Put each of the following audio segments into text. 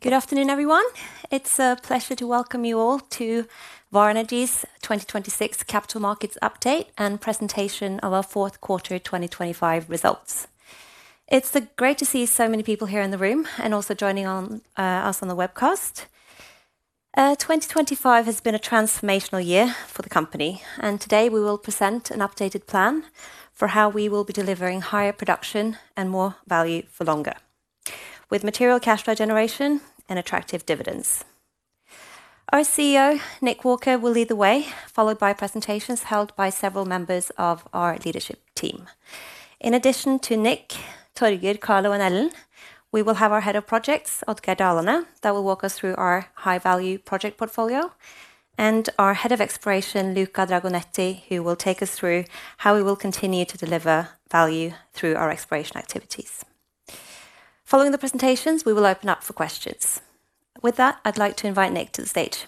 Good afternoon, everyone. It's a pleasure to welcome you all to Vår Energi's 2026 Capital Markets Update and presentation of our fourth quarter 2025 results. It's great to see so many people here in the room and also joining us on the webcast. 2025 has been a transformational year for the company, and today we will present an updated plan for how we will be delivering higher production and more value for longer, with material cash flow generation and attractive dividends. Our CEO, Nick Walker, will lead the way, followed by presentations held by several members of our leadership team. In addition to Nick, Torger, Carlo, and Ellen, we will have our Head of Projects, Oddgeir Dalane, that will walk us through our high-value project portfolio, and our Head of Exploration, Luca Dragonetti, who will take us through how we will continue to deliver value through our exploration activities. Following the presentations, we will open up for questions. With that, I'd like to invite Nick to the stage.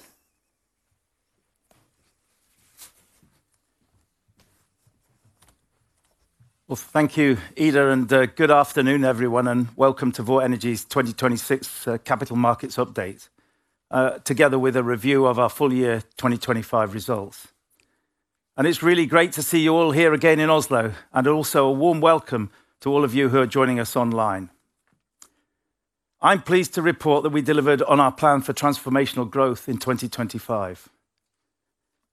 Thank you, Ida, and good afternoon, everyone, and welcome to Vår Energi's 2026 Capital Markets Update, together with a review of our full-year 2025 results. It's really great to see you all here again in Oslo, and also a warm welcome to all of you who are joining us online. I'm pleased to report that we delivered on our plan for transformational growth in 2025,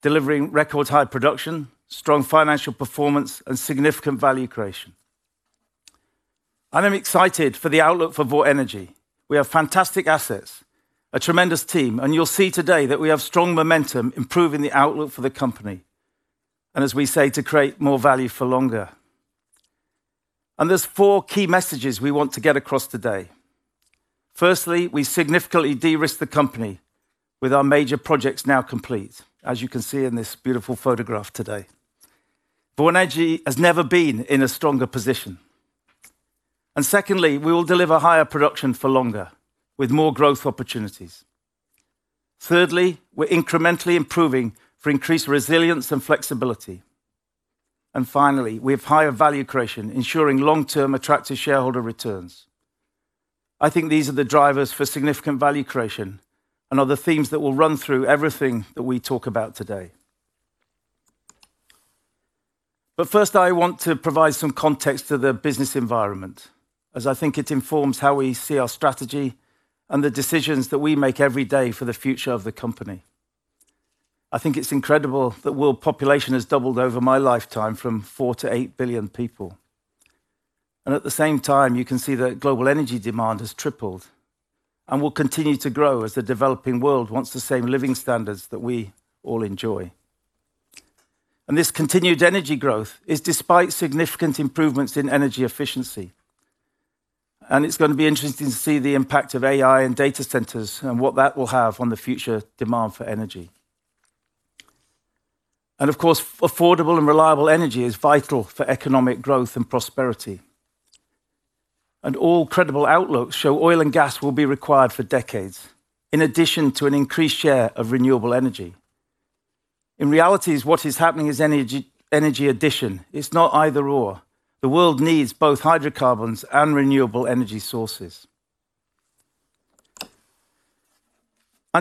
delivering record-high production, strong financial performance, and significant value creation. I'm excited for the outlook for Vår Energi. We have fantastic assets, a tremendous team, and you'll see today that we have strong momentum improving the outlook for the company, as we say, to create more value for longer. There are four key messages we want to get across today. Firstly, we significantly de-risk the company with our major projects now complete, as you can see in this beautiful photograph today. Vår Energi has never been in a stronger position. Secondly, we will deliver higher production for longer, with more growth opportunities. Thirdly, we're incrementally improving for increased resilience and flexibility. Finally, we have higher value creation, ensuring long-term attractive shareholder returns. I think these are the drivers for significant value creation and are the themes that will run through everything that we talk about today. First, I want to provide some context to the business environment, as I think it informs how we see our strategy and the decisions that we make every day for the future of the company. I think it's incredible that world population has doubled over my lifetime from 4 billion to 8 billion people. At the same time, you can see that global energy demand has tripled and will continue to grow as the developing world wants the same living standards that we all enjoy. This continued energy growth is despite significant improvements in energy efficiency, and it's going to be interesting to see the impact of AI and data centers and what that will have on the future demand for energy. Of course, affordable and reliable energy is vital for economic growth and prosperity. All credible outlooks show oil and gas will be required for decades, in addition to an increased share of renewable energy. In reality, what is happening is energy addition. It's not either/or. The world needs both hydrocarbons and renewable energy sources.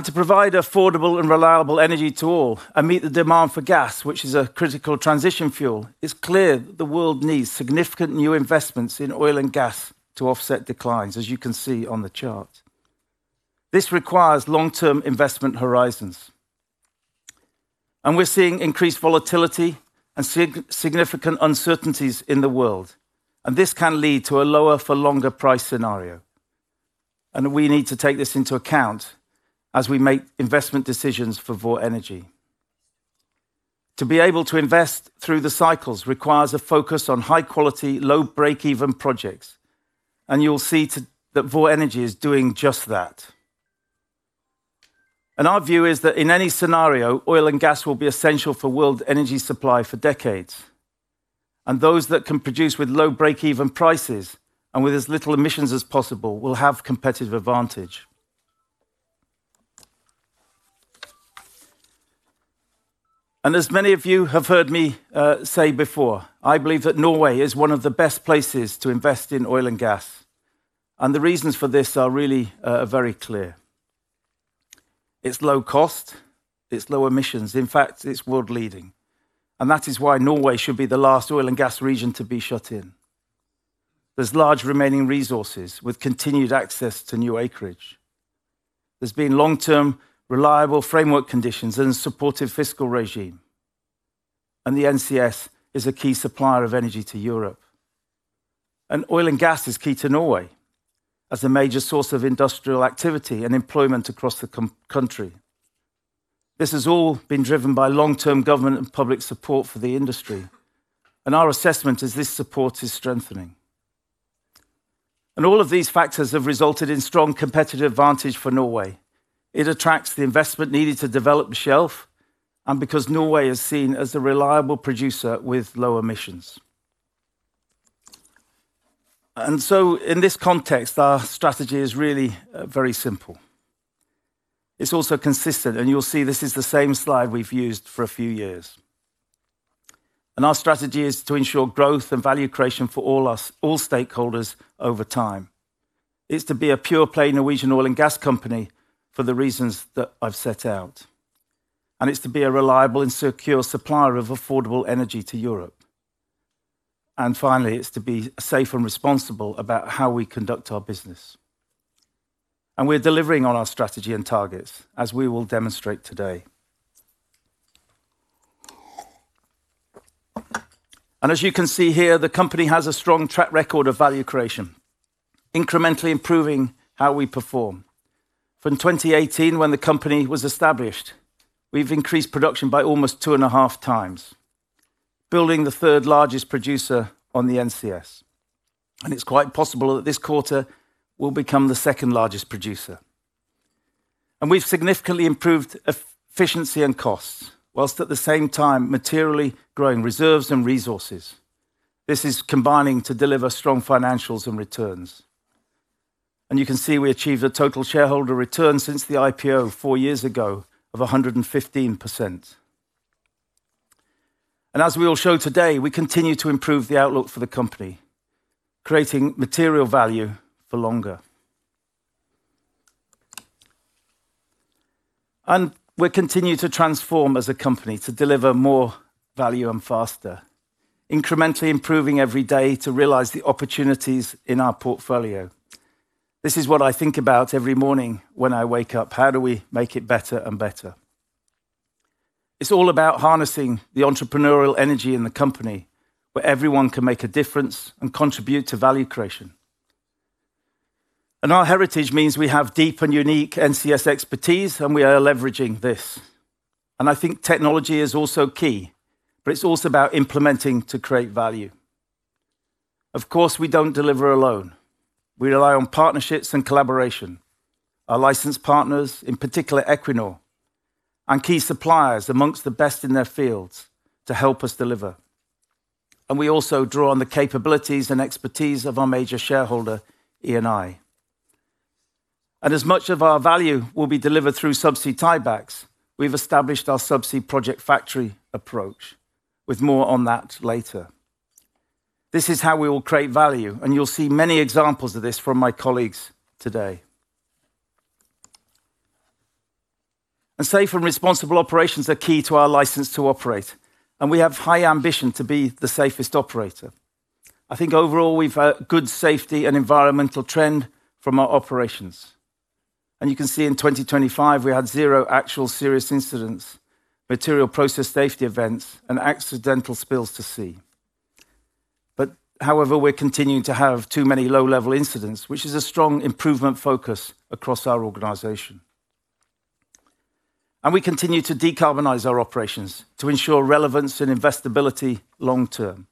To provide affordable and reliable energy to all and meet the demand for gas, which is a critical transition fuel, it's clear that the world needs significant new investments in oil and gas to offset declines, as you can see on the chart. This requires long-term investment horizons. We're seeing increased volatility and significant uncertainties in the world, and this can lead to a lower-for-longer price scenario. We need to take this into account as we make investment decisions for Vår Energi. To be able to invest through the cycles requires a focus on high-quality, low break-even projects, and you'll see that Vår Energi is doing just that. Our view is that in any scenario, oil and gas will be essential for world energy supply for decades, and those that can produce with low break-even prices and with as little emissions as possible will have competitive advantage. As many of you have heard me say before, I believe that Norway is one of the best places to invest in oil and gas, and the reasons for this are really very clear. It's low cost, it's low emissions. In fact, it's world-leading, and that is why Norway should be the last oil and gas region to be shut in. There are large remaining resources with continued access to new acreage. There have been long-term, reliable framework conditions and a supportive fiscal regime, and the NCS is a key supplier of energy to Europe. Oil and gas is key to Norway as a major source of industrial activity and employment across the country. This has all been driven by long-term government and public support for the industry, and our assessment is this support is strengthening. All of these factors have resulted in strong competitive advantage for Norway. It attracts the investment needed to develop the shelf and because Norway is seen as a reliable producer with low emissions. In this context, our strategy is really very simple. It's also consistent, and you'll see this is the same slide we've used for a few years. Our strategy is to ensure growth and value creation for all stakeholders over time. It's to be a pure-play Norwegian oil and gas company for the reasons that I've set out, and it's to be a reliable and secure supplier of affordable energy to Europe. Finally, it's to be safe and responsible about how we conduct our business. We're delivering on our strategy and targets, as we will demonstrate today. As you can see here, the company has a strong track record of value creation, incrementally improving how we perform. From 2018, when the company was established, we've increased production by almost 2.5x, building the third-largest producer on the NCS. It's quite possible that this quarter we'll become the second-largest producer. We've significantly improved efficiency and costs while at the same time materially growing reserves and resources. This is combining to deliver strong financials and returns. You can see we achieved a total shareholder return since the IPO four years ago of 115%. As we will show today, we continue to improve the outlook for the company, creating material value for longer. We continue to transform as a company to deliver more value and faster, incrementally improving every day to realize the opportunities in our portfolio. This is what I think about every morning when I wake up: how do we make it better and better? It's all about harnessing the entrepreneurial energy in the company where everyone can make a difference and contribute to value creation. Our heritage means we have deep and unique NCS expertise, and we are leveraging this. I think technology is also key, but it's also about implementing to create value. Of course, we don't deliver alone. We rely on partnerships and collaboration, our license partners, in particular Equinor, and key suppliers among the best in their fields to help us deliver. We also draw on the capabilities and expertise of our major shareholder, Eni. As much of our value will be delivered through subsea tiebacks, we've established our subsea project factory approach. More on that later. This is how we will create value, and you'll see many examples of this from my colleagues today. Safe and responsible operations are key to our license to operate, and we have high ambition to be the safest operator. I think overall we've got good safety and environmental trend from our operations. You can see in 2025 we had zero actual serious incidents, material process safety events, and accidental spills to sea. However, we're continuing to have too many low-level incidents, which is a strong improvement focus across our organization. We continue to decarbonize our operations to ensure relevance and investability long-term.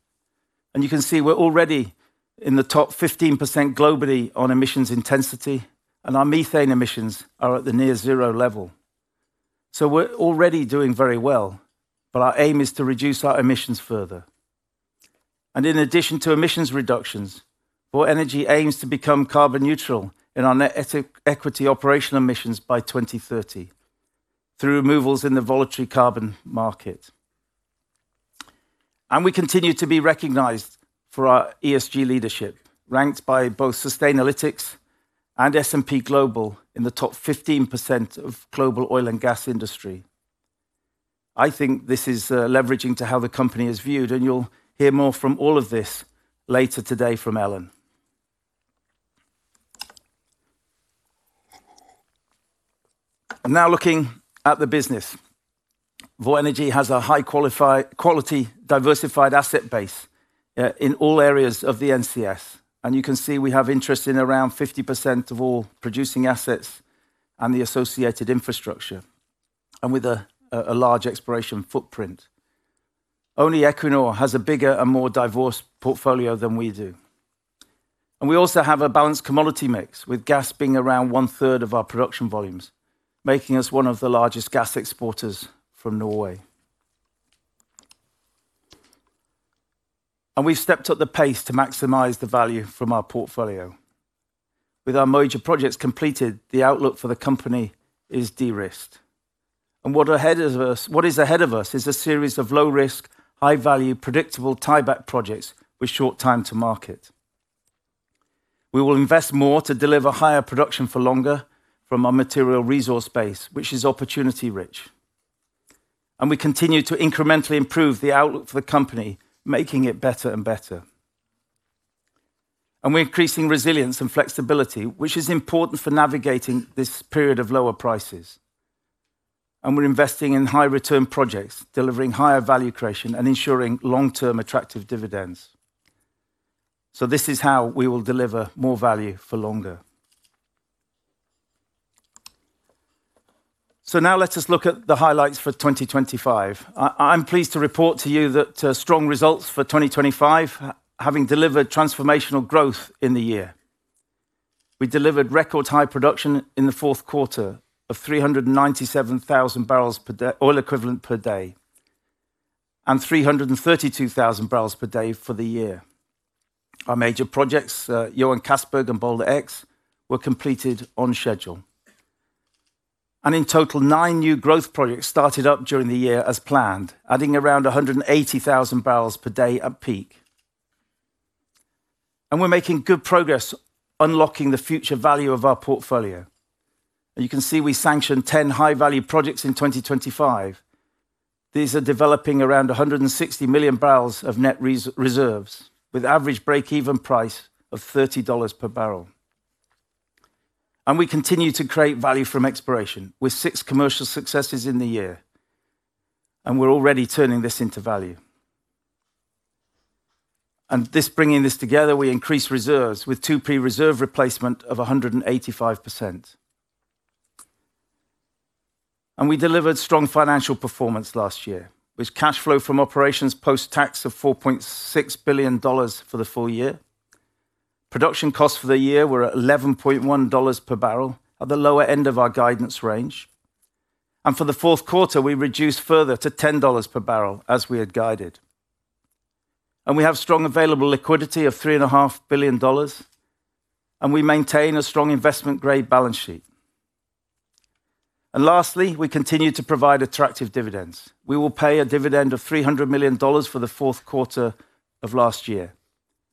You can see we're already in the top 15% globally on emissions intensity, and our methane emissions are at the near-zero level. We're already doing very well, but our aim is to reduce our emissions further. In addition to emissions reductions, Vår Energi aims to become carbon neutral in our net equity operational emissions by 2030 through removals in the voluntary carbon market. We continue to be recognized for our ESG leadership, ranked by both Sustainalytics and S&P Global in the top 15% of the global oil and gas industry. I think this is leveraging to how the company is viewed, and you'll hear more from all of this later today from Ellen. Now looking at the business, Vår Energi has a high-quality, diversified asset base in all areas of the NCS. You can see we have interest in around 50% of all producing assets and the associated infrastructure, and with a large exploration footprint. Only Equinor has a bigger and more diverse portfolio than we do. We also have a balanced commodity mix, with gas being around one-third of our production volumes, making us one of the largest gas exporters from Norway. We've stepped up the pace to maximize the value from our portfolio. With our major projects completed, the outlook for the company is de-risked. What is ahead of us is a series of low-risk, high-value, predictable tieback projects with short time to market. We will invest more to deliver higher production for longer from our material resource base, which is opportunity-rich. We continue to incrementally improve the outlook for the company, making it better and better. We're increasing resilience and flexibility, which is important for navigating this period of lower prices. We're investing in high-return projects, delivering higher value creation, and ensuring long-term attractive dividends. This is how we will deliver more value for longer. Now let us look at the highlights for 2025. I'm pleased to report to you that strong results for 2025 have delivered transformational growth in the year. We delivered record-high production in the fourth quarter of 397,000 bbl per day oil equivalent per day and 332,000 bbl per day for the year. Our major projects, Johan Castberg and Balder X, were completed on schedule. In total, nine new growth projects started up during the year as planned, adding around 180,000 bbl per day at peak. We're making good progress unlocking the future value of our portfolio. You can see we sanctioned 10 high-value projects in 2025. These are developing around 160 million bbl of net reserves with an average break-even price of $30 per barrel. We continue to create value from exploration with six commercial successes in the year, and we're already turning this into value. Bringing this together, we increased reserves with a 2P reserve replacement ratio of 185%. We delivered strong financial performance last year, with cash flow from operations post-tax of $4.6 billion for the full year. Production costs for the year were at $11.1 per barrel, at the lower end of our guidance range. For the fourth quarter, we reduced further to $10 per barrel as we had guided. We have strong available liquidity of $3.5 billion, and we maintain a strong investment-grade balance sheet. Lastly, we continue to provide attractive dividends. We will pay a dividend of $300 million for the fourth quarter of last year.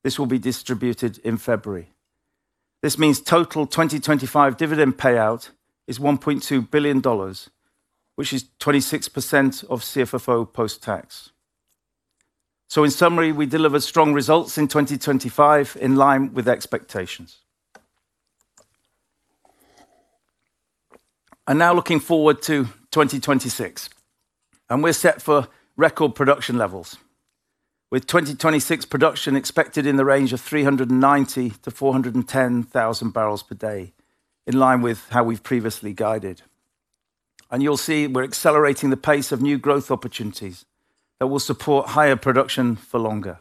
This will be distributed in February. This means total 2025 dividend payout is $1.2 billion, which is 26% of CFFO post-tax. In summary, we delivered strong results in 2025 in line with expectations. Now looking forward to 2026, we're set for record production levels, with 2026 production expected in the range of 390,000 bbl-410,000 bbl per day in line with how we've previously guided. You'll see we're accelerating the pace of new growth opportunities that will support higher production for longer.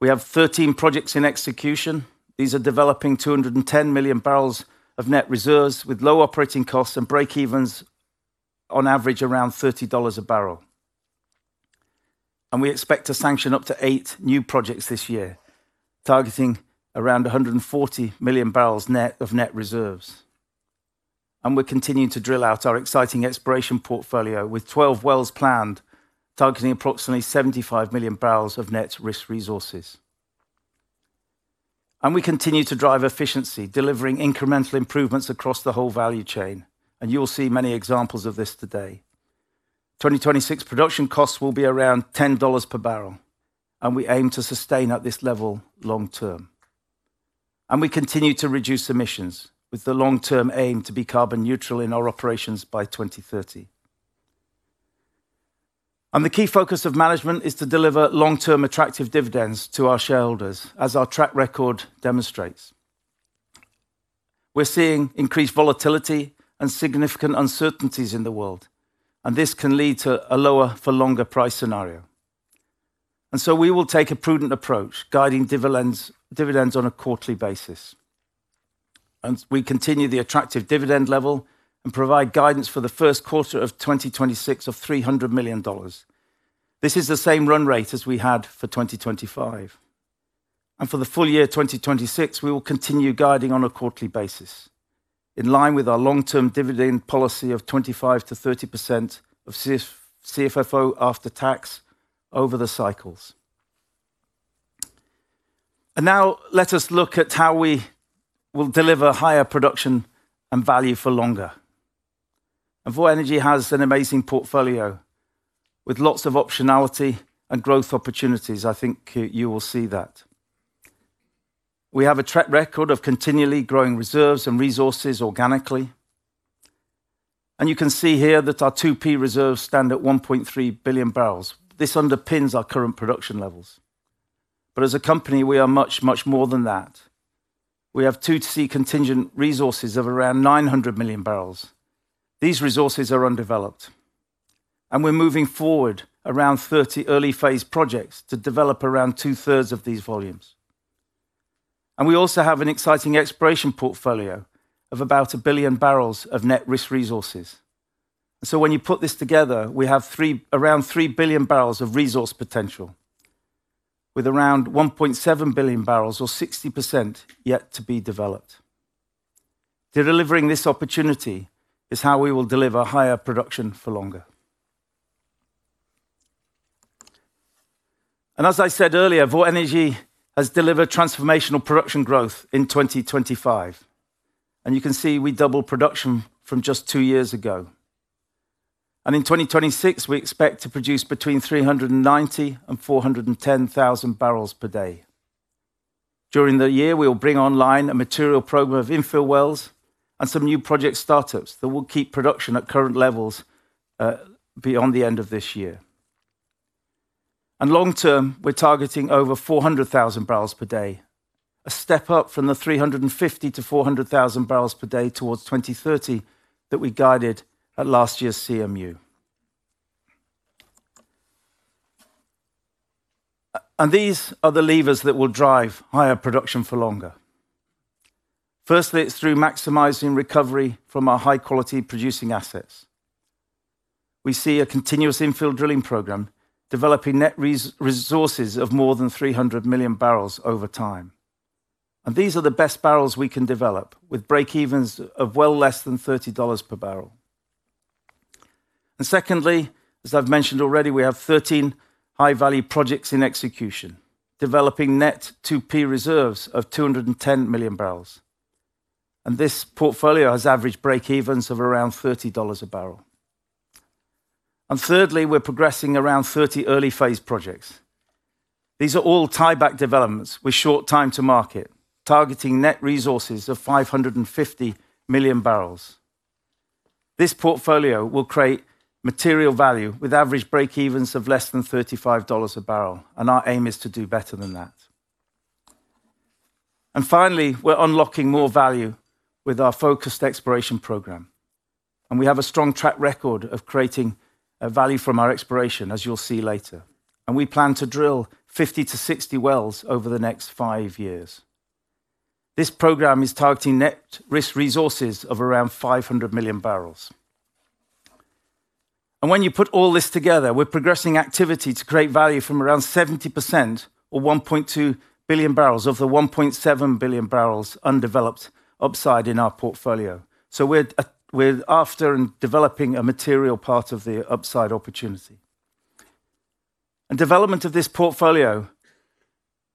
We have 13 projects in execution. These are developing 210 million bbl of net reserves with low operating costs and break-evens on average around $30 a barrel. We expect to sanction up to eight new projects this year, targeting around 140 million bbl net of net reserves. We're continuing to drill out our exciting exploration portfolio with 12 wells planned, targeting approximately 75 million bbl of net risked resources. We continue to drive efficiency, delivering incremental improvements across the whole value chain, and you'll see many examples of this today. 2026 production costs will be around $10 per barrel, and we aim to sustain at this level long-term. We continue to reduce emissions with the long-term aim to be carbon neutral in our operations by 2030. The key focus of management is to deliver long-term attractive dividends to our shareholders, as our track record demonstrates. We're seeing increased volatility and significant uncertainties in the world, and this can lead to a lower-for-longer price scenario. We will take a prudent approach, guiding dividends on a quarterly basis. We continue the attractive dividend level and provide guidance for the first quarter of 2026 of $300 million. This is the same run rate as we had for 2025. For the full-year 2026, we will continue guiding on a quarterly basis in line with our long-term dividend policy of 25%-30% of CFFO after tax over the cycles. Now let us look at how we will deliver higher production and value for longer. Vår Energi has an amazing portfolio with lots of optionality and growth opportunities. I think you will see that. We have a track record of continually growing reserves and resources organically. You can see here that our 2P reserves stand at 1.3 billion bbl. This underpins our current production levels. As a company, we are much, much more than that. We have 2C contingent resources of around 900 million bbl. These resources are undeveloped, and we're moving forward around 30 early-phase projects to develop around two-thirds of these volumes. We also have an exciting exploration portfolio of about 1 billion bbl of net risked resources. When you put this together, we have around 3 billion bbl of resource potential with around 1.7 billion bbl or 60% yet to be developed. Delivering this opportunity is how we will deliver higher production for longer. As I said earlier, Vår Energi has delivered transformational production growth in 2025. You can see we doubled production from just two years ago. In 2026, we expect to produce between 390,000 bbl and 410,000 bbl per day. During the year, we'll bring online a material program of infill wells and some new project startups that will keep production at current levels beyond the end of this year. Long-term, we're targeting over 400,000 bbl per day, a step up from the 350,000 bbl-400,000 bbl per day towards 2030 that we guided at last year's CMU. These are the levers that will drive higher production for longer. Firstly, it's through maximizing recovery from our high-quality producing assets. We see a continuous infill drilling program developing net resources of more than 300 million bbl over time. These are the best bbl we can develop with break-evens of well less than $30 per barrel. Secondly, as I've mentioned already, we have 13 high-value projects in execution developing net 2P reserves of 210 million bbl. This portfolio has average break-evens of around $30 a barrel. Thirdly, we're progressing around 30 early-phase projects. These are all tieback developments with short time to market, targeting net resources of 550 million bbl. This portfolio will create material value with average break-evens of less than $35 a barrel, and our aim is to do better than that. Finally, we're unlocking more value with our focused exploration program. We have a strong track record of creating value from our exploration, as you'll see later. We plan to drill 50-60 wells over the next five years. This program is targeting net risked resources of around 500 million bbl. When you put all this together, we're progressing activity to create value from around 70% or 1.2 billion bbl of the 1.7 billion bbl undeveloped upside in our portfolio. We're after and developing a material part of the upside opportunity. Development of this portfolio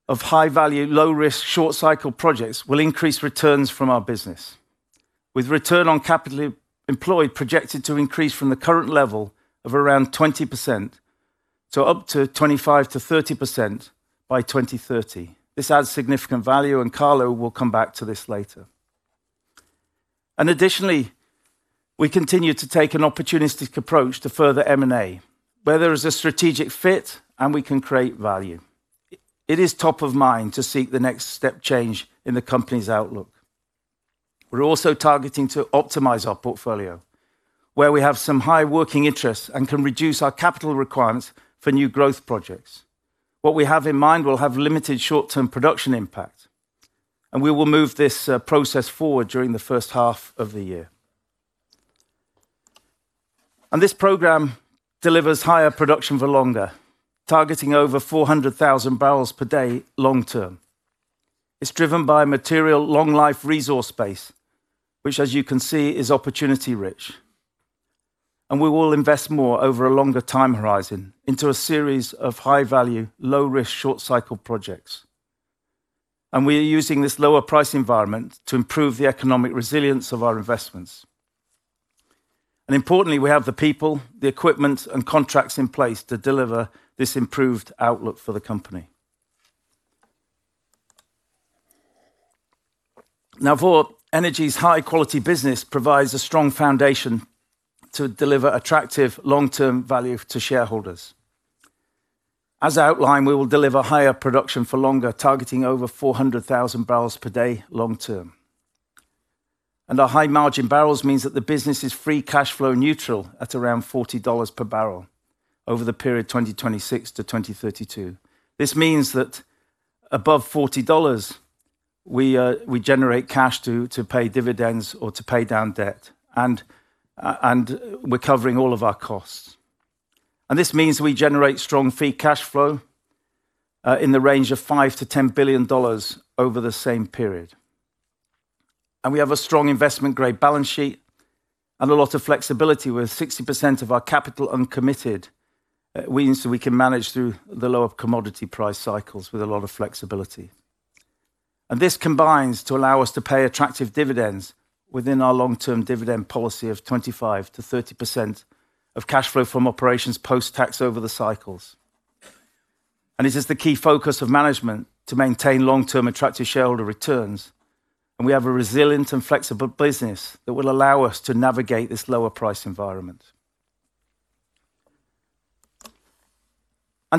of high-value, low-risk, short-cycle projects will increase returns from our business, with return on capital employed projected to increase from the current level of around 20% to up to 25%-30% by 2030. This adds significant value, and Carlo will come back to this later. Additionally, we continue to take an opportunistic approach to further M&A, where there is a strategic fit and we can create value. It is top of mind to seek the next step change in the company's outlook. We're also targeting to optimize our portfolio, where we have some high working interest and can reduce our capital requirements for new growth projects. What we have in mind will have limited short-term production impact, and we will move this process forward during the first half of the year. This program delivers higher production for longer, targeting over 400,000 bbl per day long-term. It's driven by a material long-life resource base, which, as you can see, is opportunity-rich. We will invest more over a longer time horizon into a series of high-value, low-risk, short-cycle projects. We are using this lower-price environment to improve the economic resilience of our investments. Importantly, we have the people, the equipment, and contracts in place to deliver this improved outlook for the company. Vår Energi's high-quality business provides a strong foundation to deliver attractive long-term value to shareholders. As outlined, we will deliver higher production for longer, targeting over 400,000 bbl per day long-term. Our high-margin bbl mean that the business is free cash flow neutral at around $40 per barrel over the period 2026 to 2032. This means that above $40, we generate cash to pay dividends or to pay down debt, and we're covering all of our costs. This means we generate strong free cash flow in the range of $5 billion-$10 billion over the same period. We have a strong investment-grade balance sheet and a lot of flexibility, with 60% of our capital uncommitted, meaning we can manage through the low-up commodity price cycles with a lot of flexibility. This combines to allow us to pay attractive dividends within our long-term dividend policy of 25%-30% of cash flow from operations post-tax over the cycles. It is the key focus of management to maintain long-term attractive shareholder returns, and we have a resilient and flexible business that will allow us to navigate this lower-price environment.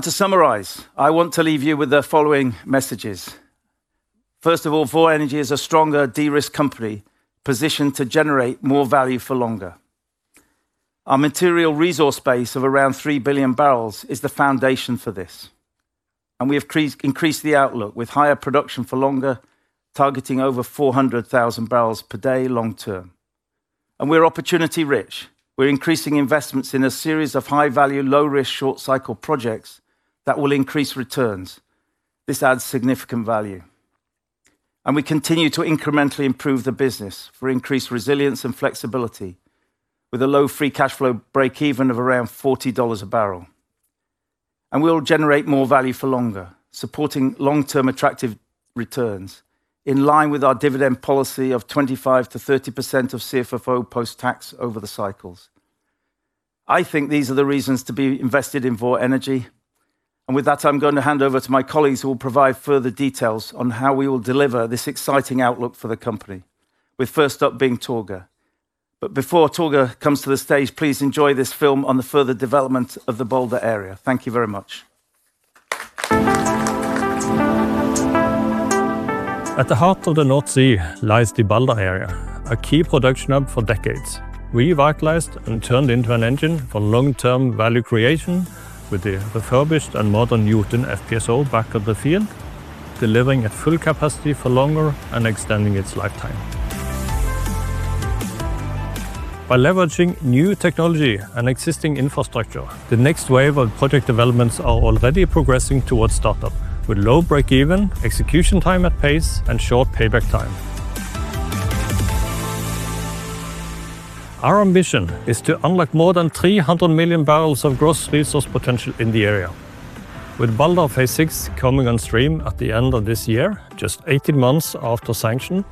To summarize, I want to leave you with the following messages. First of all, Vår Energi is a stronger de-risk company positioned to generate more value for longer. Our material resource base of around 3 billion bbl is the foundation for this. We have increased the outlook with higher production for longer, targeting over 400,000 bbl per day long-term. We're opportunity-rich. We're increasing investments in a series of high-value, low-risk, short-cycle projects that will increase returns. This adds significant value. We continue to incrementally improve the business for increased resilience and flexibility with a low free cash flow break-even of around $40 a barrel. We'll generate more value for longer, supporting long-term attractive returns in line with our dividend policy of 25%-30% of CFFO post-tax over the cycles. I think these are the reasons to be invested in Vår Energi. With that, I'm going to hand over to my colleagues who will provide further details on how we will deliver this exciting outlook for the company, with first up being Torger. Before Torger comes to the stage, please enjoy this film on the further development of the Balder area. Thank you very much. At the heart of the North Sea lies the Balder area, a key production hub for decades. We revitalized and turned into an engine for long-term value creation with the refurbished and modern Jotun FPSO back at the field, delivering at full capacity for longer and extending its lifetime. By leveraging new technology and existing infrastructure, the next wave of project developments is already progressing towards startup with low break-even, execution time at pace, and short payback time. Our ambition is to unlock more than 300 million bbl of gross resource potential in the area. With Balder Phase VI coming on stream at the end of this year, just 18 months after sanction,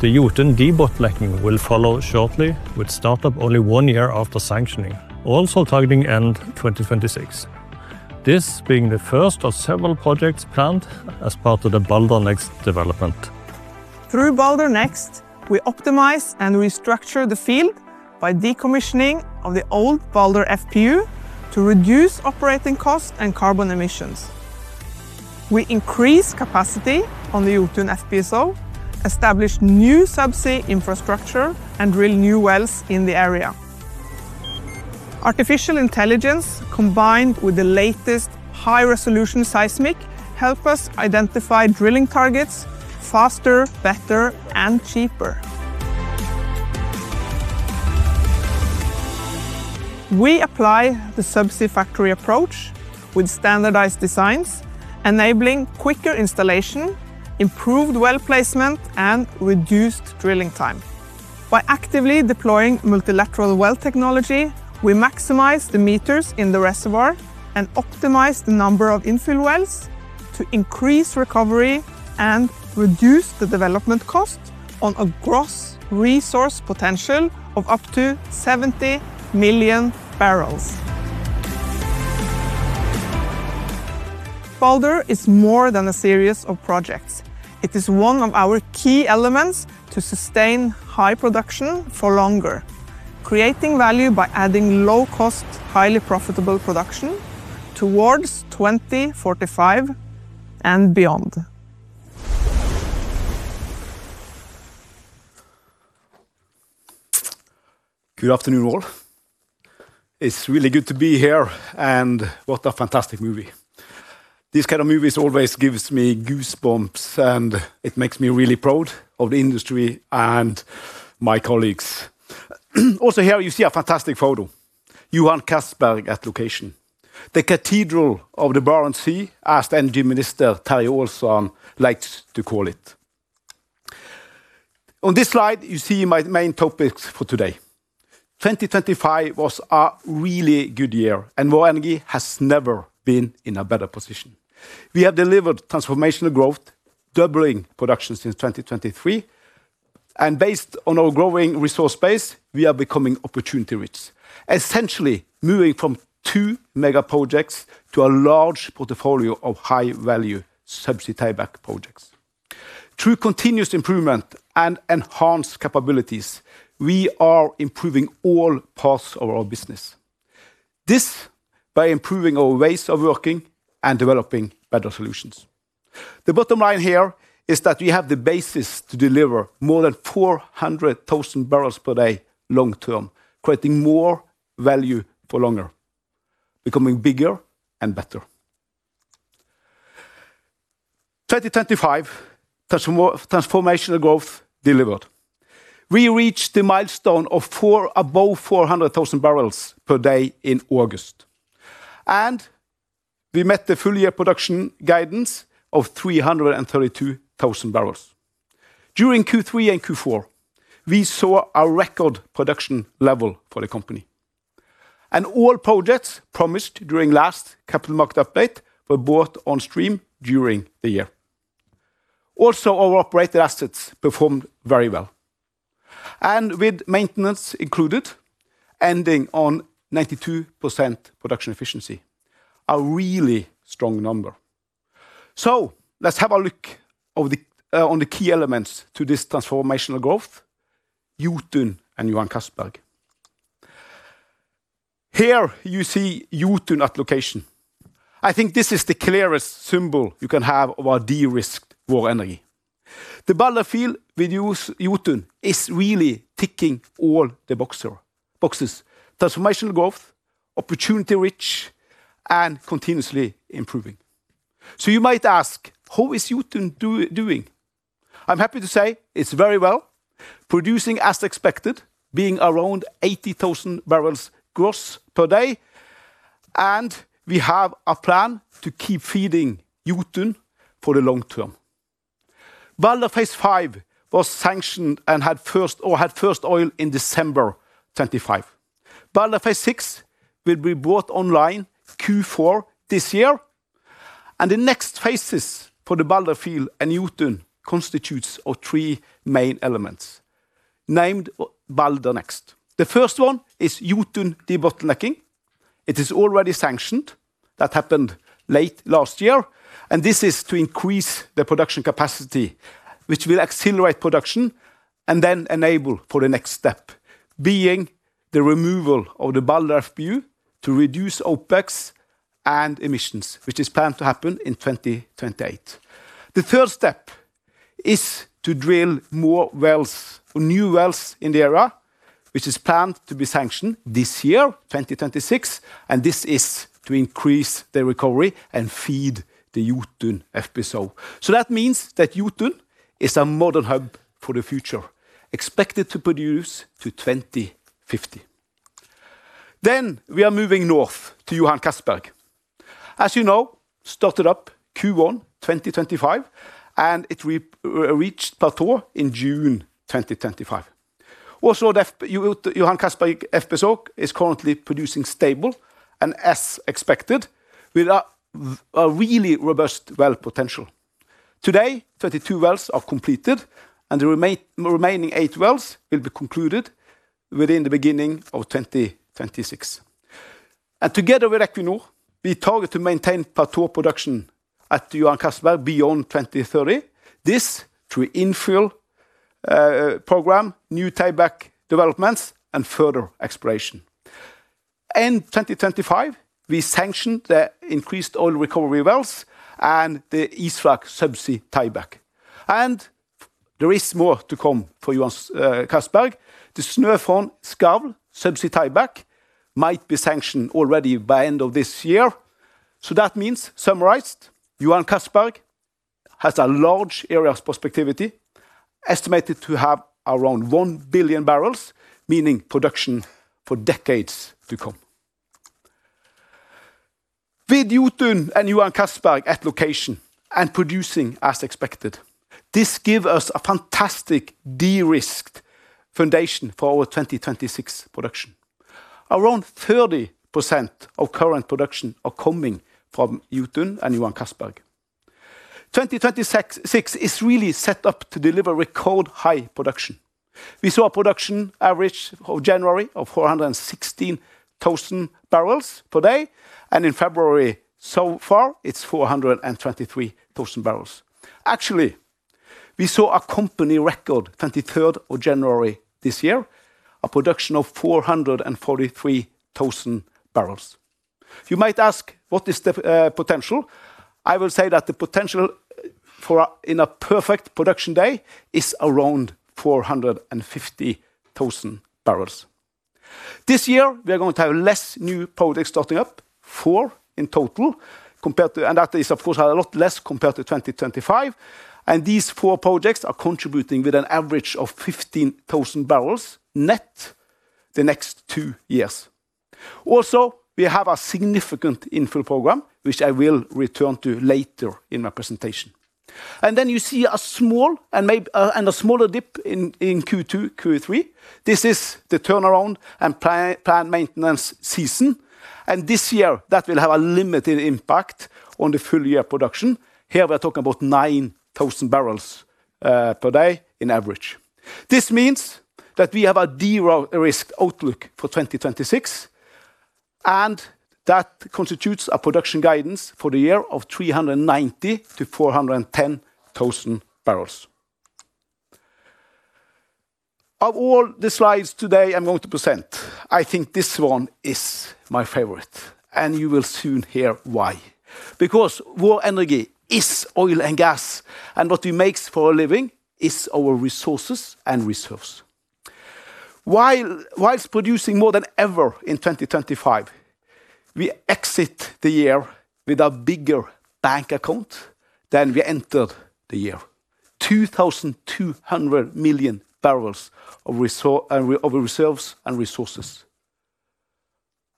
the Jotun de-bottlenecking will follow shortly, with startup only one year after sanctioning, also targeting end 2026. This being the first of several projects planned as part of the Balder Next development. Through Balder Next, we optimize and restructure the field by decommissioning of the old Balder FPU to reduce operating costs and carbon emissions. We increase capacity on the Jotun FPSO, establish new subsea infrastructure, and drill new wells in the area. Artificial intelligence, combined with the latest high-resolution seismic, helps us identify drilling targets faster, better, and cheaper. We apply the subsea factory approach with standardized designs, enabling quicker installation, improved well placement, and reduced drilling time. By actively deploying multilateral well technology, we maximize the meters in the reservoir and optimize the number of infill wells to increase recovery and reduce the development cost on a gross resource potential of up to 70 million bbl. Balder is more than a series of projects. It is one of our key elements to sustain high production for longer, creating value by adding low-cost, highly profitable production towards 2045 and beyond. Good afternoon, all. It's really good to be here, and what a fantastic movie. This kind of movies always gives me goosebumps, and it makes me really proud of the industry and my colleagues. Also, here you see a fantastic photo: Johan Castberg at location. The Cathedral of the Barents Sea, as Energy Minister Terje Aasland likes to call it. On this slide, you see my main topics for today. 2025 was a really good year, and Vår Energi has never been in a better position. We have delivered transformational growth, doubling production since 2023, and based on our growing resource base, we are becoming opportunity-rich, essentially moving from two megaprojects to a large portfolio of high-value subsea tie-back projects. Through continuous improvement and enhanced capabilities, we are improving all parts of our business. This is by improving our ways of working and developing better solutions. The bottom line here is that we have the basis to deliver more than 400,000 bbl per day long-term, creating more value for longer, becoming bigger and better. 2025: transformational growth delivered. We reached the milestone of above 400,000 bbl per day in August, and we met the full-year production guidance of 332,000 bbl. During Q3 and Q4, we saw a record production level for the company, and all projects promised during last capital market update were brought on stream during the year. Also, our operated assets performed very well, with maintenance included, ending on 92% production efficiency, a really strong number. Let's have a look at the key elements to this transformational growth: Jotun and Johan Castberg. Here you see Jotun at location. I think this is the clearest symbol you can have of our de-risked Vår Energi. The Balder field with Jotun is really ticking all the boxes: transformational growth, opportunity-rich, and continuously improving. You might ask, how is Jotun doing? I'm happy to say it's very well, producing as expected, being around 80,000 bbl gross per day, and we have a plan to keep feeding Jotun for the long term. Balder Phase V was sanctioned and had first oil in December 2025. Balder Phase VI will be brought online Q4 this year. The next phases for the Balder field and Jotun constitute three main elements named Balder Next. The first one is Jotun debottlenecking. It is already sanctioned. That happened late last year. This is to increase the production capacity, which will accelerate production and then enable for the next step, being the removal of the Balder FPU to reduce OpEx and emissions, which is planned to happen in 2028. The third step is to drill more wells or new wells in the area, which is planned to be sanctioned this year, 2026, and this is to increase the recovery and feed the Jotun FPSO. That means that Jotun is a modern hub for the future, expected to produce to 2050. Then we are moving north to Johan Castberg. As you know, it started up Q1 2025, and it reached plateau in June 2025. Also, Johan Castberg FPSO is currently producing stable, and as expected, with a really robust well potential. Today, 22 wells are completed, and the remaining 8 wells will be concluded within the beginning of 2026. Together with Equinor, we target to maintain plateau production at Johan Castberg beyond 2030. This is through infill program, new tieback developments, and further exploration. End 2025, we sanctioned the increased oil recovery wells and the Isflak subsea tieback. There is more to come for Johan Castberg. The Snøfonn/Skavl subsea tieback might be sanctioned already by the end of this year. That means, summarized, Johan Castberg has a large area of prospectivity, estimated to have around 1 billion bbl, meaning production for decades to come. With Njord and Johan Castberg at location and producing as expected, this gives us a fantastic de-risked foundation for our 2026 production. Around 30% of current production is coming from Njord and Johan Castberg. 2026 is really set up to deliver record high production. We saw a production average of January of 416,000 bbl per day, and in February so far, it's 423,000 bbl. Actually, we saw a company record on the 23rd of January this year, a production of 443,000 bbl. You might ask, what is the potential? I will say that the potential for a perfect production day is around 450,000 bbl. This year, we are going to have less new projects starting up, four in total, and that is, of course, a lot less compared to 2025. These four projects are contributing with an average of 15,000 bbl net the next two years. Also, we have a significant infill program, which I will return to later in my presentation. Then you see a small and a smaller dip in Q2, Q3. This is the turnaround and planned maintenance season. This year, that will have a limited impact on the full-year production. Here, we are talking about 9,000 bbl per day on average. This means that we have a de-risked outlook for 2026, and that constitutes a production guidance for the year of 390,000 bbl-410,000 bbl. Of all the slides today I'm going to present, I think this one is my favorite, and you will soon hear why. Because Vår Energi is oil and gas, and what we make for a living is our resources and reserves. While producing more than ever in 2025, we exit the year with a bigger bank account than we entered the year: 2,200 million bbl of reserves and resources.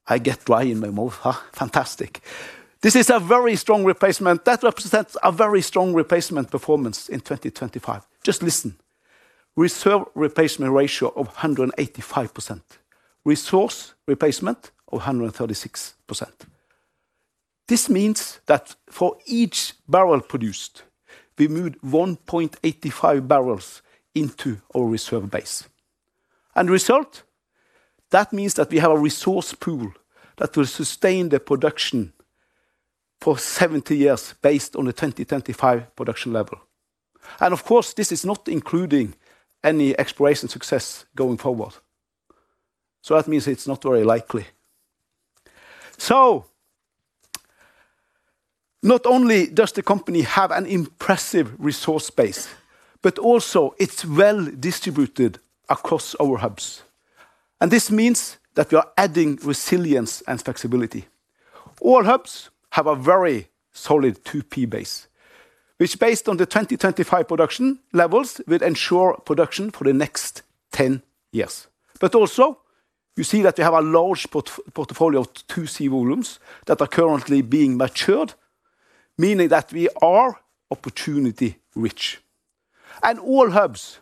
I get dry in my mouth. Fantastic. This is a very strong replacement. That represents a very strong replacement performance in 2025. Just listen: reserve replacement ratio of 185%, resource replacement of 136%. This means that for each barrel produced, we move 1.85 bbl into our reserve base. The result? That means that we have a resource pool that will sustain the production for 70 years based on the 2025 production level. Of course, this is not including any exploration success going forward. That means it's not very likely. Not only does the company have an impressive resource base, but also it's well distributed across our hubs. This means that we are adding resilience and flexibility. All hubs have a very solid 2P base, which, based on the 2025 production levels, will ensure production for the next 10 years. Also, you see that we have a large portfolio of 2C volumes that are currently being matured, meaning that we are opportunity-rich. All hubs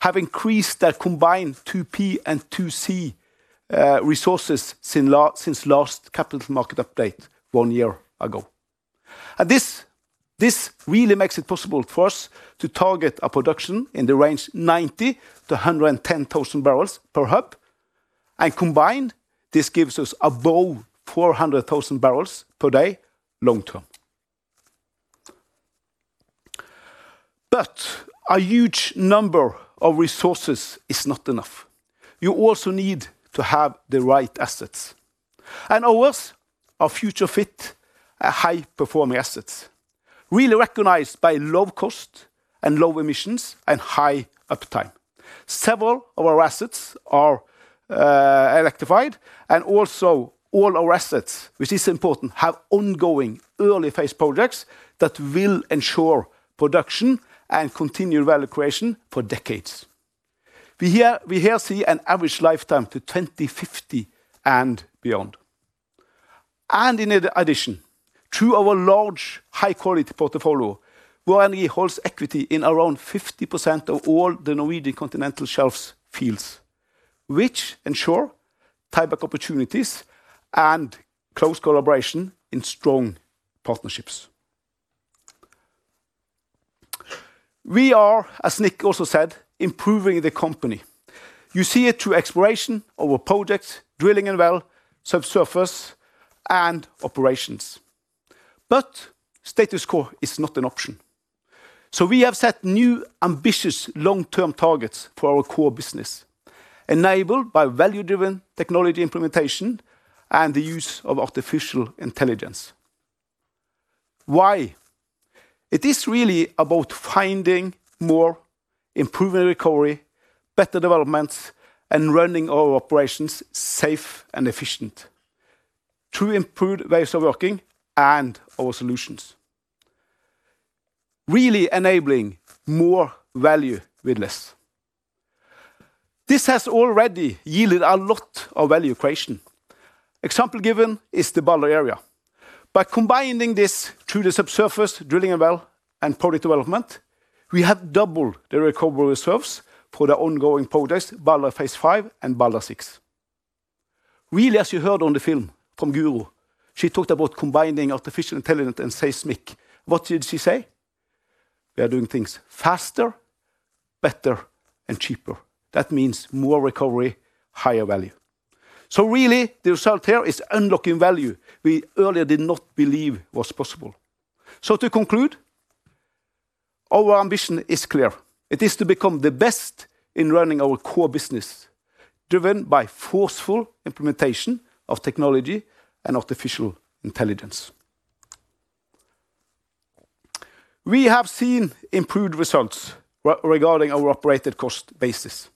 have increased their combined 2P and 2C resources since last capital market update one year ago. This really makes it possible for us to target a production in the range of 90,000 bbl-110,000 bbl per hub. Combined, this gives us above 400,000 bbl per day long term. But a huge number of resources is not enough. You also need to have the right assets. Ours are future-fit, high-performing assets, really recognized by low cost and low emissions and high uptime. Several of our assets are electrified, and also all our assets, which is important, have ongoing early-phase projects that will ensure production and continual value creation for decades. We here see an average lifetime to 2050 and beyond. In addition, through our large, high-quality portfolio, Vår Energi holds equity in around 50% of all the Norwegian Continental Shelf fields, which ensure tieback opportunities and close collaboration in strong partnerships. We are, as Nick also said, improving the company. You see it through exploration of our projects, drilling and well, subsurface, and operations. But status quo is not an option. We have set new, ambitious long-term targets for our core business, enabled by value-driven technology implementation and the use of artificial intelligence. Why? It is really about finding more, improving recovery, better developments, and running our operations safe and efficient through improved ways of working and our solutions, really enabling more value with less. This has already yielded a lot of value creation. Example given is the Balder area. By combining this through the subsurface drilling and well and project development, we have doubled the recovery reserves for the ongoing projects, Balder Phase V and Balder Phase VI. Really, as you heard on the film from Guro, she talked about combining artificial intelligence and seismic. What did she say? We are doing things faster, better, and cheaper. That means more recovery, higher value. Really, the result here is unlocking value we earlier did not believe was possible. To conclude, our ambition is clear. It is to become the best in running our core business, driven by forceful implementation of technology and artificial intelligence. We have seen improved results regarding our operated cost basis.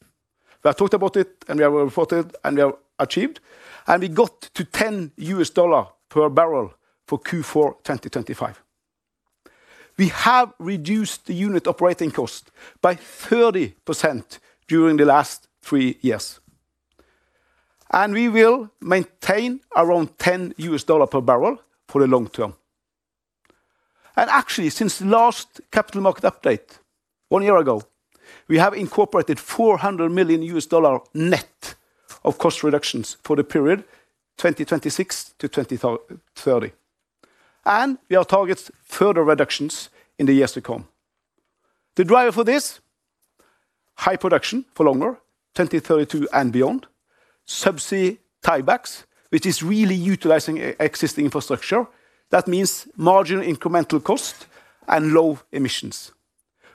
We have talked about it, and we have reported it, and we have achieved it. We got to $10 per barrel for Q4 2025. We have reduced the unit operating cost by 30% during the last three years. We will maintain around $10 per barrel for the long term. Actually, since the last capital market update one year ago, we have incorporated $400 million net of cost reductions for the period 2026 to 2030. We are targeting further reductions in the years to come. The driver for this? High production for longer, 2032 and beyond, subsea tiebacks, which is really utilizing existing infrastructure. That means marginal incremental cost and low emissions.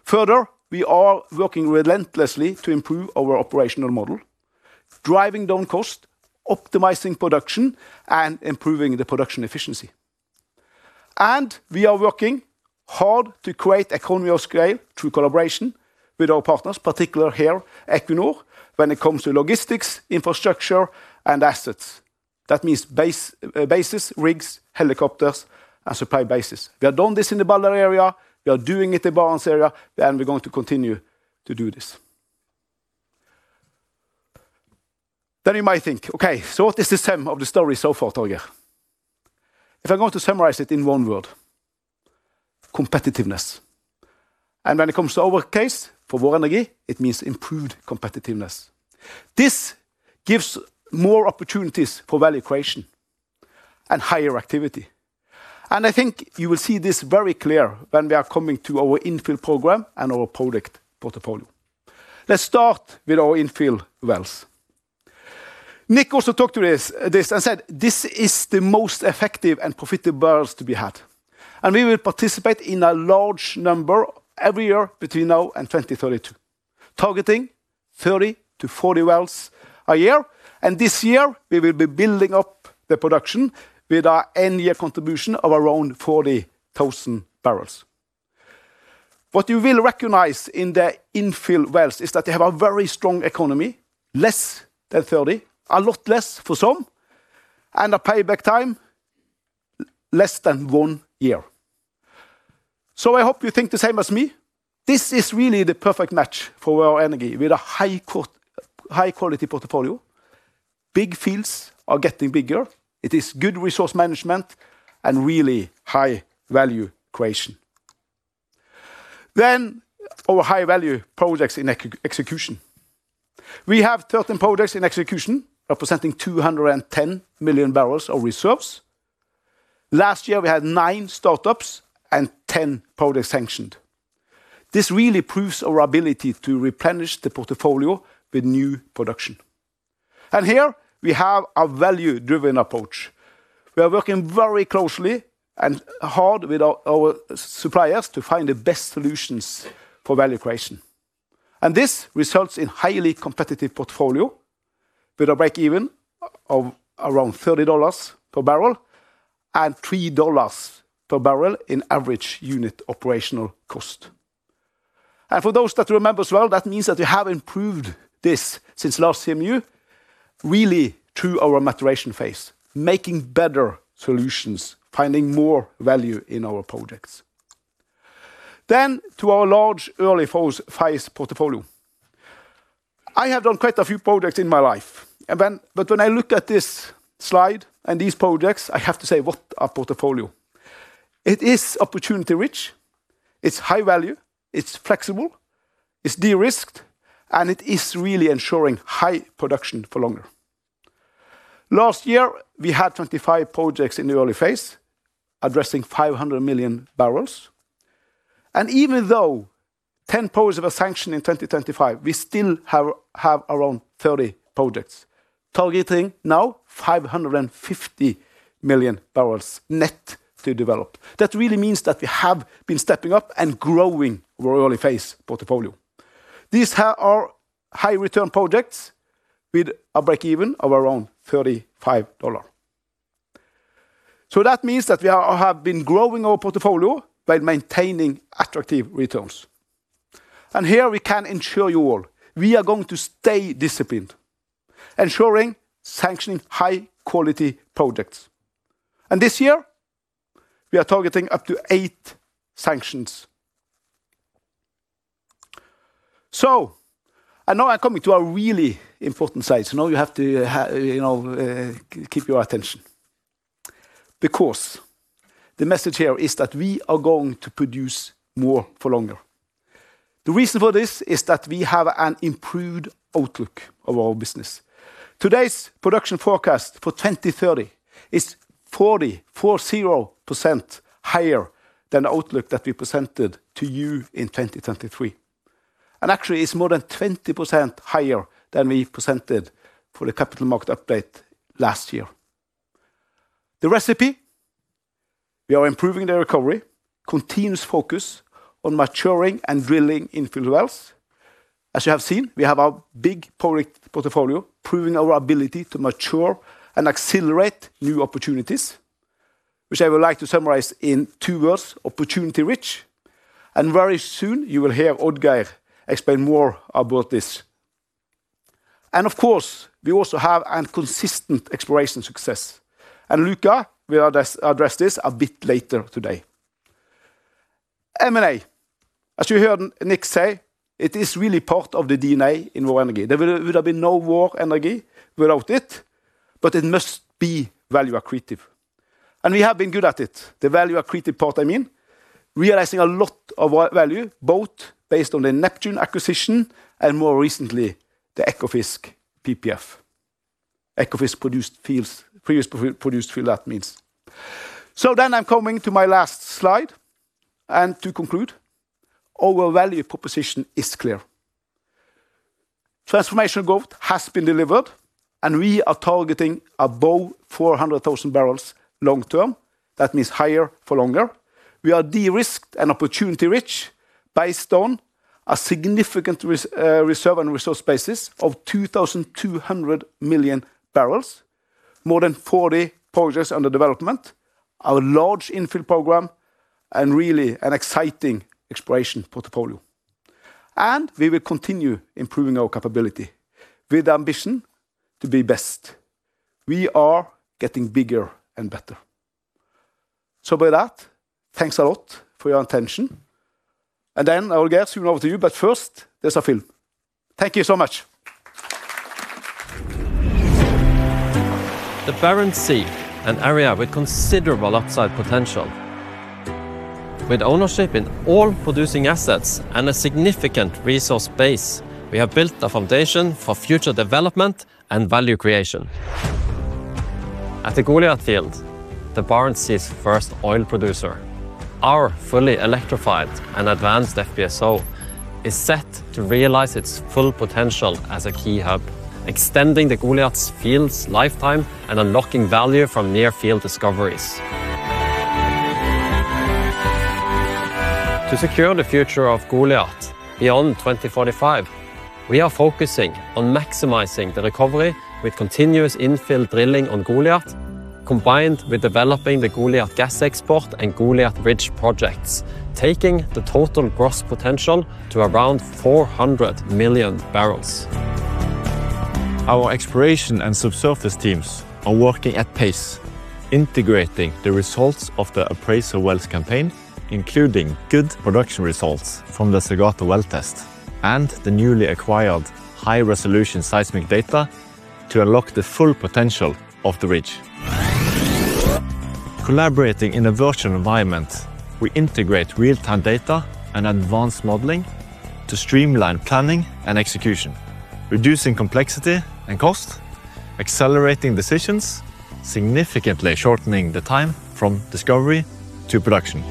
Further, we are working relentlessly to improve our operational model, driving down cost, optimizing production, and improving the production efficiency. We are working hard to create economies of scale through collaboration with our partners, particularly here at Equinor, when it comes to logistics, infrastructure, and assets. That means bases, rigs, helicopters, and supply bases. We have done this in the Balder area. We are doing it in the Barents area, and we are going to continue to do this. Then you might think, okay, so what is the sum of the story so far, Torger? If I'm going to summarize it in one word: competitiveness. When it comes to our case for Vår Energi, it means improved competitiveness. This gives more opportunities for value creation and higher activity. I think you will see this very clear when we are coming to our infill program and our project portfolio. Let's start with our infill wells. Nick also talked to this and said, "This is the most effective and profitable wells to be had." We will participate in a large number every year between now and 2032, targeting 30-40 wells a year. This year, we will be building up the production with an annual contribution of around 40,000 bbl. What you will recognize in the infill wells is that they have a very strong economy, less than 30, a lot less for some, and a payback time less than one year. I hope you think the same as me. This is really the perfect match for Vår Energi with a high-quality portfolio. Big fields are getting bigger. It is good resource management and really high value creation. Then our high-value projects in execution. We have 13 projects in execution representing 210 million bbl of reserves. Last year, we had nine startups and 10 projects sanctioned. This really proves our ability to replenish the portfolio with new production. Here, we have a value-driven approach. We are working very closely and hard with our suppliers to find the best solutions for value creation. This results in a highly competitive portfolio with a break-even of around $30 per barrel and $3 per barrel in average unit operational cost. For those that remember as well, that means that we have improved this since last CMU, really through our maturation phase, making better solutions, finding more value in our projects. Then to our large, early-phase portfolio. I have done quite a few projects in my life. But when I look at this slide and these projects, I have to say, "What a portfolio." It is opportunity-rich, it's high value, it's flexible, it's de-risked, and it is really ensuring high production for longer. Last year, we had 25 projects in the early phase addressing 500 million bbl. Even though 10 projects were sanctioned in 2025, we still have around 30 projects, targeting now 550 million bbl net to develop. That really means that we have been stepping up and growing our early-phase portfolio. These are high-return projects with a break-even of around $35. That means that we have been growing our portfolio while maintaining attractive returns. Here, we can ensure you all we are going to stay disciplined, ensuring sanctioning high-quality projects. This year, we are targeting up to eight sanctions. Now I'm coming to a really important slide. Now you have to, you know, keep your attention. Because the message here is that we are going to produce more for longer. The reason for this is that we have an improved outlook of our business. Today's production forecast for 2030 is 40%-40% higher than the outlook that we presented to you in 2023. Actually, it's more than 20% higher than we presented for the capital market update last year. The recipe? We are improving the recovery, continuous focus on maturing and drilling infill wells. As you have seen, we have a big project portfolio proving our ability to mature and accelerate new opportunities, which I would like to summarize in two words: opportunity-rich. Very soon, you will hear Oddgeir explain more about this. Of course, we also have consistent exploration success. Luca will address this a bit later today. M&A. As you heard Nick say, it is really part of the DNA in Vår Energi. There would have been no Vår Energi without it, but it must be value accretive. We have been good at it. The value accretive part, I mean, realizing a lot of value, both based on the Neptune acquisition and more recently the Ekofisk PPF. Ekofisk produced fields, previously produced fields, that means. Then I'm coming to my last slide and to conclude. Our value proposition is clear. Transformation growth has been delivered, and we are targeting above 400,000 bbl long term. That means higher for longer. We are de-risked and opportunity-rich based on a significant reserve and resource basis of 2,200 million bbl, more than 40 projects under development, our large infill program, and really an exciting exploration portfolio. We will continue improving our capability with the ambition to be best. We are getting bigger and better. With that, thanks a lot for your attention. Then, Oddgeir, I'll give it over to you, but first, there's a film. Thank you so much. The Barents Sea is an area with considerable upside potential. With ownership in all producing assets and a significant resource base, we have built a foundation for future development and value creation. At the Goliat Field, the Barents Sea's first oil producer, our fully electrified and advanced FPSO, is set to realize its full potential as a key hub, extending the Goliat field's lifetime and unlocking value from near-field discoveries. To secure the future of Goliat beyond 2045, we are focusing on maximizing the recovery with continuous infill drilling on Goliat, combined with developing the Goliat Gas export and Goliat Ridge projects, taking the total gross potential to around 400 million bbl. Our exploration and subsurface teams are working at pace, integrating the results of the appraisal wells campaign, including good production results from the Countach well test and the newly acquired high-resolution seismic data to unlock the full potential of the ridge. Collaborating in a virtual environment, we integrate real-time data and advanced modeling to streamline planning and execution, reducing complexity and cost, accelerating decisions, significantly shortening the time from discovery to production.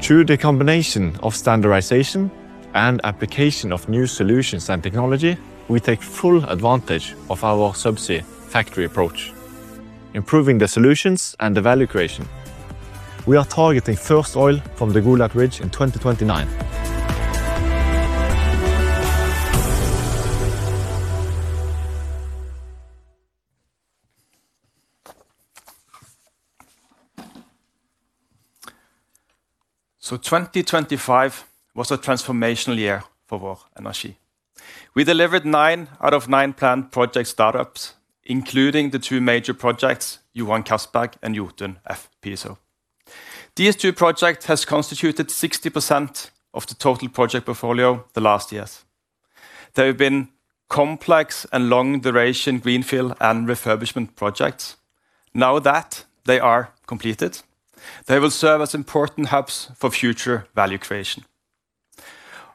Through the combination of standardization and application of new solutions and technology, we take full advantage of our subsea factory approach, improving the solutions and the value creation. We are targeting first oil from the Goliat Ridge in 2029. 2025 was a transformational year for Vår Energi. We delivered nine out of nine planned project startups, including the two major projects, Johan Castberg and Jotun FPSO. These two projects have constituted 60% of the total project portfolio the last years. There have been complex and long-duration greenfield and refurbishment projects. Now that they are completed, they will serve as important hubs for future value creation.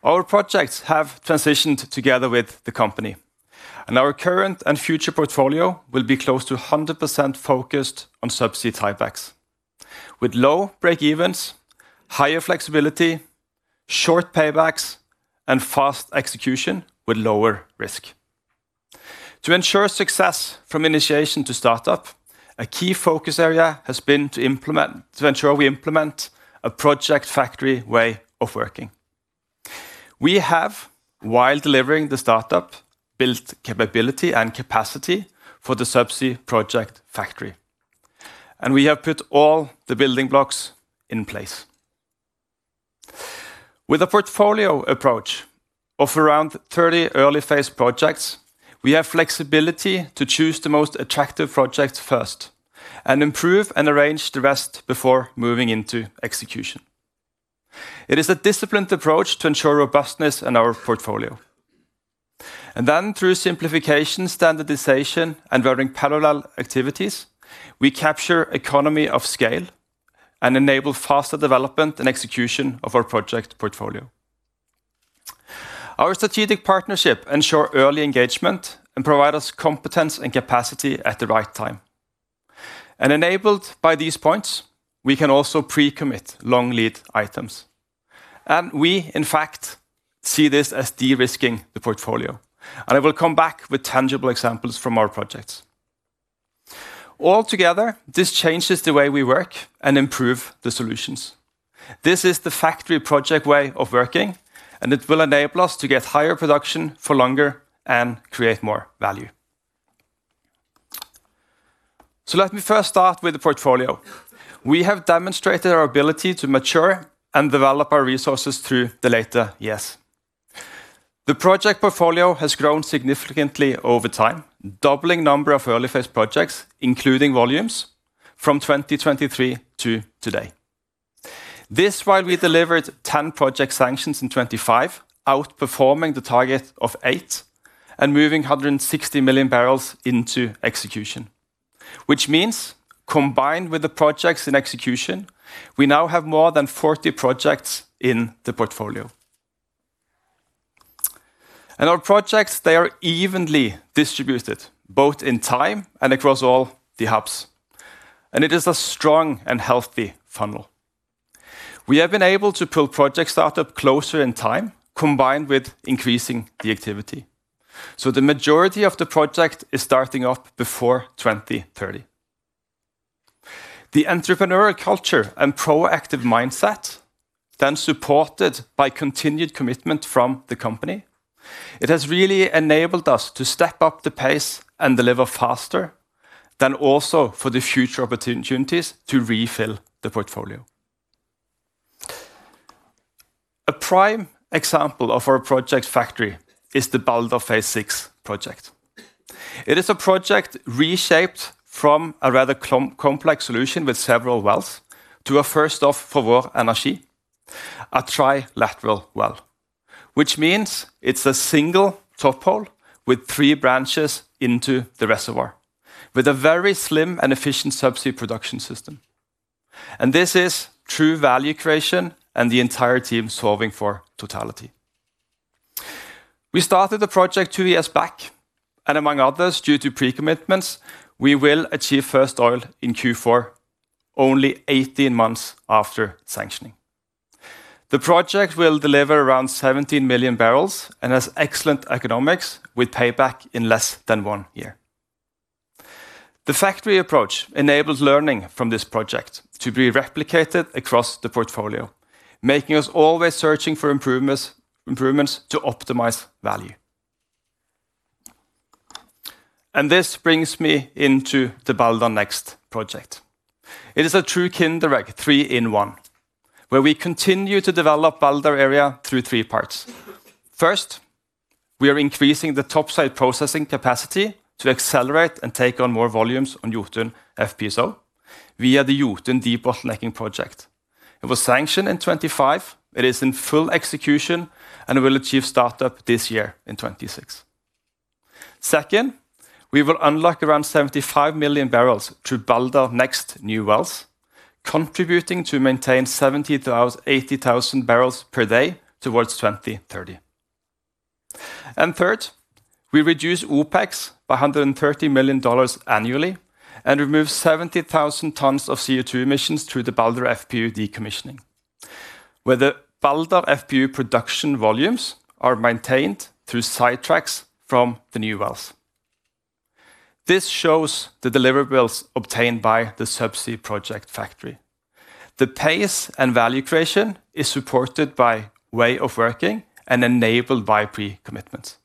Our projects have transitioned together with the company, and our current and future portfolio will be close to 100% focused on subsea tiebacks, with low breakevens, higher flexibility, short paybacks, and fast execution with lower risk. To ensure success from initiation to startup, a key focus area has been to ensure we implement a project factory way of working. We have, while delivering the startup, built capability and capacity for the subsea project factory. We have put all the building blocks in place. With a portfolio approach of around 30 early-phase projects, we have flexibility to choose the most attractive projects first and improve and arrange the rest before moving into execution. It is a disciplined approach to ensure robustness in our portfolio. Then, through simplification, standardization, and running parallel activities, we capture an economy of scale and enable faster development and execution of our project portfolio. Our strategic partnership ensures early engagement and provides us competence and capacity at the right time. Enabled by these points, we can also pre-commit long lead items. We, in fact, see this as de-risking the portfolio. I will come back with tangible examples from our projects. Altogether, this changes the way we work and improves the solutions. This is the factory project way of working, and it will enable us to get higher production for longer and create more value. Let me first start with the portfolio. We have demonstrated our ability to mature and develop our resources through the later years. The project portfolio has grown significantly over time, doubling the number of early-phase projects, including volumes, from 2023 to today. This, while we delivered 10 project sanctions in 2025, outperformed the target of 8 million bbl and moved 160 million bbl into execution, which means, combined with the projects in execution, we now have more than 40 projects in the portfolio. Our projects, they are evenly distributed both in time and across all the hubs. It is a strong and healthy funnel. We have been able to pull project startups closer in time, combined with increasing the activity. The majority of the project is starting up before 2030. The entrepreneurial culture and proactive mindset, then supported by continued commitment from the company, has really enabled us to step up the pace and deliver faster than also for the future opportunities to refill the portfolio. A prime example of our project factory is the Balder Phase VI project. It is a project reshaped from a rather complex solution with several wells to a first-off for Vår Energi, a trilateral well, which means it's a single top hole with three branches into the reservoir with a very slim and efficient subsea production system. This is true value creation and the entire team solving for totality. We started the project two years back, and among others, due to pre-commitments, we will achieve first oil in Q4, only 18 months after sanctioning. The project will deliver around 17 million bbl and has excellent economics with payback in less than one year. The factory approach enables learning from this project to be replicated across the portfolio, making us always searching for improvements to optimize value. This brings me into the Balder Next project. It is a true Kinder Egg, three-in-one, where we continue to develop the Balder area through three parts. First, we are increasing the topside processing capacity to accelerate and take on more volumes on Jotun FPSO via the Jotun Debottlenecking project. It was sanctioned in 2025. It is in full execution and will achieve startup this year in 2026. Second, we will unlock around 75 million bbl through Balder Next new wells, contributing to maintaining 70,000 bbl-80,000 bbl per day towards 2030. Third, we reduce OpEx by $130 million annually and remove 70,000 tons of CO2 emissions through the Balder FPU decommissioning, where the Balder FPU production volumes are maintained through sidetracks from the new wells. This shows the deliverables obtained by the subsea project factory. The pace and value creation are supported by the way of working and enabled by pre-commitments.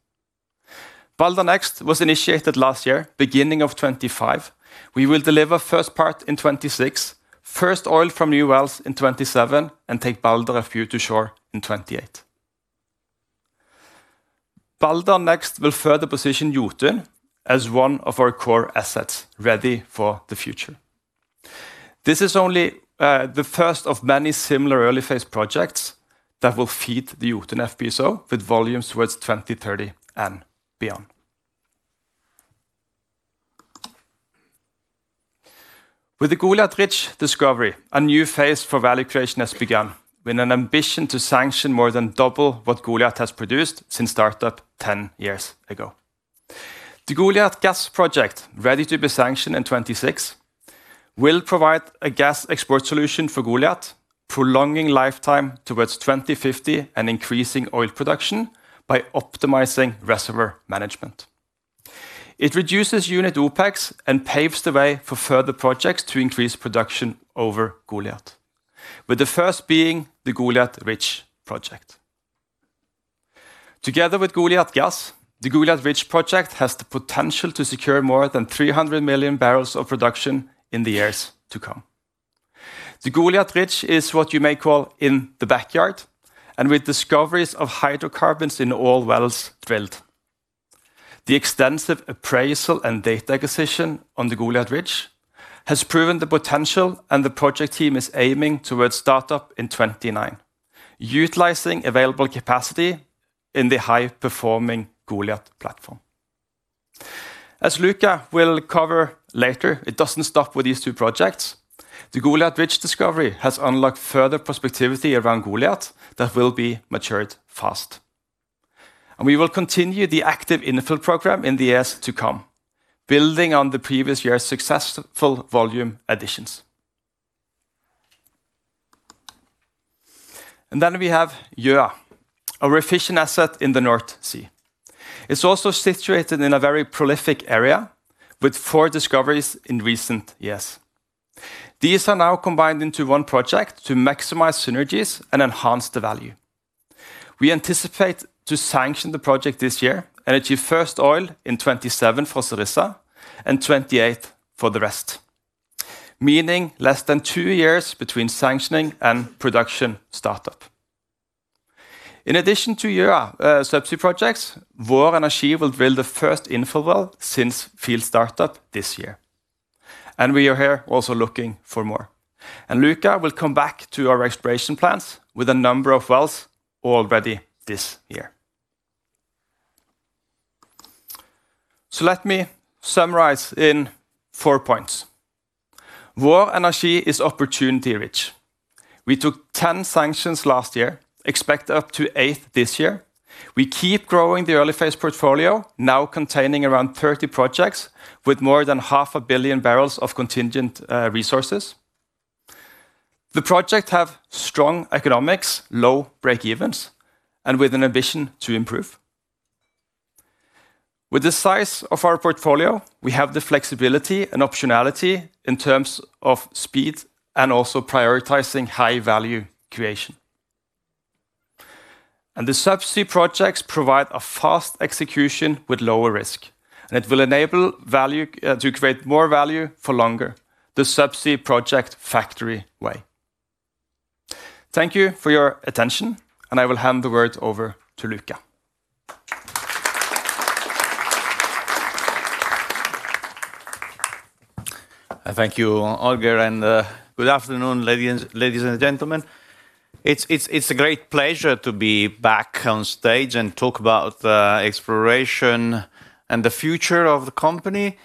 Balder Next was initiated last year, beginning of 2025. We will deliver the first part in 2026, first oil from new wells in 2027, and take Balder FPU to shore in 2028. Balder Next will further position Jotun as one of our core assets, ready for the future. This is only the first of many similar early-phase projects that will feed the Jotun FPSO with volumes towards 2030 and beyond. With the Goliat Ridge discovery, a new phase for value creation has begun with an ambition to sanction more than double what Goliat has produced since startup 10 years ago. The Goliat Gas project, ready to be sanctioned in 2026, will provide a gas export solution for Goliat, prolonging the lifetime towards 2050 and increasing oil production by optimizing reservoir management. It reduces unit OpEx and paves the way for further projects to increase production over Goliat, with the first being the Goliat Ridge project. Together with Goliat Gas, the Goliat Ridge project has the potential to secure more than 300 million bbl of production in the years to come. The Goliat Ridge is what you may call in the backyard, and with discoveries of hydrocarbons in all wells drilled, the extensive appraisal and data acquisition on the Goliat Ridge has proven the potential, and the project team is aiming towards startup in 2029, utilizing available capacity in the high-performing Goliat platform. As Luca will cover later, it doesn't stop with these two projects. The Goliat Ridge discovery has unlocked further prospectivity around Goliat that will be matured fast. We will continue the active infill program in the years to come, building on the previous year's successful volume additions. Then we have Gjøa, our efficient asset in the North Sea. It's also situated in a very prolific area with four discoveries in recent years. These are now combined into one project to maximize synergies and enhance the value. We anticipate sanctioning the project this year and achieving first oil in 2027 for Cerisa and 2028 for the rest, meaning less than two years between sanctioning and production startup. In addition to Gjøa subsea projects, Vår Energi will drill the first infill well since field startup this year. We are here also looking for more. Luca will come back to our exploration plans with a number of wells already this year. Let me summarize in four points. Vår Energi is opportunity-rich. We took 10 sanctions last year, expect up to 8 this year. We keep growing the early-phase portfolio, now containing around 30 projects with more than 500 million bbl of contingent resources. The projects have strong economics, low breakevens, and an ambition to improve. With the size of our portfolio, we have the flexibility and optionality in terms of speed and also prioritizing high-value creation. The subsea projects provide fast execution with lower risk, and it will enable value to create more value for longer, the subsea project factory way. Thank you for your attention, and I will hand the word over to Luca. Thank you, Oddgeir, and good afternoon, ladies and gentlemen. It's a great pleasure to be back on stage and talk about exploration and the future of the company.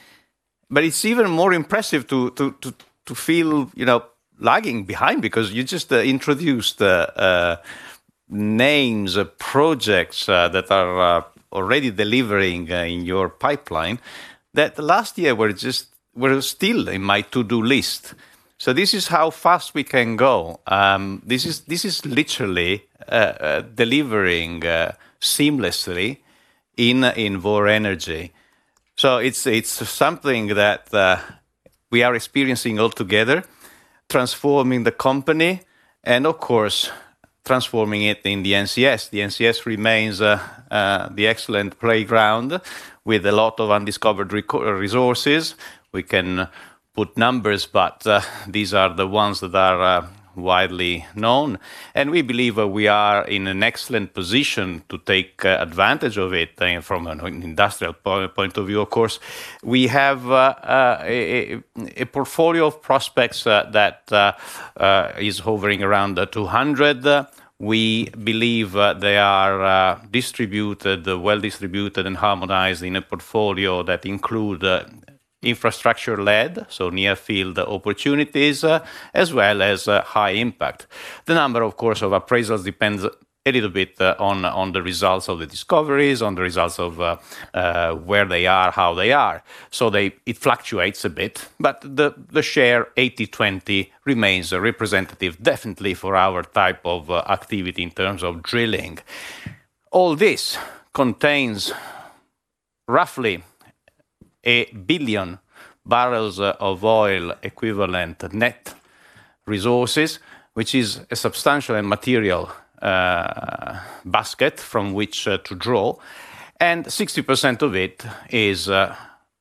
But it's even more impressive to feel lagging behind because you just introduced names, projects that are already delivering in your pipeline that last year were still in my to-do list. This is how fast we can go. This is literally delivering seamlessly in Vår Energi. It's something that we are experiencing altogether, transforming the company and, of course, transforming it in the NCS. The NCS remains the excellent playground with a lot of undiscovered resources. We can put numbers, but these are the ones that are widely known. We believe we are in an excellent position to take advantage of it from an industrial point of view. Of course, we have a portfolio of prospects that is hovering around 200. We believe they are well-distributed and harmonized in a portfolio that includes infrastructure-led, near-field opportunities, as well as high impact. The number, of course, of appraisals depends a little bit on the results of the discoveries, on the results of where they are, how they are. It fluctuates a bit, but the share 80/20 remains representative, definitely, for our type of activity in terms of drilling. All this contains roughly 1 billion bbl of oil equivalent net resources, which is a substantial and material basket from which to draw, and 60% of it is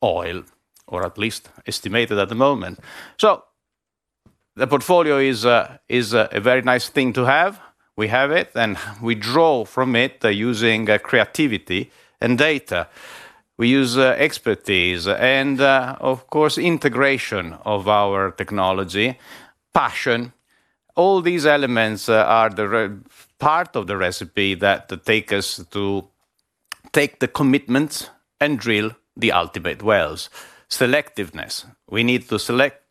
oil, or at least estimated at the moment. The portfolio is a very nice thing to have. We have it, and we draw from it using creativity and data. We use expertise and, of course, integration of our technology, passion. All these elements are part of the recipe that take us to take the commitment and drill the ultimate wells. Selectiveness. We need to select.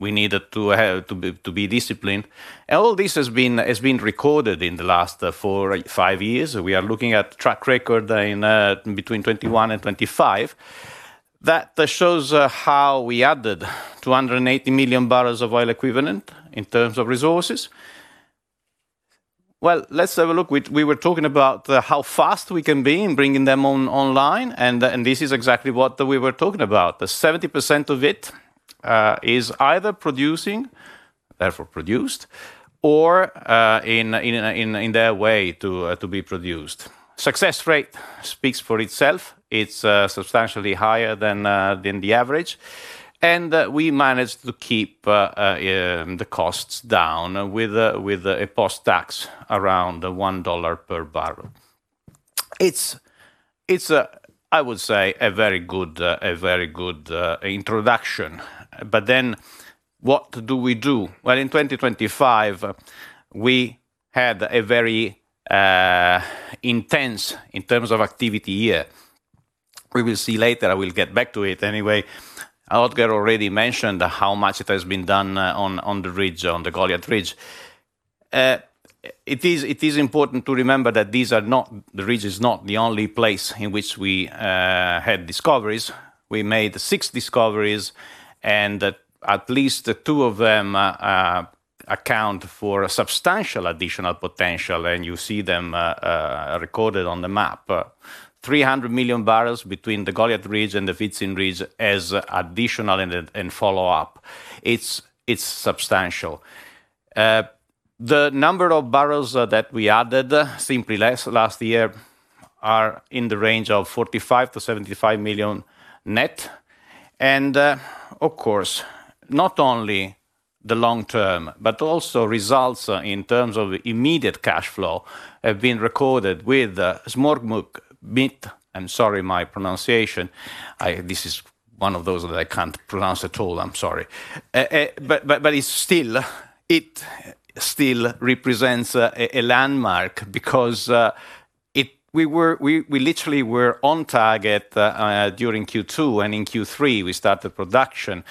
We need to be disciplined. All this has been recorded in the last four or five years. We are looking at a track record between 2021 and 2025 that shows how we added 280 million bbl of oil equivalent in terms of resources. Let's have a look. We were talking about how fast we can be in bringing them online, and this is exactly what we were talking about. 70% of it is either producing, therefore produced, or in their way to be produced. Success rate speaks for itself. It's substantially higher than the average. We managed to keep the costs down with a post-tax around $1 per barrel. It's, I would say, a very good introduction. But then what do we do? In 2025, we had a very intense in terms of activity year. We will see later. I will get back to it anyway. Oddgeir already mentioned how much it has been done on the ridge, on the Goliat Ridge. It is important to remember that the ridge is not the only place in which we had discoveries. We made six discoveries, and at least two of them account for substantial additional potential, and you see them recorded on the map, 300 million bbl between the Goliat Ridge and the Wisting Ridge as additional and follow-up. It's substantial. The number of bbl that we added, simply last year, are in the range of 45 million-75 million net. Of course, not only the long term, but also results in terms of immediate cash flow have been recorded with Smørbukk Midt. I'm sorry for my pronunciation. This is one of those that I can't pronounce at all. I'm sorry. But it still represents a landmark because we literally were on target during Q2, and in Q3, we started production.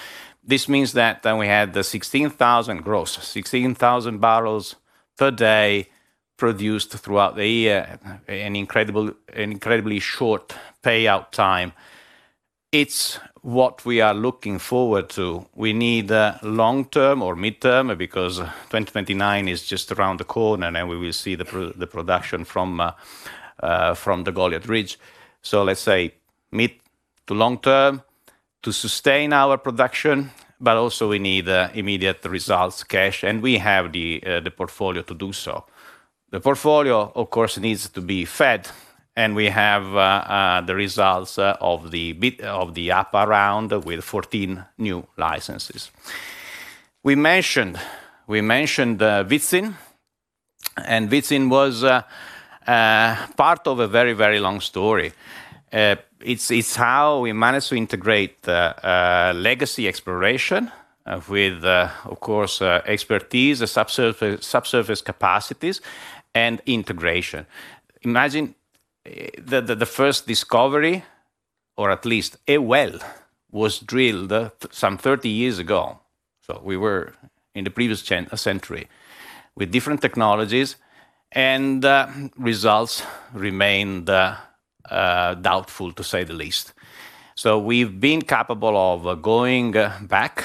This means that we had 16,000 gross, 16,000 bbl per day produced throughout the year, an incredibly short payout time. It's what we are looking forward to. We need long-term or mid-term because 2029 is just around the corner, and we will see the production from the Goliat Ridge. Let's say mid to long-term to sustain our production, but also we need immediate results, cash, and we have the portfolio to do so. The portfolio, of course, needs to be fed, and we have the results of the upper round with 14 new licenses. We mentioned Wisting, and Wisting was part of a very, very long story. It's how we managed to integrate legacy exploration with, of course, expertise, subsurface capacities, and integration. Imagine the first discovery, or at least a well, was drilled some 30 years ago. We were in the previous century with different technologies, and results remained doubtful, to say the least. We've been capable of going back,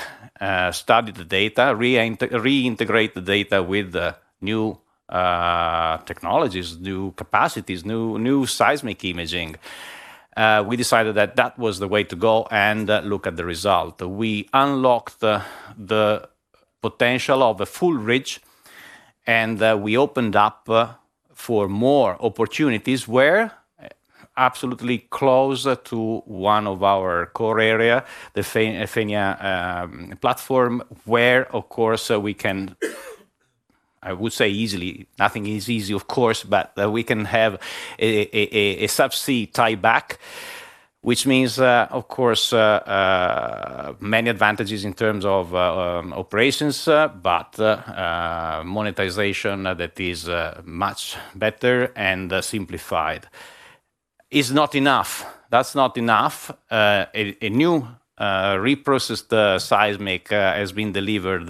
studying the data, reintegrating the data with new technologies, new capacities, new seismic imaging. We decided that that was the way to go and look at the result. We unlocked the potential of a full ridge, and we opened up for more opportunities. We're absolutely close to one of our core areas, the Fenja platform, where, of course, we can, I would say easily, nothing is easy, of course, but we can have a subsea tie-back, which means, of course, many advantages in terms of operations, but monetization that is much better and simplified. It's not enough. That's not enough. A new reprocessed seismic has been delivered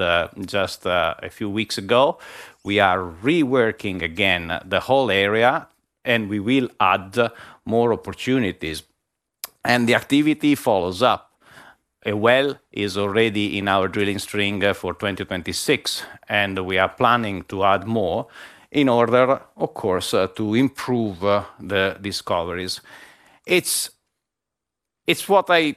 just a few weeks ago. We are reworking again the whole area, and we will add more opportunities. The activity follows up. A well is already in our drilling string for 2026, and we are planning to add more in order, of course, to improve the discoveries. It's what I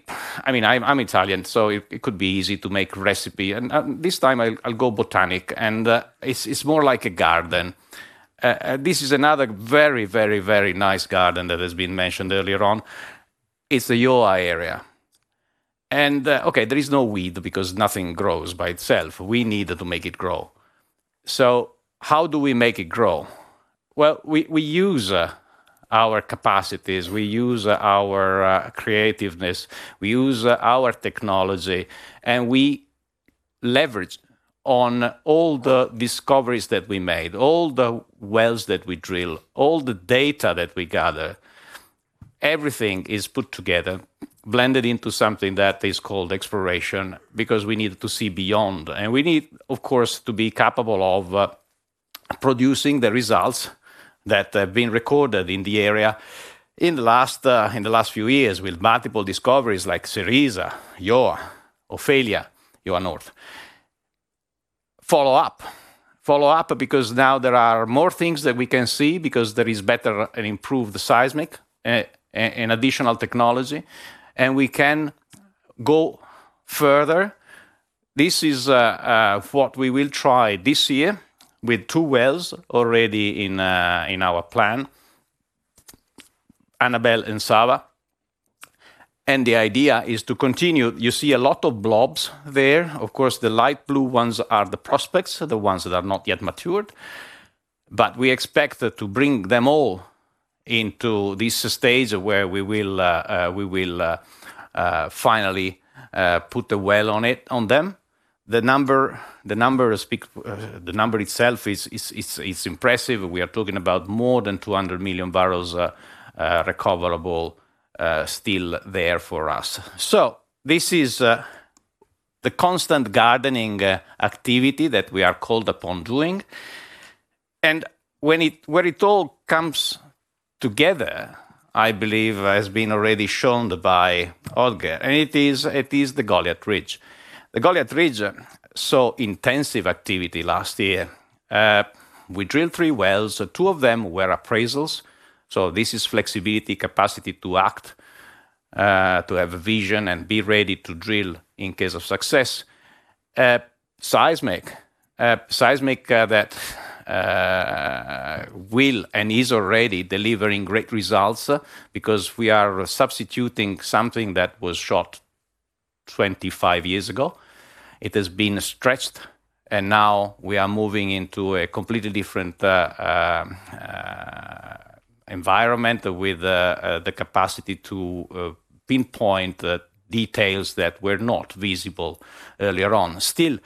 mean, I'm Italian, so it could be easy to make a recipe. This time, I'll go botanic, and it's more like a garden. This is another very, very, very nice garden that has been mentioned earlier on. It's the Gjøa area. There is no weed because nothing grows by itself. We need to make it grow. How do we make it grow? We use our capacities. We use our creativeness. We use our technology, and we leverage on all the discoveries that we made, all the wells that we drill, all the data that we gather. Everything is put together, blended into something that is called exploration because we need to see beyond. We need, of course, to be capable of producing the results that have been recorded in the area in the last few years with multiple discoveries like Cerisa, Gjøa, Ofelia, Gjøa North. Follow up. Follow up because now there are more things that we can see because there is better and improved seismic and additional technology, and we can go further. This is what we will try this year with two wells already in our plan, Annabel and Sara. The idea is to continue. You see a lot of blobs there. Of course, the light blue ones are the prospects, the ones that are not yet matured. But we expect to bring them all into this stage where we will finally put the well on them. The number itself is impressive. We are talking about more than 200 million bbl recoverable still there for us. This is the constant gardening activity that we are called upon doing. Where it all comes together, I believe, has been already shown by Oddgeir, and it is the Goliat Ridge. The Goliat Ridge, so intensive activity last year. We drilled three wells. Two of them were appraisals. This is flexibility, capacity to act, to have vision and be ready to drill in case of success. Seismic. Seismic that will and is already delivering great results because we are substituting something that was shot 25 years ago. It has been stretched, and now we are moving into a completely different environment with the capacity to pinpoint details that were not visible earlier on. Still,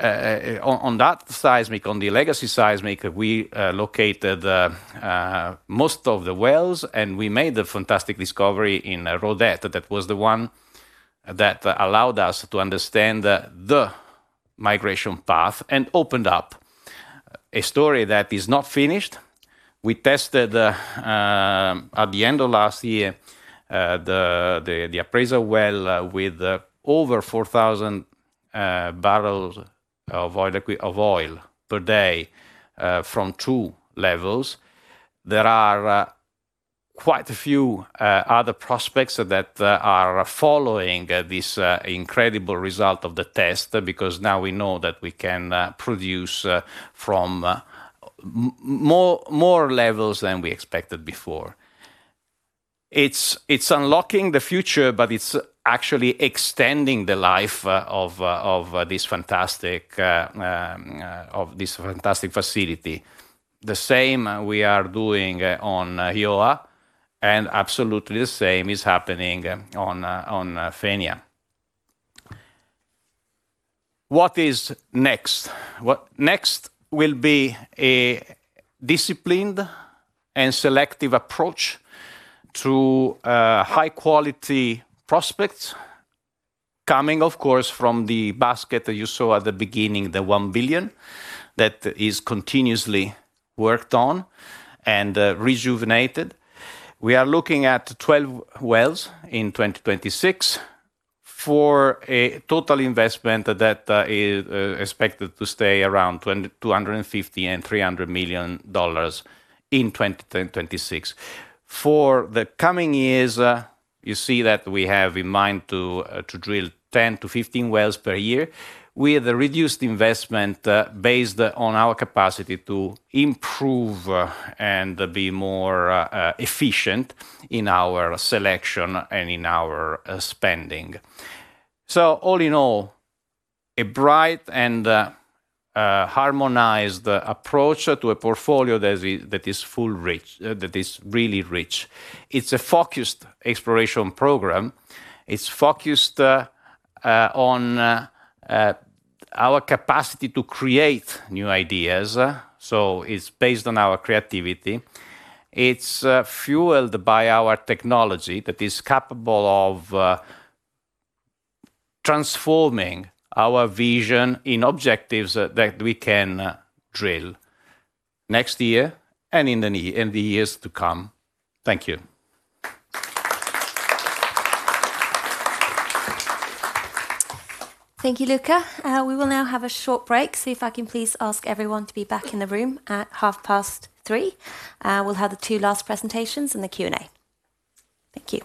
on that seismic, on the legacy seismic, we located most of the wells, and we made the fantastic discovery in Rødhette. That was the one that allowed us to understand the migration path and opened up a story that is not finished. We tested at the end of last year the appraisal well with over 4,000 bbl of oil per day from two levels. There are quite a few other prospects that are following this incredible result of the test because now we know that we can produce from more levels than we expected before. It's unlocking the future, but it's actually extending the life of this fantastic facility. The same we are doing on Gjøa, and absolutely the same is happening on Fenja. What is next? Next will be a disciplined and selective approach to high-quality prospects, coming, of course, from the basket that you saw at the beginning, the 1 billion, that is continuously worked on and rejuvenated. We are looking at 12 wells in 2026 for a total investment that is expected to stay around $250 million-$300 million in 2026. For the coming years, you see that we have in mind to drill 10-15 wells per year with a reduced investment based on our capacity to improve and be more efficient in our selection and in our spending. All in all, a bright and harmonized approach to a portfolio that is really rich. It's a focused exploration program. It's focused on our capacity to create new ideas. It's based on our creativity. It's fueled by our technology that is capable of transforming our vision in objectives that we can drill next year and in the years to come. Thank you. Thank you, Luca. We will now have a short break. See if I can please ask everyone to be back in the room at 3:30 P.M. We'll have the two last presentations and the Q&A. Thank you.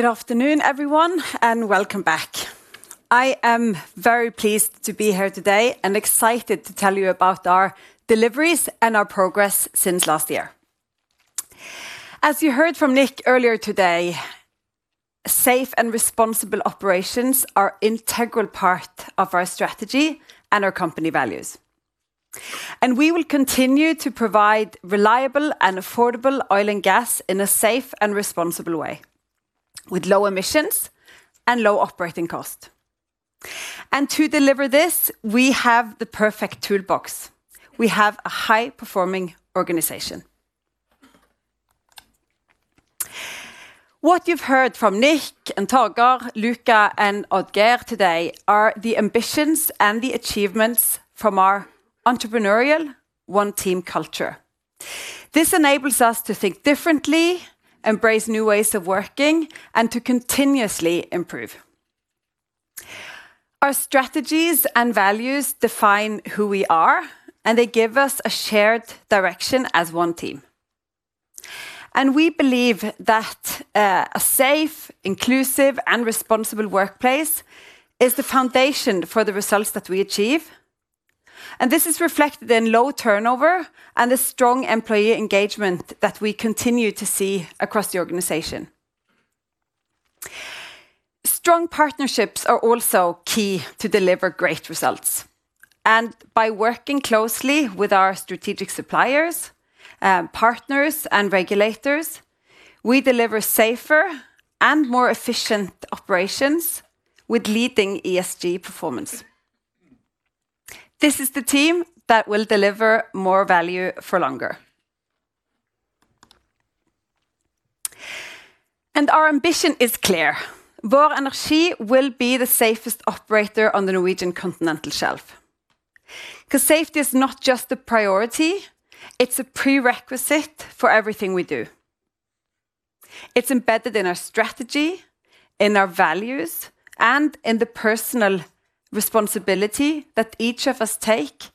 Good afternoon, everyone, and welcome back. I am very pleased to be here today and excited to tell you about our deliveries and our progress since last year. As you heard from Nick earlier today, safe and responsible operations are an integral part of our strategy and our company values. We will continue to provide reliable and affordable oil and gas in a safe and responsible way, with low emissions and low operating costs. To deliver this, we have the perfect toolbox. We have a high-performing organization. What you've heard from Nick, Torger, Luca, and Oddgeir today are the ambitions and the achievements from our entrepreneurial one-team culture. This enables us to think differently, embrace new ways of working, and to continuously improve. Our strategies and values define who we are, and they give us a shared direction as one team. We believe that a safe, inclusive, and responsible workplace is the foundation for the results that we achieve. This is reflected in low turnover and the strong employee engagement that we continue to see across the organization. Strong partnerships are also key to deliver great results. By working closely with our strategic suppliers, partners, and regulators, we deliver safer and more efficient operations with leading ESG performance. This is the team that will deliver more value for longer. Our ambition is clear. Vår Energi will be the safest operator on the Norwegian continental shelf. Because safety is not just a priority, it's a prerequisite for everything we do. It's embedded in our strategy, in our values, and in the personal responsibility that each of us take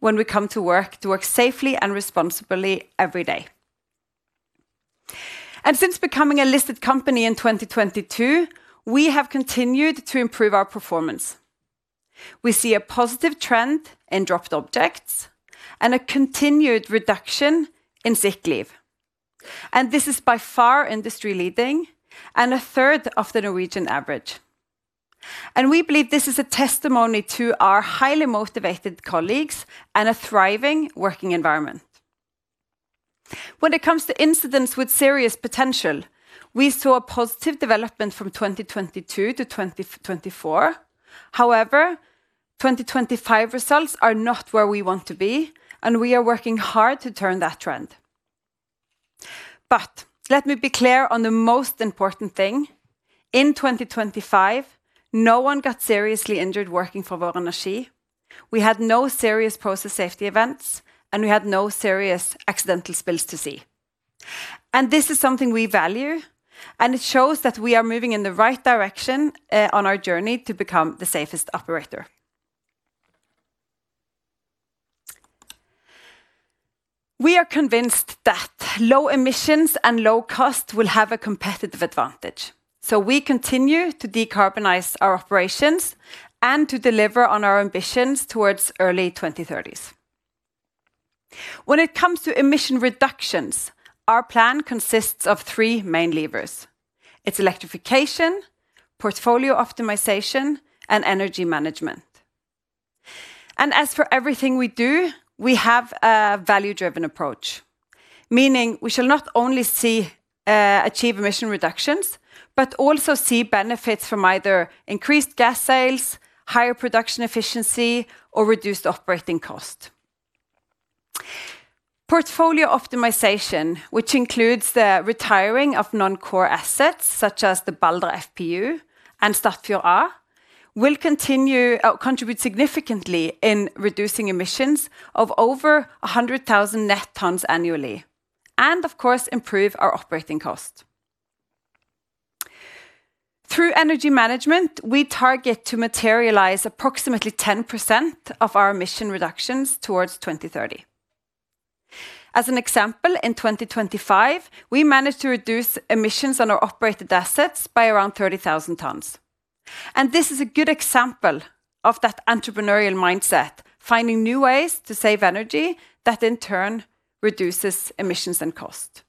when we come to work to work safely and responsibly every day. And since becoming a listed company in 2022, we have continued to improve our performance. We see a positive trend in dropped objects and a continued reduction in sick leave. And this is by far industry-leading and a third of the Norwegian average. And we believe this is a testimony to our highly motivated colleagues and a thriving working environment. When it comes to incidents with serious potential, we saw a positive development from 2022 to 2024. However, 2025 results are not where we want to be, and we are working hard to turn that trend. But let me be clear on the most important thing. In 2025, no one got seriously injured working for Vår Energi. We had no serious process safety events, and we had no serious accidental spills to sea. This is something we value, and it shows that we are moving in the right direction on our journey to become the safest operator. We are convinced that low emissions and low costs will have a competitive advantage. We continue to decarbonize our operations and to deliver on our ambitions towards early 2030s. When it comes to emission reductions, our plan consists of three main levers: it's electrification, portfolio optimization, and energy management. As for everything we do, we have a value-driven approach, meaning we shall not only achieve emission reductions but also see benefits from either increased gas sales, higher production efficiency, or reduced operating costs. Portfolio optimization, which includes the retiring of non-core assets such as the Balder FPU and Statfjord A, will continue to contribute significantly in reducing emissions of over 100,000 net tons annually and, of course, improve our operating costs. Through energy management, we target to materialize approximately 10% of our emission reductions towards 2030. As an example, in 2025, we managed to reduce emissions on our operated assets by around 30,000 tons. This is a good example of that entrepreneurial mindset, finding new ways to save energy that in turn reduces emissions and costs.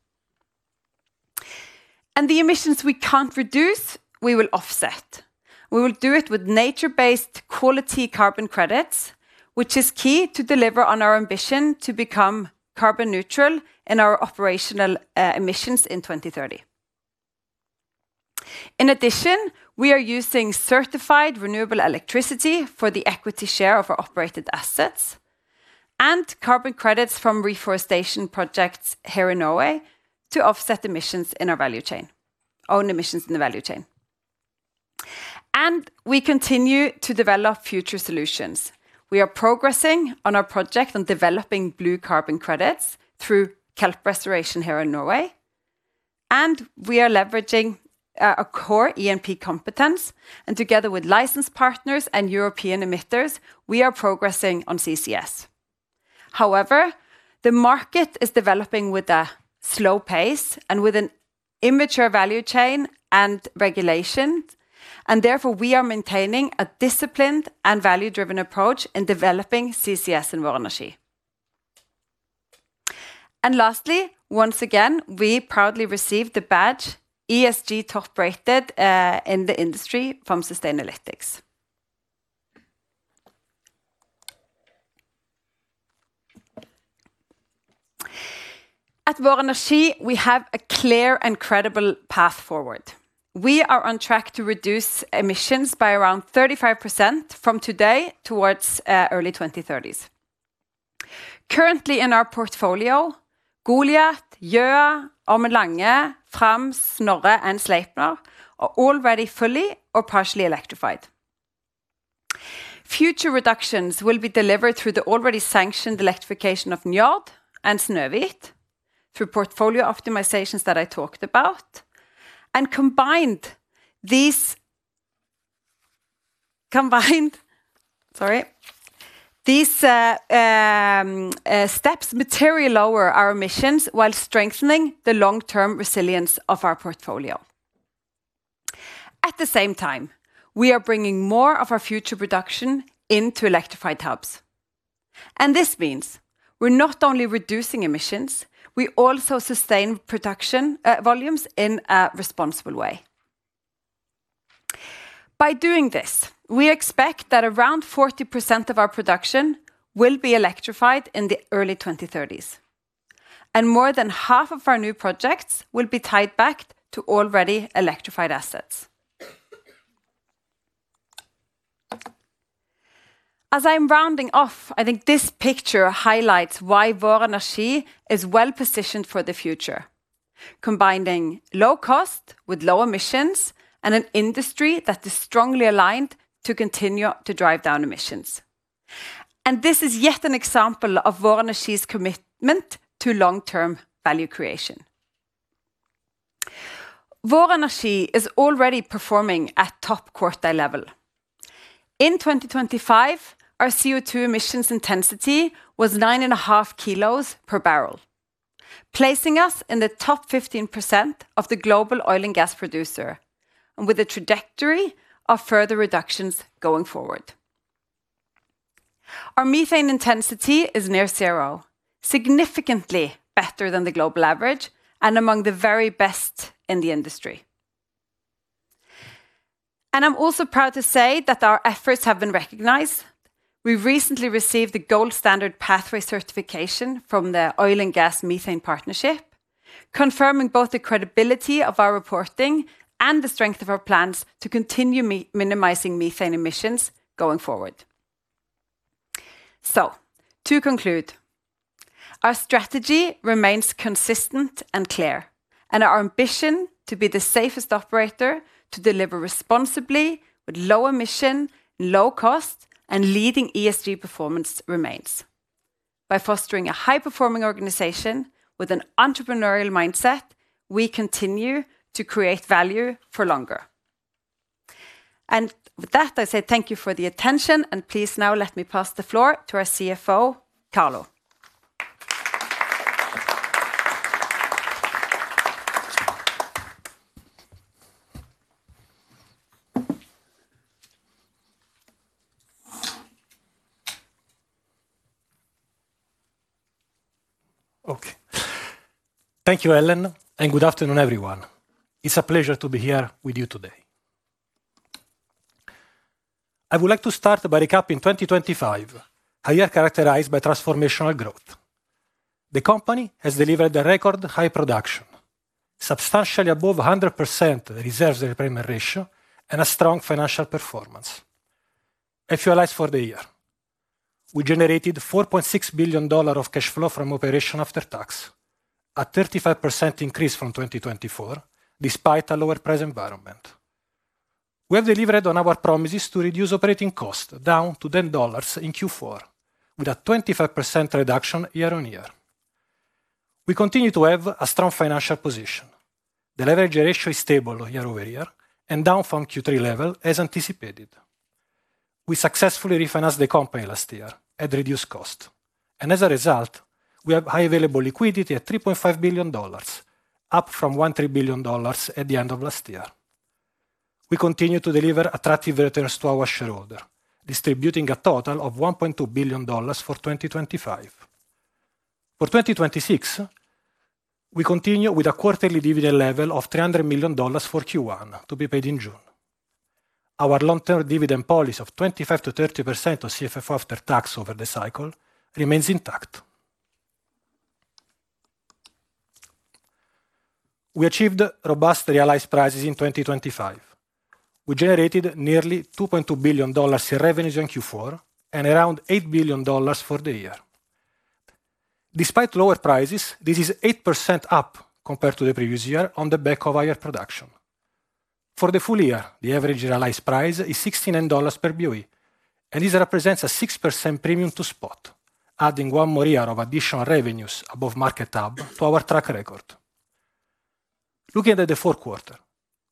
The emissions we can't reduce, we will offset. We will do it with nature-based quality carbon credits, which is key to deliver on our ambition to become carbon neutral in our operational emissions in 2030. In addition, we are using certified renewable electricity for the equity share of our operated assets and carbon credits from reforestation projects here in Norway to offset emissions in our value chain, own emissions in the value chain. We continue to develop future solutions. We are progressing on our project on developing blue carbon credits through kelp restoration here in Norway. We are leveraging a core ENP competence, and together with licensed partners and European emitters, we are progressing on CCS. However, the market is developing with a slow pace and with an immature value chain and regulation, and therefore we are maintaining a disciplined and value-driven approach in developing CCS in Vår Energi. Lastly, once again, we proudly received the badge ESG Top Rated in the industry from Sustainalytics. At Vår Energi, we have a clear and credible path forward. We are on track to reduce emissions by around 35% from today towards early 2030s. Currently, in our portfolio, Goliat, Gjøa, Ormen Lange, Fram, Norne and Sleipner are already fully or partially electrified. Future reductions will be delivered through the already sanctioned electrification of Njord and Snøhvit, through portfolio optimizations that I talked about, and combining these steps materially lower our emissions while strengthening the long-term resilience of our portfolio. At the same time, we are bringing more of our future production into electrified hubs. This means we're not only reducing emissions, we also sustain production volumes in a responsible way. By doing this, we expect that around 40% of our production will be electrified in the early 2030s. More than half of our new projects will be tied back to already electrified assets. As I'm rounding off, I think this picture highlights why Vår Energi is well positioned for the future, combining low cost with low emissions and an industry that is strongly aligned to continue to drive down emissions. This is yet an example of Vår Energi's commitment to long-term value creation. Vår Energi is already performing at top quartile level. In 2025, our CO2 emissions intensity was 9.5 kilos per barrel, placing us in the top 15% of the global oil and gas producer and with a trajectory of further reductions going forward. Our methane intensity is near zero, significantly better than the global average and among the very best in the industry. I'm also proud to say that our efforts have been recognized. We've recently received the Gold Standard Pathway certification from the Oil and Gas Methane Partnership, confirming both the credibility of our reporting and the strength of our plans to continue minimizing methane emissions going forward. To conclude, our strategy remains consistent and clear, and our ambition to be the safest operator to deliver responsibly with low emission, low cost, and leading ESG performance remains. By fostering a high-performing organization with an entrepreneurial mindset, we continue to create value for longer. With that, I say thank you for the attention, and please now let me pass the floor to our CFO, Carlo. Thank you, Ellen, and good afternoon, everyone. It's a pleasure to be here with you today. I would like to start by recapping 2025, how you are characterized by transformational growth. The company has delivered a record high production, substantially above 100% reserves replacement ratio, and a strong financial performance. If you analyze for the year, we generated $4.6 billion of cash flow from operations after tax, a 35% increase from 2024 despite a lower price environment. We have delivered on our promises to reduce operating costs down to $10 in Q4 with a 25% reduction year-over-year. We continue to have a strong financial position. The leverage ratio is stable year-over-year and down from Q3 level as anticipated. We successfully refinanced the company last year at reduced cost. And as a result, we have high available liquidity at $3.5 billion, up from $1 billion at the end of last year. We continue to deliver attractive returns to our shareholders, distributing a total of $1.2 billion for 2025. For 2026, we continue with a quarterly dividend level of $300 million for Q1 to be paid in June. Our long-term dividend policy of 25%-30% of CFFO after tax over the cycle remains intact. We achieved robust realized prices in 2025. We generated nearly $2.2 billion in revenues in Q4 and around $8 billion for the year. Despite lower prices, this is 8% up compared to the previous year on the back of higher production. For the full year, the average realized price is $16 per BOE, and this represents a 6% premium to spot, adding one more year of additional revenues above market above to our track record. Looking at the fourth quarter,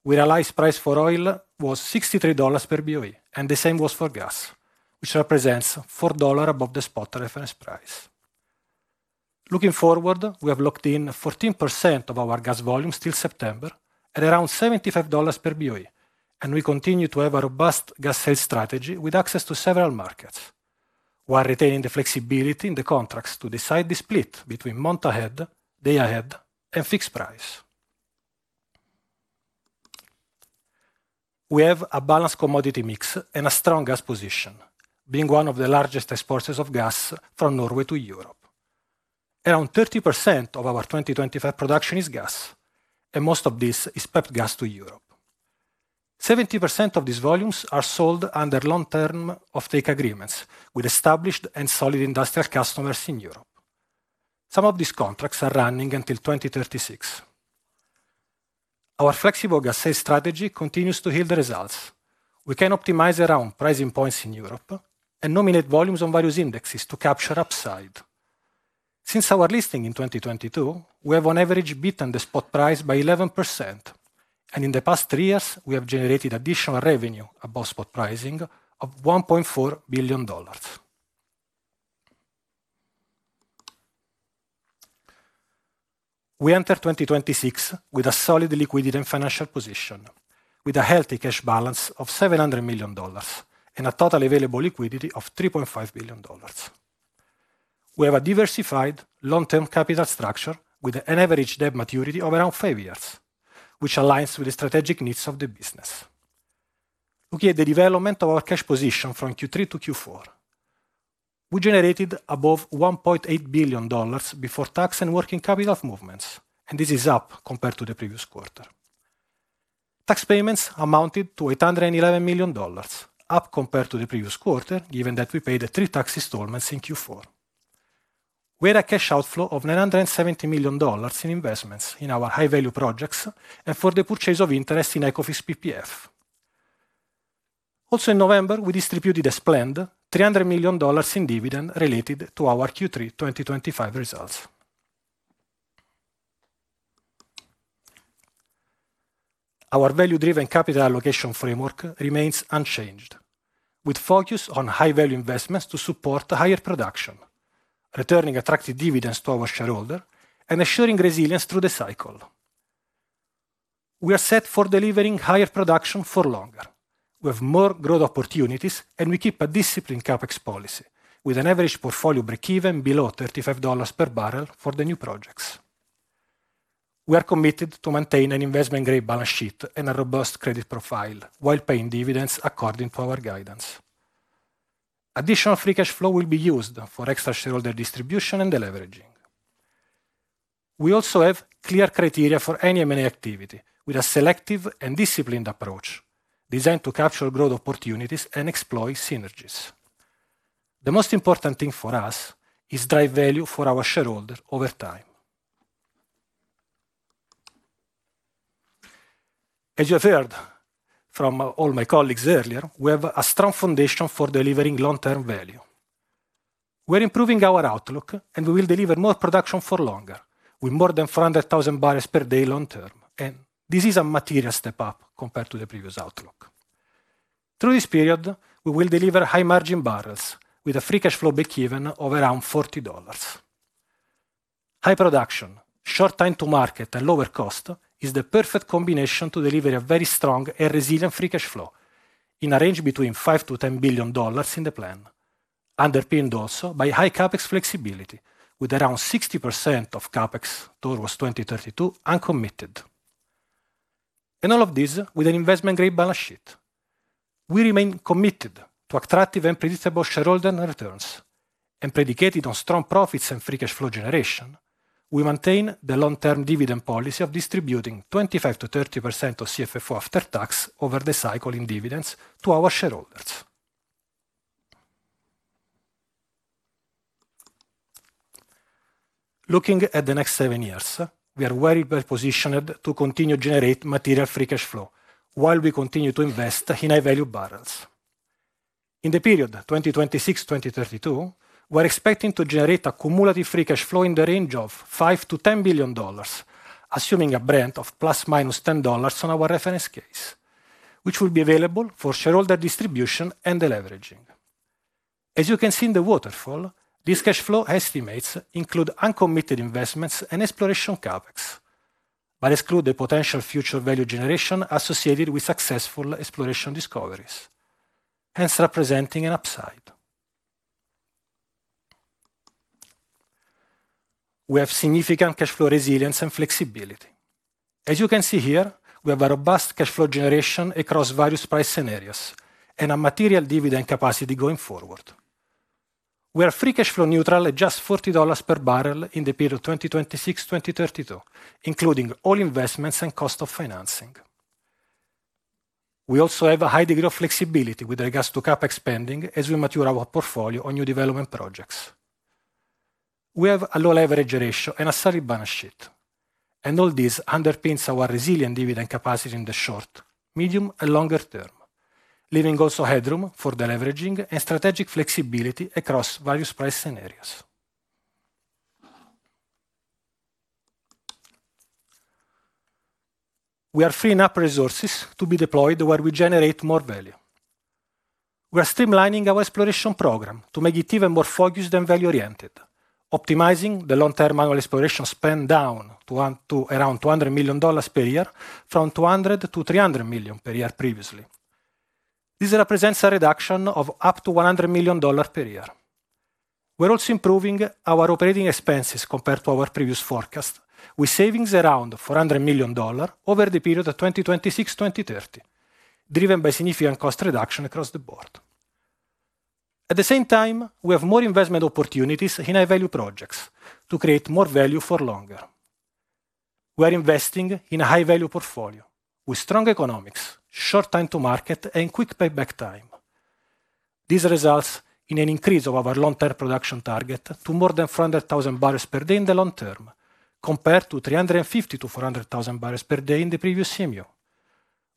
we realized price for oil was $63 per BOE, and the same was for gas, which represents $4 above the spot reference price. Looking forward, we have locked in 14% of our gas volume still September at around $75 per BOE, and we continue to have a robust gas sales strategy with access to several markets while retaining the flexibility in the contracts to decide the split between month ahead, day ahead, and fixed price. We have a balanced commodity mix and a strong gas position, being one of the largest exporters of gas from Norway to Europe. Around 30% of our 2025 production is gas, and most of this is piped gas to Europe. 70% of these volumes are sold under long-term offtake agreements with established and solid industrial customers in Europe. Some of these contracts are running until 2036. Our flexible gas sales strategy continues to yield results. We can optimize around pricing points in Europe and nominate volumes on various indexes to capture upside. Since our listing in 2022, we have on average beaten the spot price by 11%, and in the past three years, we have generated additional revenue above spot pricing of $1.4 billion. We enter 2026 with a solid liquidity and financial position, with a healthy cash balance of $700 million and a total available liquidity of $3.5 billion. We have a diversified long-term capital structure with an average debt maturity of around five years, which aligns with the strategic needs of the business. Looking at the development of our cash position from Q3 to Q4, we generated above $1.8 billion before tax and working capital movements, and this is up compared to the previous quarter. Tax payments amounted to $811 million, up compared to the previous quarter given that we paid three tax installments in Q4. We had a cash outflow of $970 million in investments in our high-value projects and for the purchase of interest in Ekofisk PPF. Also, in November, we distributed a splendid $300 million in dividend related to our Q3 2025 results. Our value-driven capital allocation framework remains unchanged, with focus on high-value investments to support higher production, returning attractive dividends to our shareholders, and assuring resilience through the cycle. We are set for delivering higher production for longer. We have more growth opportunities, and we keep a disciplined CapEx policy with an average portfolio break-even below $35 per barrel for the new projects. We are committed to maintaining an investment-grade balance sheet and a robust credit profile while paying dividends according to our guidance. Additional free cash flow will be used for extra shareholder distribution and the leveraging. We also have clear criteria for any M&A activity with a selective and disciplined approach designed to capture growth opportunities and exploit synergies. The most important thing for us is to drive value for our shareholders over time. As you have heard from all my colleagues earlier, we have a strong foundation for delivering long-term value. We are improving our outlook, and we will deliver more production for longer with more than 400,000 bbl per day long-term. This is a material step up compared to the previous outlook. Through this period, we will deliver high-margin bbl with a free cash flow break-even of around $40. High production, short time to market, and lower cost is the perfect combination to deliver a very strong and resilient free cash flow in a range between $5 billion-$10 billion in the plan, underpinned also by high CapEx flexibility with around 60% of CapEx towards 2032 uncommitted. All of this with an investment-grade balance sheet. We remain committed to attractive and predictable shareholder returns. Predicated on strong profits and free cash flow generation, we maintain the long-term dividend policy of distributing 25%-30% of CFFO after tax over the cycle in dividends to our shareholders. Looking at the next seven years, we are very well positioned to continue to generate material free cash flow while we continue to invest in high-value barrels. In the period 2026-2032, we are expecting to generate cumulative free cash flow in the range of $5 billion-$10 billion, assuming a Brent of ±$10 on our reference case, which will be available for shareholder distribution and deleveraging. As you can see in the waterfall, this cash flow estimates include uncommitted investments and exploration CapEx, but exclude the potential future value generation associated with successful exploration discoveries, hence representing an upside. We have significant cash flow resilience and flexibility. As you can see here, we have a robust cash flow generation across various price scenarios and a material dividend capacity going forward. We are free cash flow neutral at just $40 per barrel in the period 2026-2032, including all investments and cost of financing. We also have a high degree of flexibility with regards to CapEx spending as we mature our portfolio on new development projects. We have a low leverage ratio and a solid balance sheet. All this underpins our resilient dividend capacity in the short, medium, and longer term, leaving also headroom for the leveraging and strategic flexibility across various price scenarios. We are freeing up enough resources to be deployed where we generate more value. We are streamlining our exploration program to make it even more focused and value-oriented, optimizing the long-term annual exploration spend down to around $200 million per year from $200 million-$300 million per year previously. This represents a reduction of up to $100 million per year. We are also improving our operating expenses compared to our previous forecast with savings around $400 million over the period 2026-2030, driven by significant cost reduction across the board. At the same time, we have more investment opportunities in high-value projects to create more value for longer. We are investing in a high-value portfolio with strong economics, short time to market, and quick payback time. This results in an increase of our long-term production target to more than 400,000 bbl per day in the long term compared to 350,000-400,000 bbl per day in the previous CMU,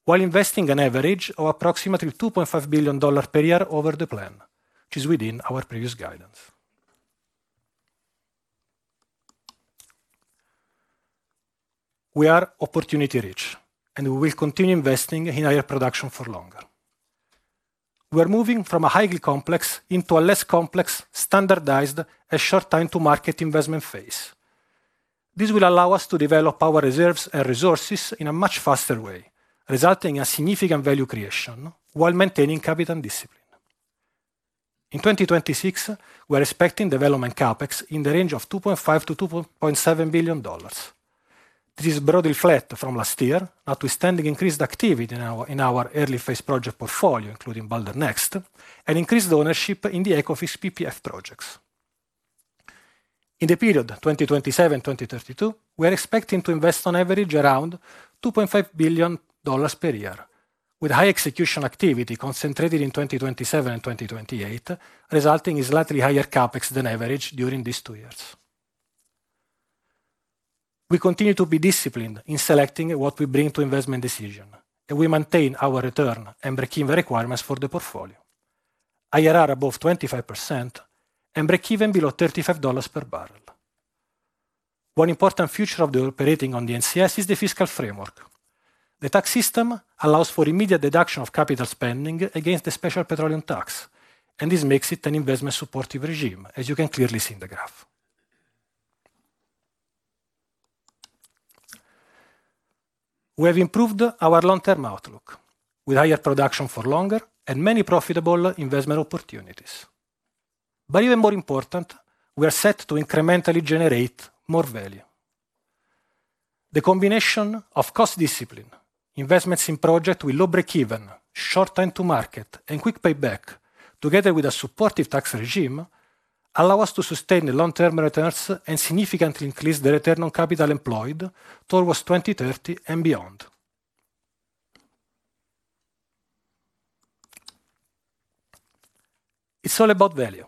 while investing an average of approximately $2.5 billion per year over the plan, which is within our previous guidance. We are opportunity-rich, and we will continue investing in higher production for longer. We are moving from a highly complex into a less complex, standardized, and short time-to-market investment phase. This will allow us to develop our reserves and resources in a much faster way, resulting in significant value creation while maintaining capital discipline. In 2026, we are expecting development CapEx in the range of $2.5 billion-$2.7 billion. This is broadly flat from last year, now to extending increased activity in our early-phase project portfolio, including Balder Next, and increased ownership in the Ekofisk PPF projects. In the period 2027-2032, we are expecting to invest on average around $2.5 billion per year, with high execution activity concentrated in 2027 and 2028, resulting in slightly higher CapEx than average during these two years. We continue to be disciplined in selecting what we bring to investment decision, and we maintain our return and break-even requirements for the portfolio, IRR above 25%, and break-even below $35 per barrel. One important feature of the operating on the NCS is the fiscal framework. The tax system allows for immediate deduction of capital spending against the special petroleum tax, and this makes it an investment-supportive regime, as you can clearly see in the graph. We have improved our long-term outlook with higher production for longer and many profitable investment opportunities. But even more important, we are set to incrementally generate more value. The combination of cost discipline, investments in projects with low break-even, short time to market, and quick payback together with a supportive tax regime allows us to sustain the long-term returns and significantly increase the return on capital employed towards 2030 and beyond. It's all about value,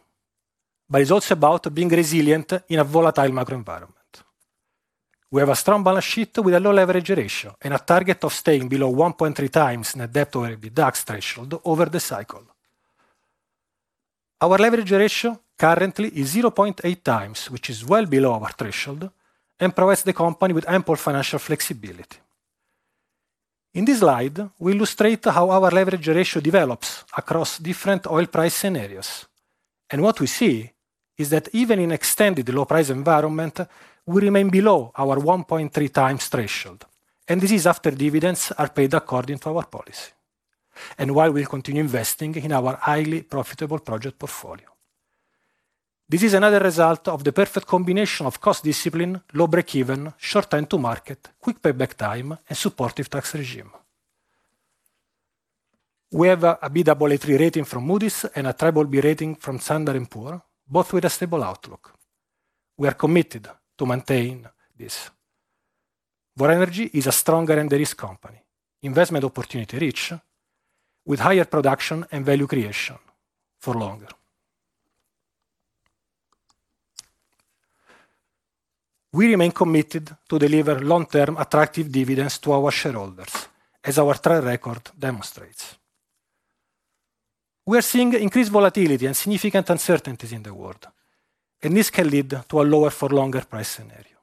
but it's also about being resilient in a volatile macro-environment. We have a strong balance sheet with a low leverage ratio and a target of staying below 1.3x net debt over EBITDA threshold over the cycle. Our leverage ratio currently is 0.8x, which is well below our threshold, and provides the company with ample financial flexibility. In this slide, we illustrate how our leverage ratio develops across different oil price scenarios. What we see is that even in an extended low-price environment, we remain below our 1.3x threshold. This is after dividends are paid according to our policy and while we continue investing in our highly profitable project portfolio. This is another result of the perfect combination of cost discipline, low break-even, short time to market, quick payback time, and supportive tax regime. We have a Baa3 rating from Moody's and a BBB rating from S&P, both with a stable outlook. We are committed to maintain this. Vår Energi is a stronger and lower-risk company, investment opportunity-rich, with higher production and value creation for longer. We remain committed to deliver long-term attractive dividends to our shareholders, as our track record demonstrates. We are seeing increased volatility and significant uncertainties in the world, and this can lead to a lower-for-longer price scenario.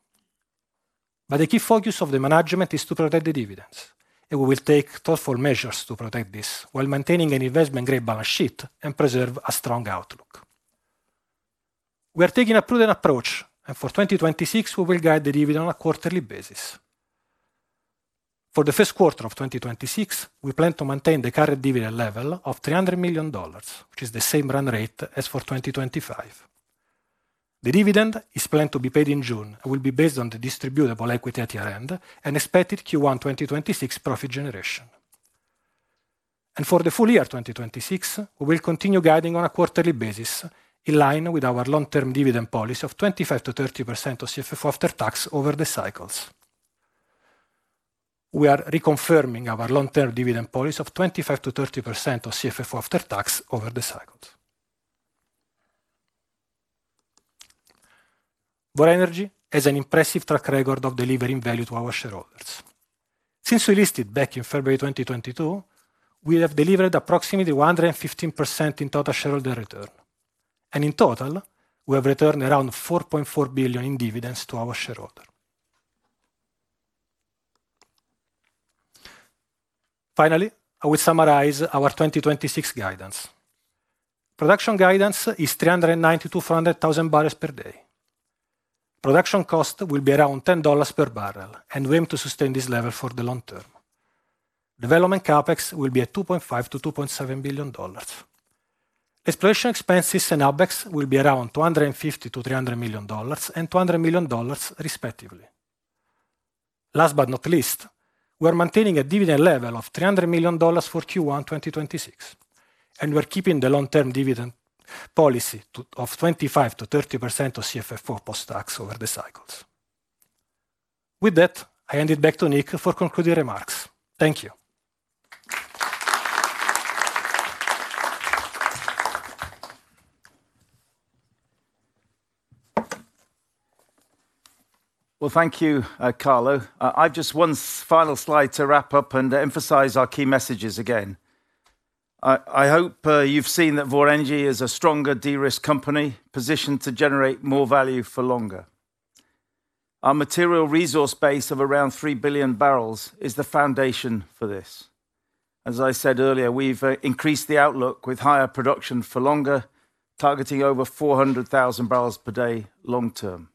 But the key focus of the management is to protect the dividends, and we will take thoughtful measures to protect this while maintaining an investment-grade balance sheet and preserve a strong outlook. We are taking a prudent approach, and for 2026, we will guide the dividend on a quarterly basis. For the first quarter of 2026, we plan to maintain the current dividend level of $300 million, which is the same run rate as for 2025. The dividend is planned to be paid in June and will be based on the distributable equity at year-end and expected Q1 2026 profit generation. And for the full-year 2026, we will continue guiding on a quarterly basis in line with our long-term dividend policy of 25%-30% of CFFO after tax over the cycles. We are reconfirming our long-term dividend policy of 25%-30% of CFFO after tax over the cycles. Vår Energi has an impressive track record of delivering value to our shareholders. Since we listed back in February 2022, we have delivered approximately 115% in total shareholder return. In total, we have returned around $4.4 billion in dividends to our shareholders. Finally, I will summarize our 2026 guidance. Production guidance is 390,000-400,000 bbl per day. Production cost will be around $10 per barrel, and we aim to sustain this level for the long term. Development CapEx will be at $2.5 billion-$2.7 billion. Exploration expenses and AbEx will be around $250,000-$300,000 and $200,000, respectively. Last but not least, we are maintaining a dividend level of $300 million for Q1 2026, and we are keeping the long-term dividend policy of 25%-30% of CFFO post-tax over the cycles. With that, I hand it back to Nick for concluding remarks. Thank you. Well, thank you, Carlo. I have just one final slide to wrap up and emphasize our key messages again. I hope you've seen that Vår Energi is a stronger, de-risk company positioned to generate more value for longer. Our material resource base of around 3 billion bbl is the foundation for this. As I said earlier, we've increased the outlook with higher production for longer, targeting over 400,000 bbl per day long term.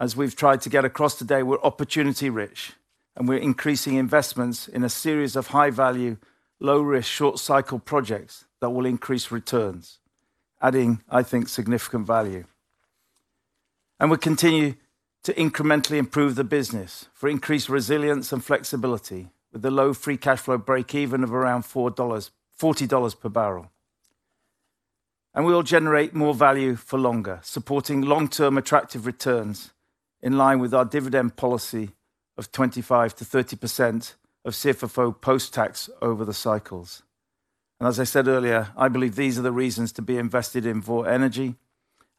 As we've tried to get across today, we're opportunity-rich, and we're increasing investments in a series of high-value, low-risk, short-cycle projects that will increase returns, adding, I think, significant value. We continue to incrementally improve the business for increased resilience and flexibility with a low free cash flow break-even of around $40 per barrel. We will generate more value for longer, supporting long-term attractive returns in line with our dividend policy of 25%-30% of CFFO post-tax over the cycles. As I said earlier, I believe these are the reasons to be invested in Vår Energi.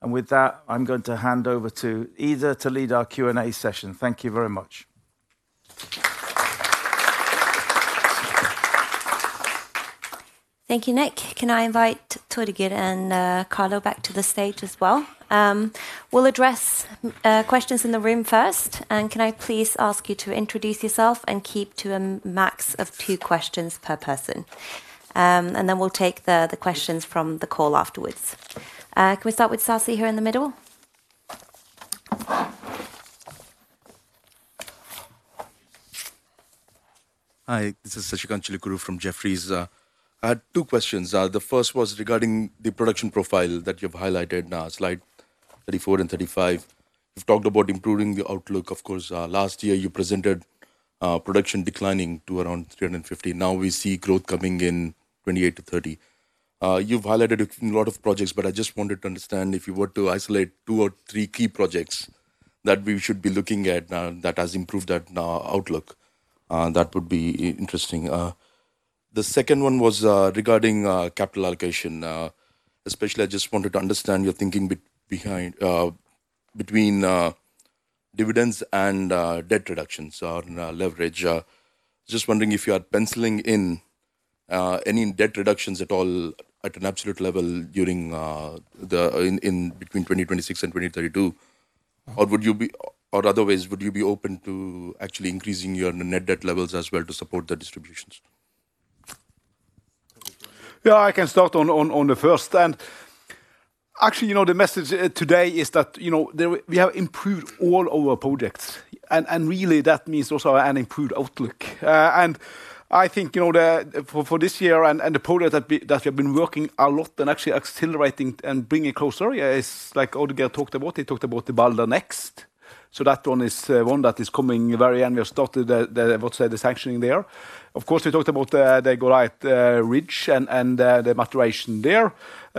With that, I'm going to hand over to Ida to lead our Q&A session. Thank you very much. Thank you, Nick. Can I invite Torger and Carlo back to the stage as well? We'll address questions in the room first. Can I please ask you to introduce yourself and keep to a max of two questions per person? Then we'll take the questions from the call afterwards. Can we start with Sasikanth here in the middle? Hi. This is Sasikanth Chilukuru from Jefferies. I had two questions. The first was regarding the production profile that you've highlighted now, Slide 34 and 35. You've talked about improving the outlook. Of course, last year, you presented production declining to around 350. Now we see growth coming in 28 to 30. You've highlighted a lot of projects, but I just wanted to understand if you were to isolate two or three key projects that we should be looking at now that have improved that outlook, that would be interesting. The second one was regarding capital allocation, especially I just wanted to understand your thinking between dividends and debt reductions on leverage. Just wondering if you are penciling in any debt reductions at all at an absolute level between 2026 and 2032, or would you be or otherwise, would you be open to actually increasing your net debt levels as well to support the distributions? Yeah, I can start on the first. Actually, the message today is that we have improved all our projects. Really, that means also an improved outlook. I think for this year and the project that we have been working a lot and actually accelerating and bringing closer is like Ole Gerhard talked about. He talked about the Balder Next. So that one is one that is coming very in. We have started, I would say, the sanctioning there. Of course, we talked about the Goliat Ridge and the maturation there,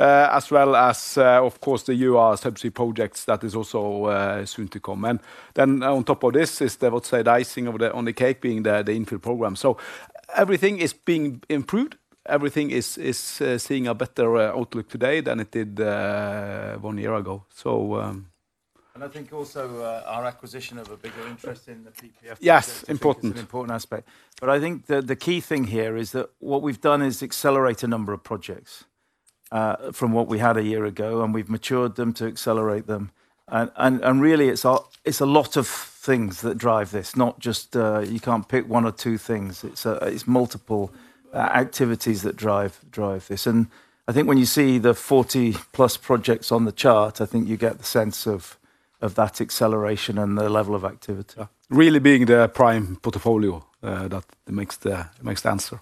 as well as, of course, the our subsidy projects that are also soon to come. Then on top of this is the, I would say, the icing on the cake being the infill program. So everything is being improved. Everything is seeing a better outlook today than it did one year ago, so. I think also our acquisition of a bigger interest in the PPF. Yes, important. Is an important aspect. But I think the key thing here is that what we've done is accelerate a number of projects from what we had a year ago, and we've matured them to accelerate them. And really, it's a lot of things that drive this, not just you can't pick one or two things. It's multiple activities that drive this. And I think when you see the 40+ projects on the chart, I think you get the sense of that acceleration and the level of activity. Really being the prime portfolio that makes the answer.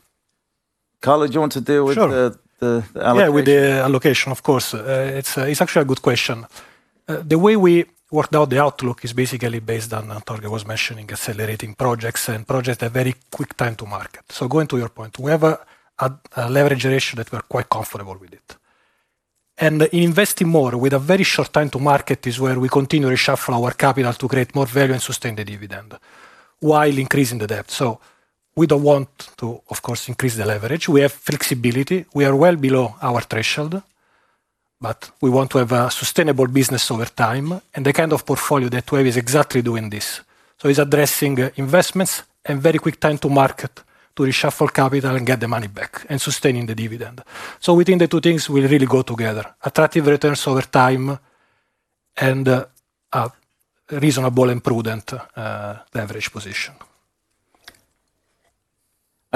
Carlo, do you want to deal with the allocation? Yeah, with the allocation, of course. It's actually a good question. The way we worked out the outlook is basically based on, as Torger was mentioning, accelerating projects and projects at a very quick time to market. So going to your point, we have a leverage ratio that we're quite comfortable with. And investing more with a very short time to market is where we continue to reshuffle our capital to create more value and sustain the dividend while increasing the debt. So we don't want to, of course, increase the leverage. We have flexibility. We are well below our threshold, but we want to have a sustainable business over time. And the kind of portfolio that we have is exactly doing this. So it's addressing investments and very quick time to market to reshuffle capital and get the money back and sustaining the dividend. Within the two things, we'll really go together: attractive returns over time and a reasonable and prudent leverage position.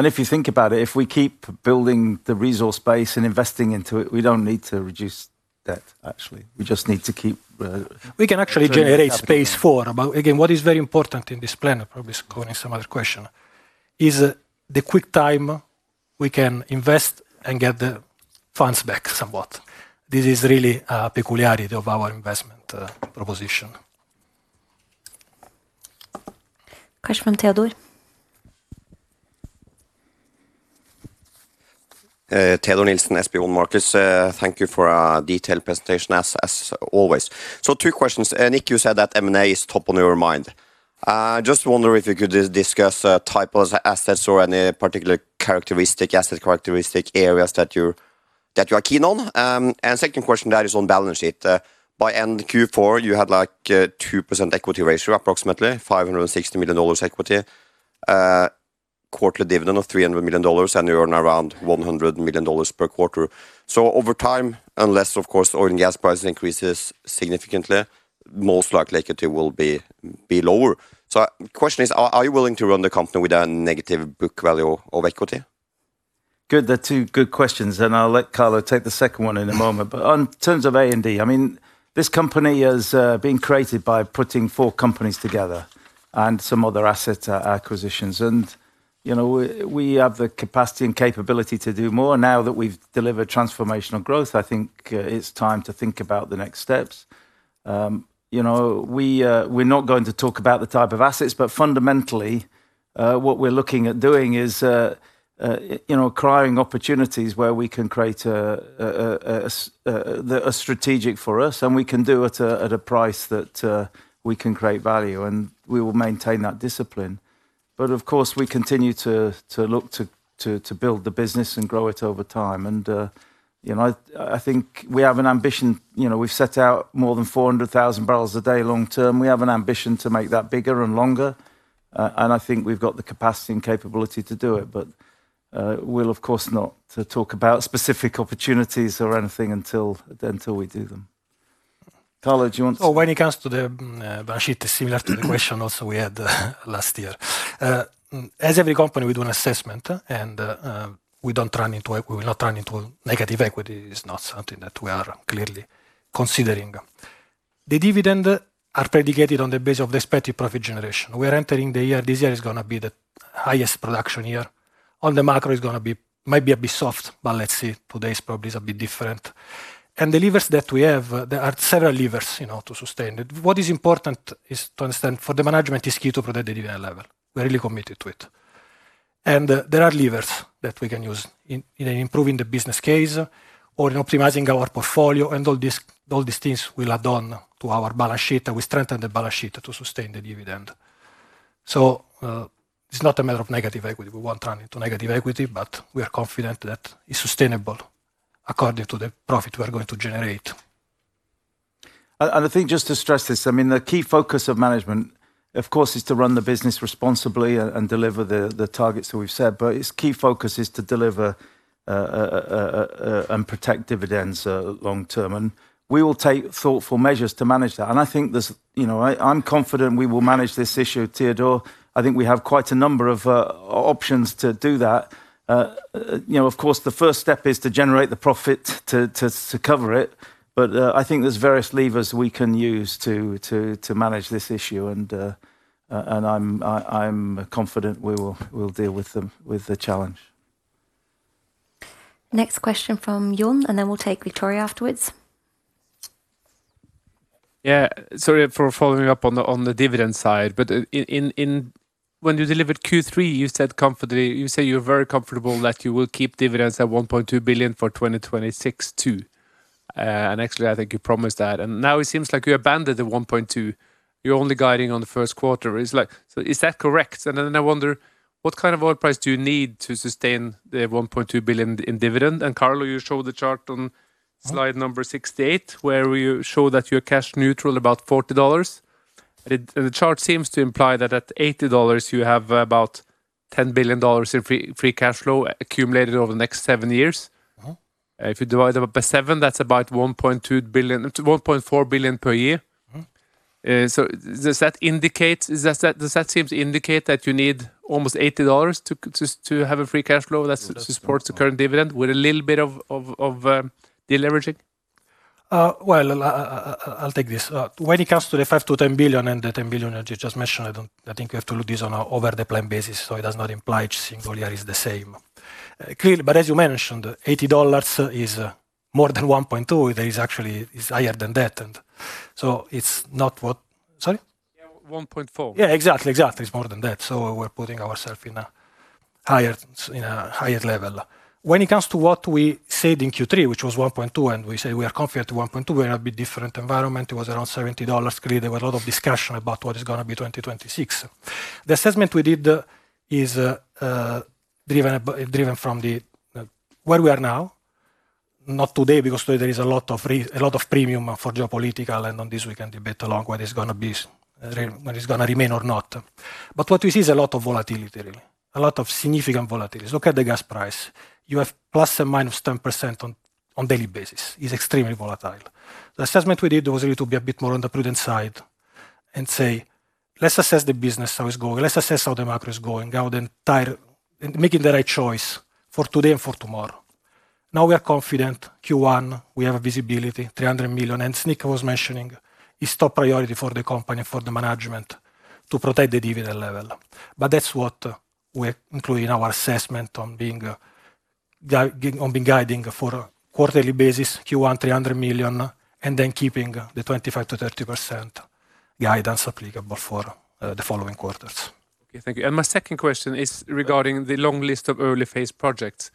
If you think about it, if we keep building the resource base and investing into it, we don't need to reduce debt, actually. We just need to keep. We can actually generate space for. But again, what is very important in this plan, probably answering some other question, is the quick time we can invest and get the funds back somewhat. This is really a peculiarity of our investment proposition. Question from Teodor. Teodor Sveen-Nilsen, SB1 Markets. Thank you for a detailed presentation, as always. So two questions. Nick, you said that M&A is top on your mind. I just wonder if you could discuss type of assets or any particular asset characteristic areas that you are keen on. And second question, that is on balance sheet. By end Q4, you had like a 2% equity ratio, approximately $560 million equity, quarterly dividend of $300 million, and you earn around $100 million per quarter. So over time, unless, of course, oil and gas prices increase significantly, most likely equity will be lower. So the question is, are you willing to run the company with a negative book value of equity? Good. That's two good questions. And I'll let Carlo take the second one in a moment. But in terms of A&D, I mean, this company has been created by putting four companies together and some other asset acquisitions. And we have the capacity and capability to do more. Now that we've delivered transformational growth, I think it's time to think about the next steps. We're not going to talk about the type of assets, but fundamentally, what we're looking at doing is acquiring opportunities where we can create a strategic for us, and we can do it at a price that we can create value. And we will maintain that discipline. But of course, we continue to look to build the business and grow it over time. And I think we have an ambition. We've set out more than 400,000 bbl a day long term. We have an ambition to make that bigger and longer. I think we've got the capacity and capability to do it. But we'll, of course, not talk about specific opportunities or anything until we do them. Carlo, do you want to? Oh, when it comes to the balance sheet, it's similar to the question also we had last year. As every company, we do an assessment, and we will not run into negative equity. It's not something that we are clearly considering. The dividends are predicated on the base of the expected profit generation. We are entering the year this year is going to be the highest production year. On the macro, it's going to be might be a bit soft, but let's see. Today's probably is a bit different. And the levers that we have, there are several levers to sustain it. What is important is to understand for the management is key to protect the dividend level. We're really committed to it. And there are levers that we can use in improving the business case or in optimizing our portfolio. All these things will add on to our balance sheet. We strengthen the balance sheet to sustain the dividend. It's not a matter of negative equity. We won't run into negative equity, but we are confident that it's sustainable according to the profit we are going to generate. I think just to stress this, I mean, the key focus of management, of course, is to run the business responsibly and deliver the targets that we've set. But its key focus is to deliver and protect dividends long term. And we will take thoughtful measures to manage that. And I think I'm confident we will manage this issue, Teodor. I think we have quite a number of options to do that. Of course, the first step is to generate the profit to cover it. But I think there's various levers we can use to manage this issue. And I'm confident we will deal with the challenge. Next question from John, and then we'll take Victoria afterwards. Yeah. Sorry for following up on the dividend side. But when you delivered Q3, you said comfortably you say you're very comfortable that you will keep dividends at $1.2 billion for 2026 too. And actually, I think you promised that. And now it seems like you abandoned the $1.2 billion. You're only guiding on the first quarter. So is that correct? And then I wonder, what kind of oil price do you need to sustain the $1.2 billion in dividend? And Carlo, you showed the chart on slide 68 where you show that you're cash neutral about $40. And the chart seems to imply that at $80, you have about $10 billion in free cash flow accumulated over the next seven years. If you divide them up by seven, that's about $1.4 billion per year. So does that seem to indicate that you need almost $80 to have a free cash flow that supports the current dividend with a little bit of deleveraging? Well, I'll take this. When it comes to the $5 billion-$10 billion and the $10 billion you just mentioned, I think you have to look at this on an over-the-plan basis. So it does not imply each single year is the same. Clearly, but as you mentioned, $80 is more than $1.2 billion. There is actually it's higher than that. And so it's not what? Sorry? $1.4 billion. Yeah, exactly. Exactly. It's more than that. So we're putting ourselves in a higher level. When it comes to what we said in Q3, which was $1.2 billion, and we said we are confident in $1.2 billion, we had a bit different environment. It was around $70. Clearly, there was a lot of discussion about what is going to be 2026. The assessment we did is driven from where we are now, not today, because today there is a lot of premium for geopolitical, and on this we can debate along what is going to be when it's going to remain or not. But what we see is a lot of volatility, really, a lot of significant volatility. Look at the gas price. You have ±10% on daily basis. It's extremely volatile. The assessment we did was really to be a bit more on the prudent side and say, let's assess the business, how it's going. Let's assess how the macro is going, how the entire making the right choice for today and for tomorrow. Now we are confident. Q1, we have a visibility, $300 million. And Nick was mentioning it's top priority for the company and for the management to protect the dividend level. But that's what we include in our assessment on being guiding for quarterly basis, Q1, $300 million, and then keeping the 25%-30% guidance applicable for the following quarters. Okay. Thank you. And my second question is regarding the long list of early-phase projects.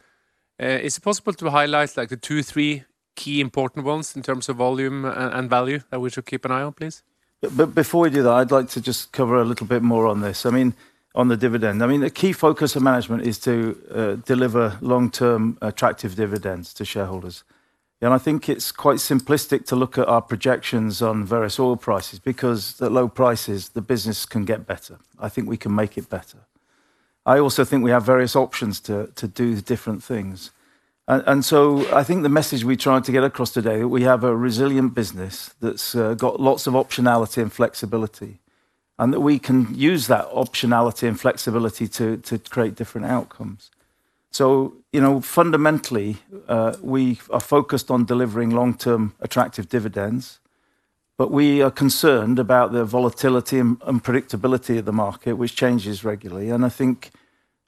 Is it possible to highlight the two, three key important ones in terms of volume and value that we should keep an eye on, please? Before we do that, I'd like to just cover a little bit more on this, I mean, on the dividend. I mean, the key focus of management is to deliver long-term attractive dividends to shareholders. I think it's quite simplistic to look at our projections on various oil prices because at low prices, the business can get better. I think we can make it better. I also think we have various options to do different things. I think the message we're trying to get across today is that we have a resilient business that's got lots of optionality and flexibility and that we can use that optionality and flexibility to create different outcomes. Fundamentally, we are focused on delivering long-term attractive dividends. We are concerned about the volatility and predictability of the market, which changes regularly. And I think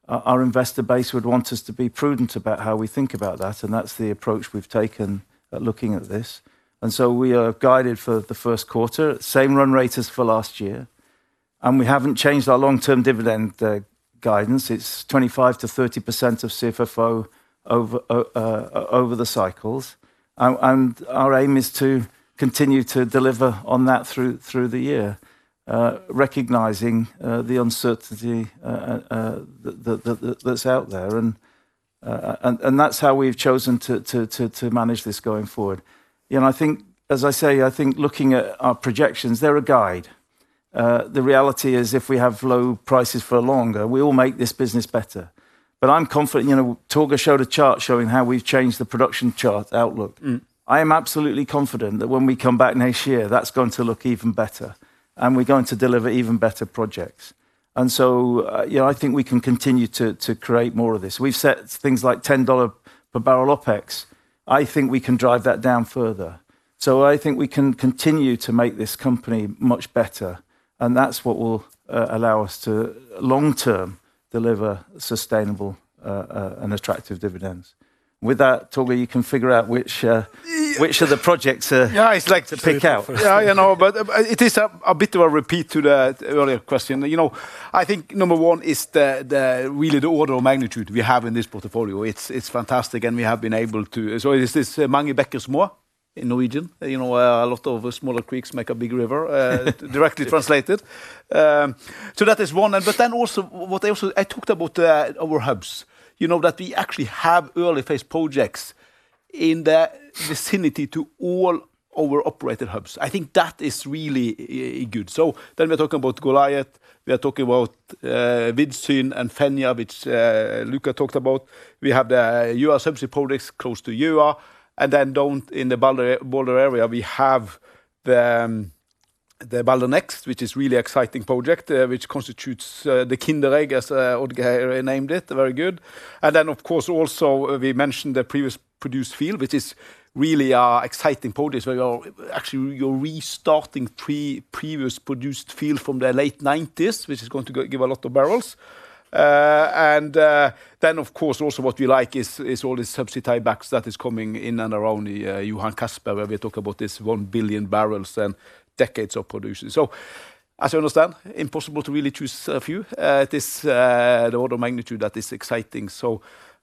our investor base would want us to be prudent about how we think about that. And that's the approach we've taken at looking at this. And so we are guided for the first quarter, same run rate as for last year. And we haven't changed our long-term dividend guidance. It's 25%-30% of CFFO over the cycles. And our aim is to continue to deliver on that through the year, recognizing the uncertainty that's out there. And that's how we've chosen to manage this going forward. And I think, as I say, I think looking at our projections, they're a guide. The reality is if we have low prices for longer, we all make this business better. But I'm confident Torger showed a chart showing how we've changed the production chart outlook. I am absolutely confident that when we come back next year, that's going to look even better. We're going to deliver even better projects. I think we can continue to create more of this. We've set things like $10 per barrel OpEx. I think we can drive that down further. I think we can continue to make this company much better. That's what will allow us to, long-term, deliver sustainable and attractive dividends. With that, Torger, you can figure out which are the projects to pick out. Yeah, I know. But it is a bit of a repeat to the earlier question. I think number one is really the order of magnitude we have in this portfolio. It's fantastic. And we have been able to so it's this Mange bekker små in Norwegian, where a lot of smaller creeks make a big river, directly translated. So that is one. But then also, I talked about our hubs, that we actually have early-phase projects in the vicinity to all our operated hubs. I think that is really good. So then we're talking about Goliat. We are talking about Vidsyn and Fenja, which Luca talked about. We have the Gjøa subsea projects close to Gjøa. And then in the Balder area, we have the Balder Next, which is a really exciting project, which constitutes the Kinder Egg, as Oddgeir named it. Very good. And then, of course, also, we mentioned the previous produced field, which is really an exciting project where you're actually restarting previous produced field from the late 1990s, which is going to give a lot of barrels. And then, of course, also, what we like is all this subsea tie-backs that is coming in and around Johan Castberg, where we talk about this 1 billion bbl and decades of production. So as you understand, impossible to really choose a few. It is the order of magnitude that is exciting.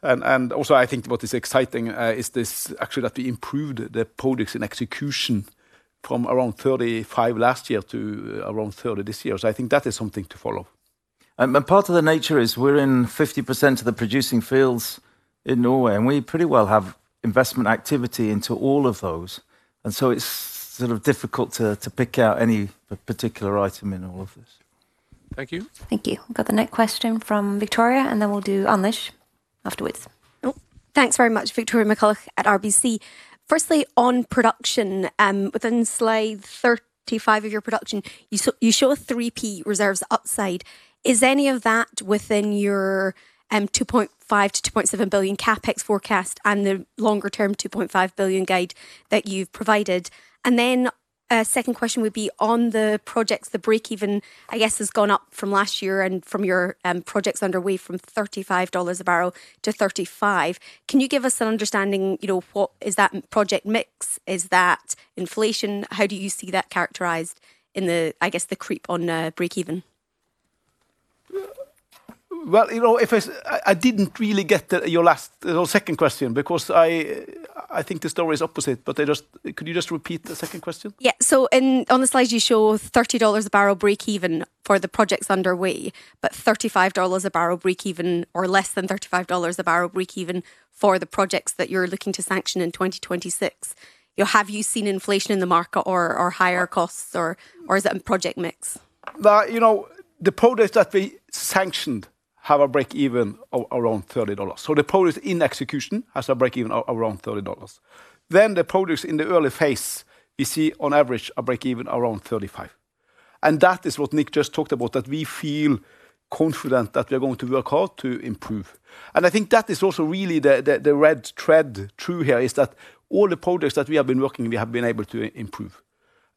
And also, I think what is exciting is actually that we improved the projects in execution from around 35 last year to around 30 this year. So I think that is something to follow. Part of the nature is we're in 50% of the producing fields in Norway. We pretty well have investment activity into all of those. So it's sort of difficult to pick out any particular item in all of this. Thank you. Thank you. We've got the next question from Victoria, and then we'll do Amish afterwards. Thanks very much, Victoria McCulloch at RBC. Firstly, on production, within slide 35 of your production, you show 3P reserves upside. Is any of that within your $2.5 billion-$2.7 billion CapEx forecast and the longer-term $2.5 billion guide that you've provided? And then a second question would be on the projects, the breakeven, I guess, has gone up from last year and from your projects underway from $35 a barrel to $35. Can you give us an understanding? Is that project mix? Is that inflation? How do you see that characterized in, I guess, the creep on breakeven? Well, I didn't really get your second question because I think the story is opposite. But could you just repeat the second question? Yeah. So on the slides, you show $30 a barrel breakeven for the projects underway, but $35 a barrel breakeven or less than $35 a barrel breakeven for the projects that you're looking to sanction in 2026. Have you seen inflation in the market or higher costs, or is it a project mix? The projects that we sanctioned have a break-even around $30. So the projects in execution have a break-even around $30. Then the projects in the early phase, we see, on average, a break-even around $35. And that is what Nick just talked about, that we feel confident that we are going to work hard to improve. And I think that is also really the red thread true here is that all the projects that we have been working, we have been able to improve.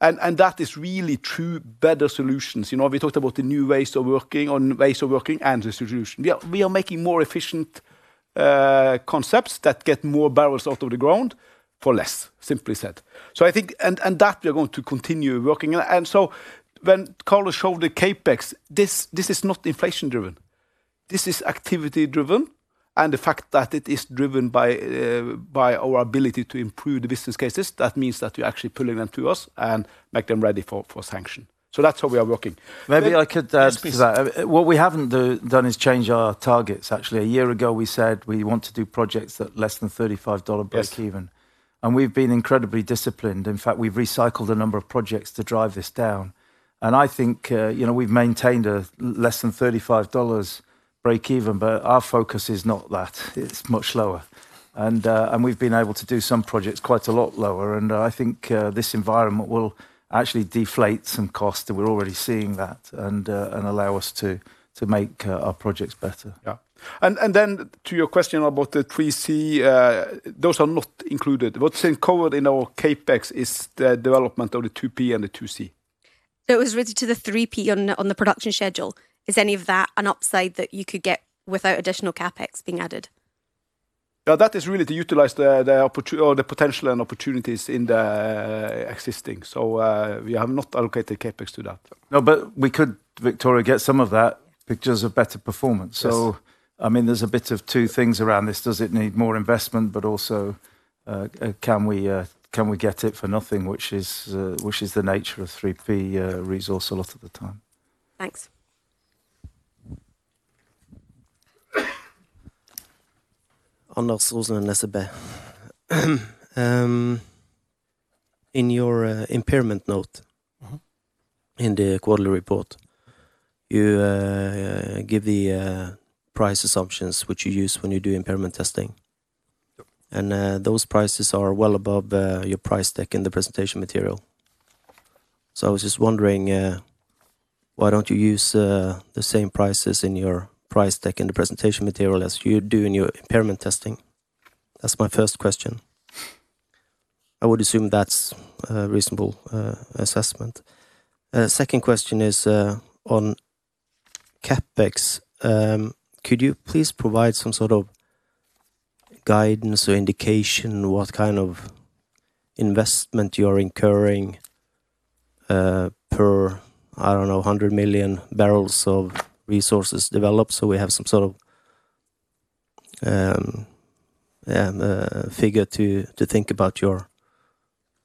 And that is really true better solutions. We talked about the new ways of working and the solution. We are making more efficient concepts that get more barrels out of the ground for less, simply said. And that we are going to continue working. And so when Carlo showed the CapEx, this is not inflation-driven. This is activity-driven. The fact that it is driven by our ability to improve the business cases, that means that you're actually pulling them to us and make them ready for sanction. So that's how we are working. Maybe I could add to that. What we haven't done is change our targets, actually. A year ago, we said we want to do projects at less than $35 break-even. And we've been incredibly disciplined. In fact, we've recycled a number of projects to drive this down. And I think we've maintained a less than $35 break-even, but our focus is not that. It's much lower. And we've been able to do some projects quite a lot lower. And I think this environment will actually deflate some costs. And we're already seeing that and allow us to make our projects better. Yeah. And then to your question about the 3C, those are not included. What's been covered in our CapEx is the development of the 2P and the 2C. It was related to the 3P on the production schedule. Is any of that an upside that you could get without additional CapEx being added? Yeah, that is really to utilize the potential and opportunities in the existing. So we have not allocated CapEx to that. No, but we could, Victoria, get some of that. Pictures of better performance. So I mean, there's a bit of two things around this. Does it need more investment, but also can we get it for nothing, which is the nature of 3P resource a lot of the time? Thanks. in your impairment note in the quarterly report, you give the price assumptions which you use when you do impairment testing. And those prices are well above your price deck in the presentation material. So I was just wondering, why don't you use the same prices in your price deck in the presentation material as you do in your impairment testing? That's my first question. I would assume that's a reasonable assessment. Second question is on CapEx. Could you please provide some sort of guidance or indication what kind of investment you are incurring per, I don't know, 100 million bbl of resources developed? So we have some sort of figure to think about your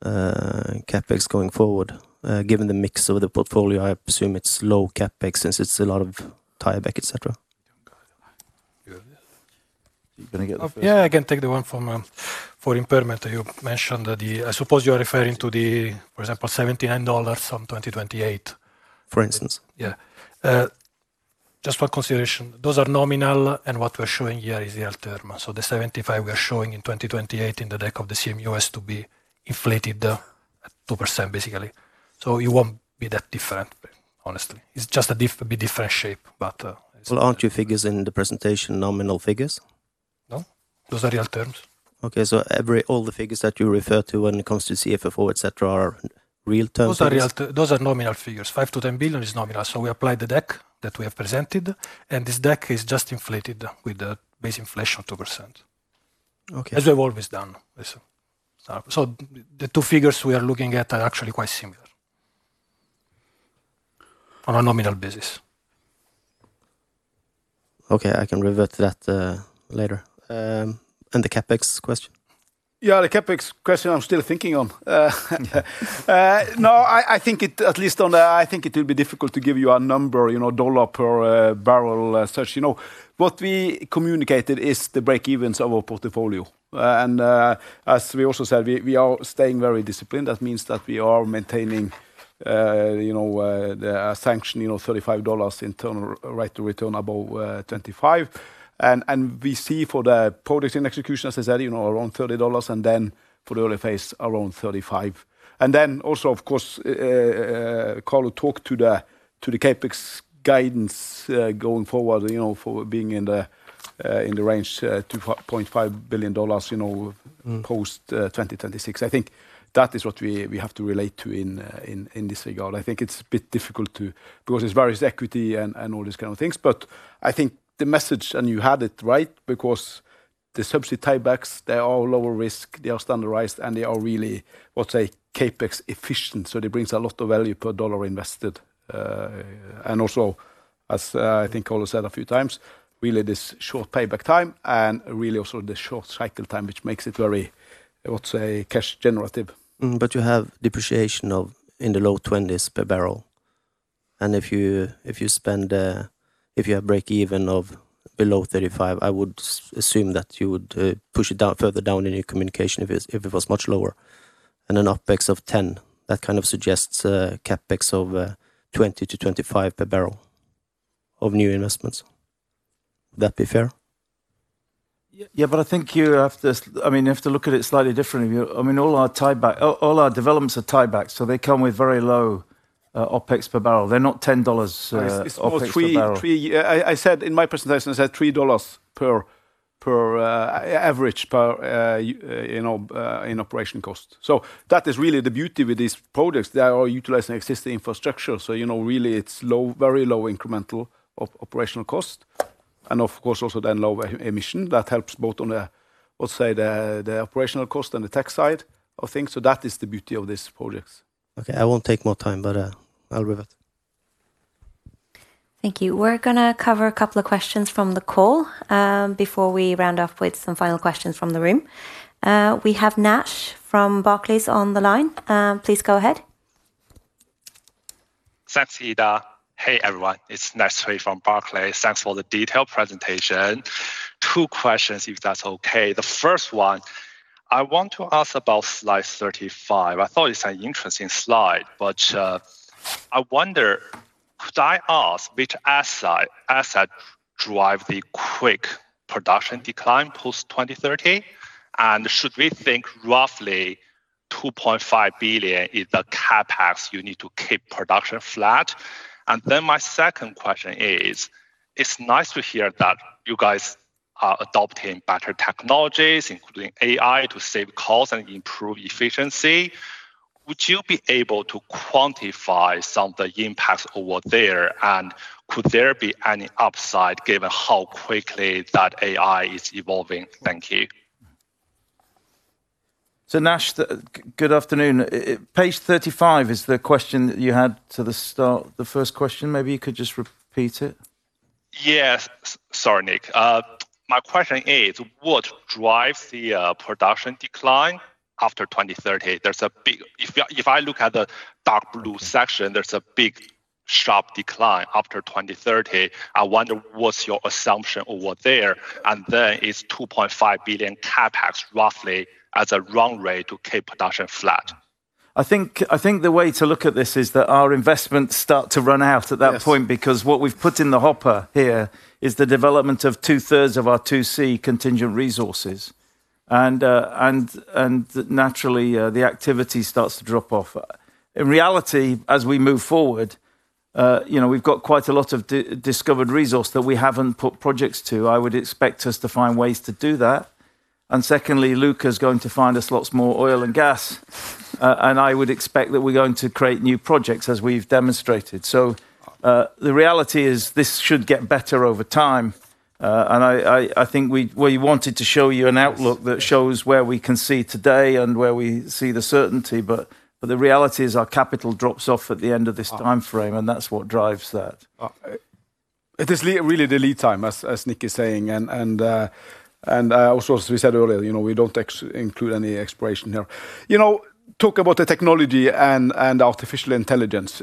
CapEx going forward, given the mix of the portfolio. I presume it's low CapEx since it's a lot of tie-back, etc. You have this? Yeah, I can take the one for impairment that you mentioned, that I suppose you are referring to the, for example, $79 from 2028. For instance. Yeah. Just one consideration. Those are nominal, and what we are showing here is real terms. So the 75 we are showing in 2028 in the deck of the CMU has to be inflated at 2%, basically. So it won't be that different, honestly. It's just a bit different shape, but. Well, aren't your figures in the presentation nominal figures? No. Those are real terms. Okay. So all the figures that you refer to when it comes to CFFO, etc., are real terms? Those are nominal figures. $5 billion-$10 billion is nominal. We apply the deck that we have presented. This deck is just inflated with base inflation of 2%, as we have always done. The two figures we are looking at are actually quite similar on a nominal basis. Okay. I can revert to that later. And the CapEx question? Yeah, the CapEx question I'm still thinking on. No, I think it, at least on the, I think it will be difficult to give you a number, dollar per barrel such. What we communicated is the breakevens of our portfolio. And as we also said, we are staying very disciplined. That means that we are maintaining the sanctioned $35 internal rate of return above 25%. And we see for the projects in execution, as I said, around $30, and then for the early phase, around $35. And then also, of course, Carlo talked to the CapEx guidance going forward for being in the range of $2.5 billion post-2026. I think that is what we have to relate to in this regard. I think it's a bit difficult because it's various equity and all these kind of things. But I think the message, and you had it right, because the subsea tie-backs, they are lower risk, they are standardized, and they are really, I would say, CapEx efficient. So it brings a lot of value per dollar invested. And also, as I think Carlo said a few times, really this short payback time and really also the short cycle time, which makes it very, I would say, cash-generative. But you have depreciation in the low 20s per barrel. And if you spend, if you have breakeven of below $35, I would assume that you would push it further down in your communication if it was much lower. And an OpEx of $10, that kind of suggests CapEx of $20-$25 per barrel of new investments. Would that be fair? Yeah, but I think you have to, I mean, you have to look at it slightly differently. I mean, all our tie-backs, all our developments are tie-backs. So they come with very low OpEx per barrel. They're not $10 or $3 per barrel. I said, in my presentation, I said $3 per average in operation cost. So that is really the beauty with these projects. They are utilizing existing infrastructure. So really, it's very low incremental operational cost. And of course, also then low emission. That helps both on the, I would say, the operational cost and the tech side of things. So that is the beauty of these projects. Okay. I won't take more time, but I'll revert. Thank you. We're going to cover a couple of questions from the call before we round off with some final questions from the room. We have Naish Cui from Barclays on the line. Please go ahead. Thanks, Ida. Hey, everyone. It's Naish Cui from Barclays. Thanks for the detailed presentation. Two questions, if that's okay. The first one, I want to ask about slide 35. I thought it's an interesting slide, but I wonder, could I ask which assets drive the quick production decline post-2030? And should we think roughly $2.5 billion is the CapEx you need to keep production flat? And then my second question is, it's nice to hear that you guys are adopting better technologies, including AI, to save costs and improve efficiency. Would you be able to quantify some of the impacts over there? And could there be any upside given how quickly that AI is evolving? Thank you. Naish, good afternoon. Page 35 is the question you had to the first question. Maybe you could just repeat it. Yes. Sorry, Nick. My question is, what drives the production decline after 2030? If I look at the dark blue section, there's a big sharp decline after 2030. I wonder, what's your assumption over there? And then it's $2.5 billion CapEx roughly as a run rate to keep production flat. I think the way to look at this is that our investments start to run out at that point because what we've put in the hopper here is the development of two-thirds of our 2C Contingent Resources. And naturally, the activity starts to drop off. In reality, as we move forward, we've got quite a lot of discovered resource that we haven't put projects to. I would expect us to find ways to do that. And secondly, Luca is going to find us lots more oil and gas. And I would expect that we're going to create new projects as we've demonstrated. So the reality is this should get better over time. And I think we wanted to show you an outlook that shows where we can see today and where we see the certainty. But the reality is our capital drops off at the end of this timeframe, and that's what drives that. It is really the lead time, as Nick is saying. Also, as we said earlier, we don't include any exploration here. Talk about the technology and artificial intelligence.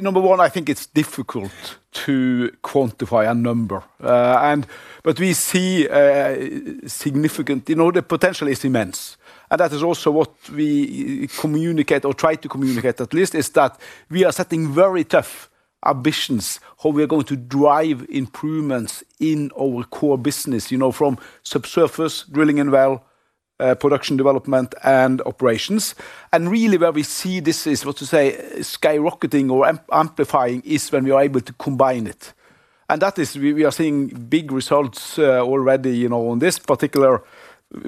Number one, I think it's difficult to quantify a number. But we see significant the potential is immense. And that is also what we communicate or try to communicate, at least, is that we are setting very tough ambitions how we are going to drive improvements in our core business from subsurface drilling and well, production development, and operations. And really, where we see this is, what to say, skyrocketing or amplifying is when we are able to combine it. We are seeing big results already on this particular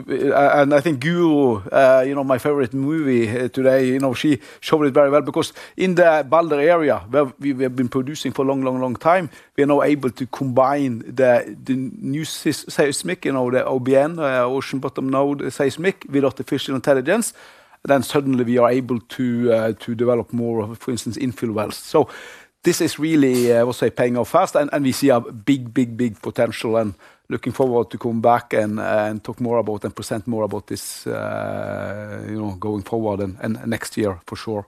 and I think Guro, my favorite movie today, she showed it very well because in the Balder area where we have been producing for a long, long, long time, we are now able to combine the new seismic, the OBN, Ocean Bottom Node seismic with artificial intelligence. Then suddenly, we are able to develop more, for instance, infill wells. So this is really, I would say, paying off fast. And we see a big, big, big potential. And looking forward to coming back and talk more about and present more about this going forward and next year, for sure.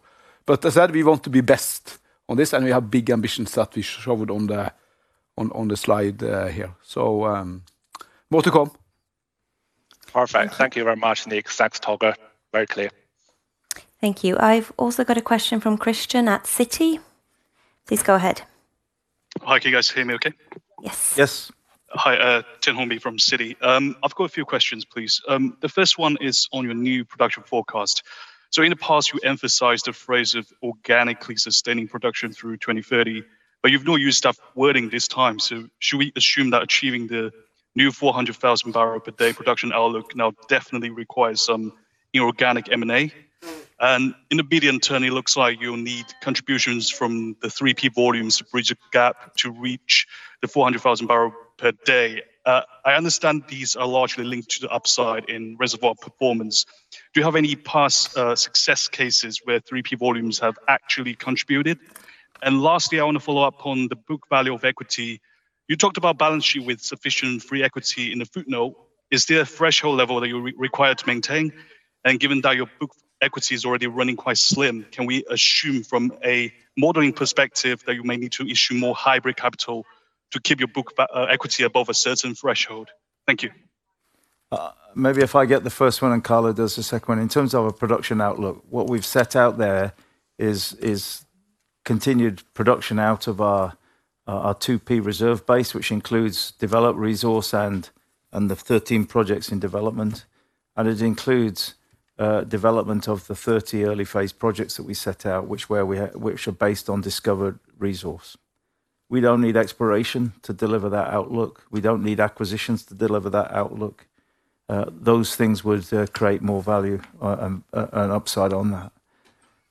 But as I said, we want to be best on this. And we have big ambitions that we showed on the slide here. So more to come. Perfect. Thank you very much, Nick. Thanks, Torger. Very clear. Thank you. I've also got a question from Christian at Citi. Please go ahead. Hi. Can you guys hear me okay? Yes. Yes. Hi. Tianhong Bi from Citi. I've got a few questions, please. The first one is on your new production forecast. So in the past, you emphasized the phrase of organically sustaining production through 2030, but you've now used that wording this time. So should we assume that achieving the new 400,000-barrel per day production outlook now definitely requires some inorganic M&A? And in the medium term, it looks like you'll need contributions from the 3P volumes to bridge the gap to reach the 400,000-barrel per day. I understand these are largely linked to the upside in reservoir performance. Do you have any past success cases where 3P volumes have actually contributed? And lastly, I want to follow up on the book value of equity. You talked about balance sheet with sufficient free equity in the footnote. Is there a threshold level that you're required to maintain? Given that your book equity is already running quite slim, can we assume from a modeling perspective that you may need to issue more hybrid capital to keep your book equity above a certain threshold? Thank you. Maybe if I get the first one and Carlo does the second one. In terms of our production outlook, what we've set out there is continued production out of our 2P reserve base, which includes developed resource and the 13 projects in development. And it includes development of the 30 early phase projects that we set out, which are based on discovered resource. We don't need exploration to deliver that outlook. We don't need acquisitions to deliver that outlook. Those things would create more value and upside on that.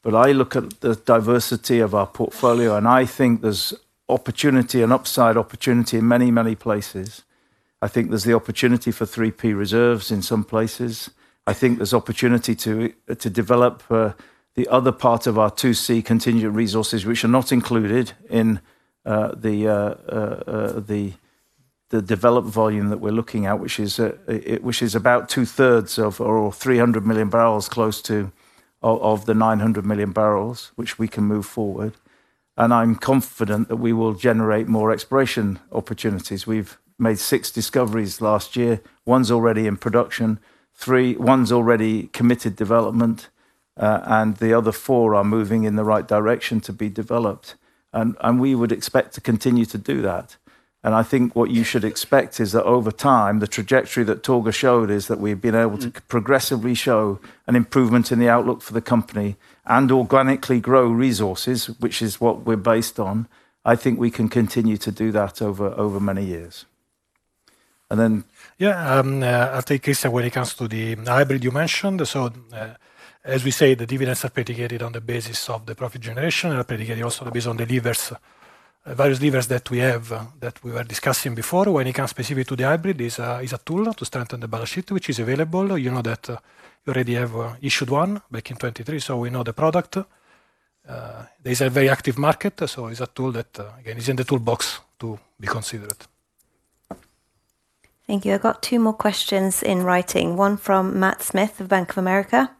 But I look at the diversity of our portfolio, and I think there's opportunity and upside opportunity in many, many places. I think there's the opportunity for 3P reserves in some places. I think there's opportunity to develop the other part of our 2C Contingent Resources, which are not included in the developed volume that we're looking at, which is about 2/3 of or 300 million bbl, close to of the 900 million bbl, which we can move forward. And I'm confident that we will generate more exploration opportunities. We've made six discoveries last year. One's already in production. One's already committed development. And the other four are moving in the right direction to be developed. And we would expect to continue to do that. And I think what you should expect is that over time, the trajectory that Torger showed is that we've been able to progressively show an improvement in the outlook for the company and organically grow resources, which is what we're based on. I think we can continue to do that over many years. And then. Yeah. I think, when it comes to the hybrid you mentioned, so as we say, the dividends are predicated on the basis of the profit generation. They are predicated also on the basis of the levers, various levers that we have that we were discussing before. When it comes specifically to the hybrid, it is a tool to strengthen the balance sheet, which is available. You know that you already have issued one back in 2023. So we know the product. There is a very active market. So it's a tool that, again, is in the toolbox to be considered. Thank you. I've got two more questions in writing. One from Matt Smith of Bank of America.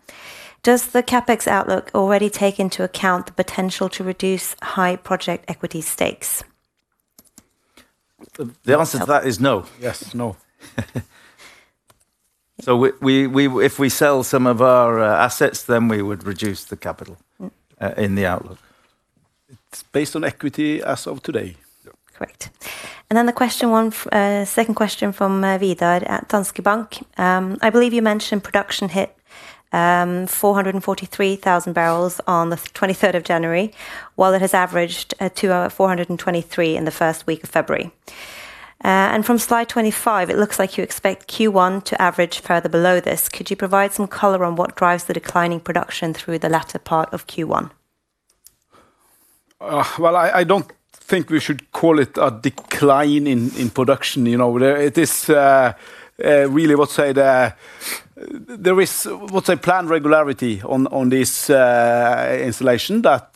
Does the CapEx outlook already take into account the potential to reduce high project equity stakes? The answer to that is no. Yes, no. If we sell some of our assets, then we would reduce the capital in the outlook. It's based on equity as of today. Correct. And then the question, second question from Vidar at Danske Bank. I believe you mentioned production hit 443,000 bbl on the 23rd of January, while it has averaged 423 in the first week of February. And from slide 25, it looks like you expect Q1 to average further below this. Could you provide some color on what drives the declining production through the latter part of Q1? Well, I don't think we should call it a decline in production. It is really, I would say, there is, I would say, planned regularity on this installation that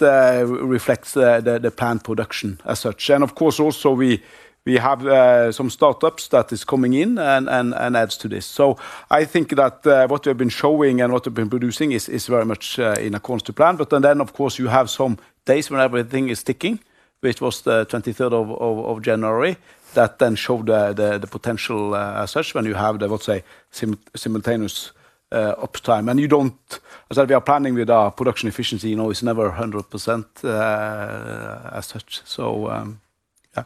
reflects the planned production as such. And of course, also, we have some startups that are coming in and add to this. So I think that what we have been showing and what we've been producing is very much in accordance to plan. But then, of course, you have some days when everything is ticking, which was the 23rd of January, that then show the potential as such when you have the, I would say, simultaneous uptime. And as I said, we are planning with our production efficiency. It's never 100% as such. So yeah.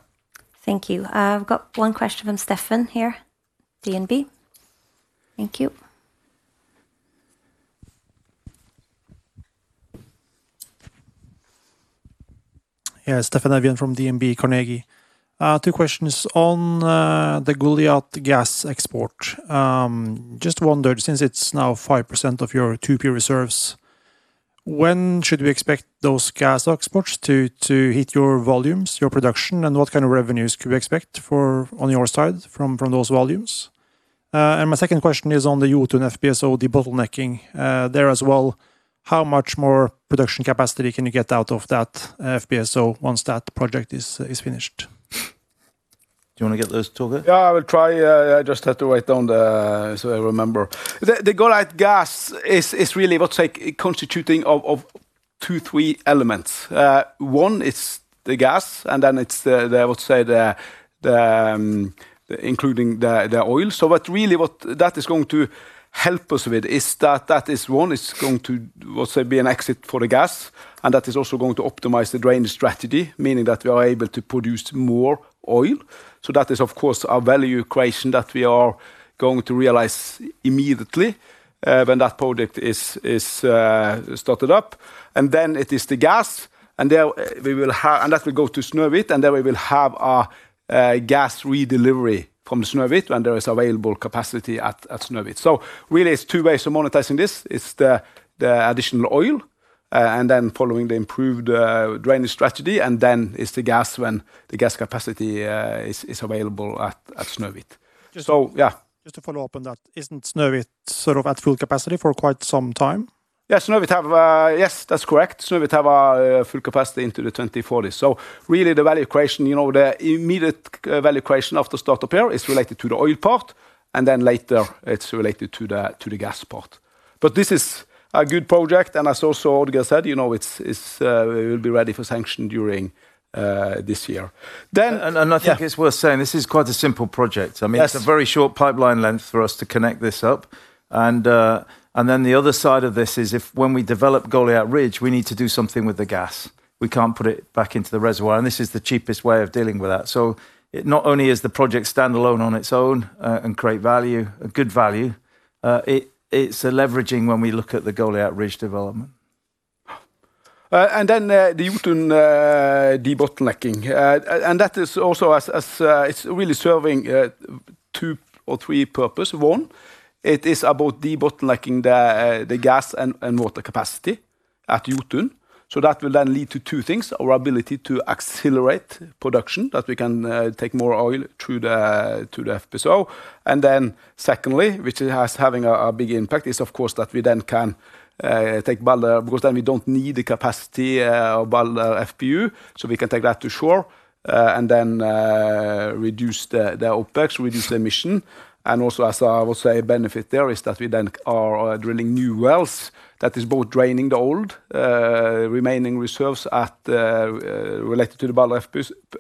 Thank you. I've got one question from Steffen here, DNB. Thank you. Yeah. Steffen Evjen from DNB Carnegie. Two questions on the Goliat gas export. Just wondered, since it's now 5% of your 2P reserves, when should we expect those gas exports to hit your volumes, your production? And what kind of revenues could we expect on your side from those volumes? And my second question is on the Jotun FPSO, the bottlenecking. There as well, how much more production capacity can you get out of that FPSO once that project is finished? Do you want to get those, Torger? Yeah, I will try. I just have to write down so I remember. The Goliat Gas is really, I would say, constituting of two, three elements. One, it's the gas, and then it's the, I would say, including the oil. So really, what that is going to help us with is that that is one, it's going to, I would say, be an exit for the gas. And that is also going to optimize the drainage strategy, meaning that we are able to produce more oil. So that is, of course, a value creation that we are going to realize immediately when that project is started up. And then it is the gas. And there we will have and that will go to Snøhvit. And there we will have a gas redelivery from Snøhvit when there is available capacity at Snøhvit. So really, it's two ways of monetizing this. It's the additional oil and then following the improved drainage strategy. And then it's the gas when the gas capacity is available at Snøhvit. So yeah. Just to follow up on that, isn't Snøhvit sort of at full capacity for quite some time? Yeah. Yes, that's correct. Snøhvit have full capacity into the 2040s. So really, the value creation, the immediate value creation after startup here is related to the oil part. And then later, it's related to the gas part. But this is a good project. And as also Oddgeir said, it will be ready for sanction during this year. I think it's worth saying this is quite a simple project. I mean, it's a very short pipeline length for us to connect this up. Then the other side of this is when we develop Goliat Ridge, we need to do something with the gas. We can't put it back into the reservoir. This is the cheapest way of dealing with that. So it not only is the project standalone on its own and create value, a good value, it's leveraging when we look at the Goliat Ridge development. And then the Jotun de-bottlenecking. And that is also as it's really serving two or three purposes. One, it is about de-bottlenecking the gas and water capacity at Jotun. So that will then lead to two things, our ability to accelerate production that we can take more oil through the FPSO. And then secondly, which is having a big impact, is, of course, that we then can take Balder because then we don't need the capacity of Balder FPU. So we can take that to shore and then reduce the OpEx, reduce the emission. And also, as I would say, a benefit there is that we then are drilling new wells that is both draining the old remaining reserves related to the Balder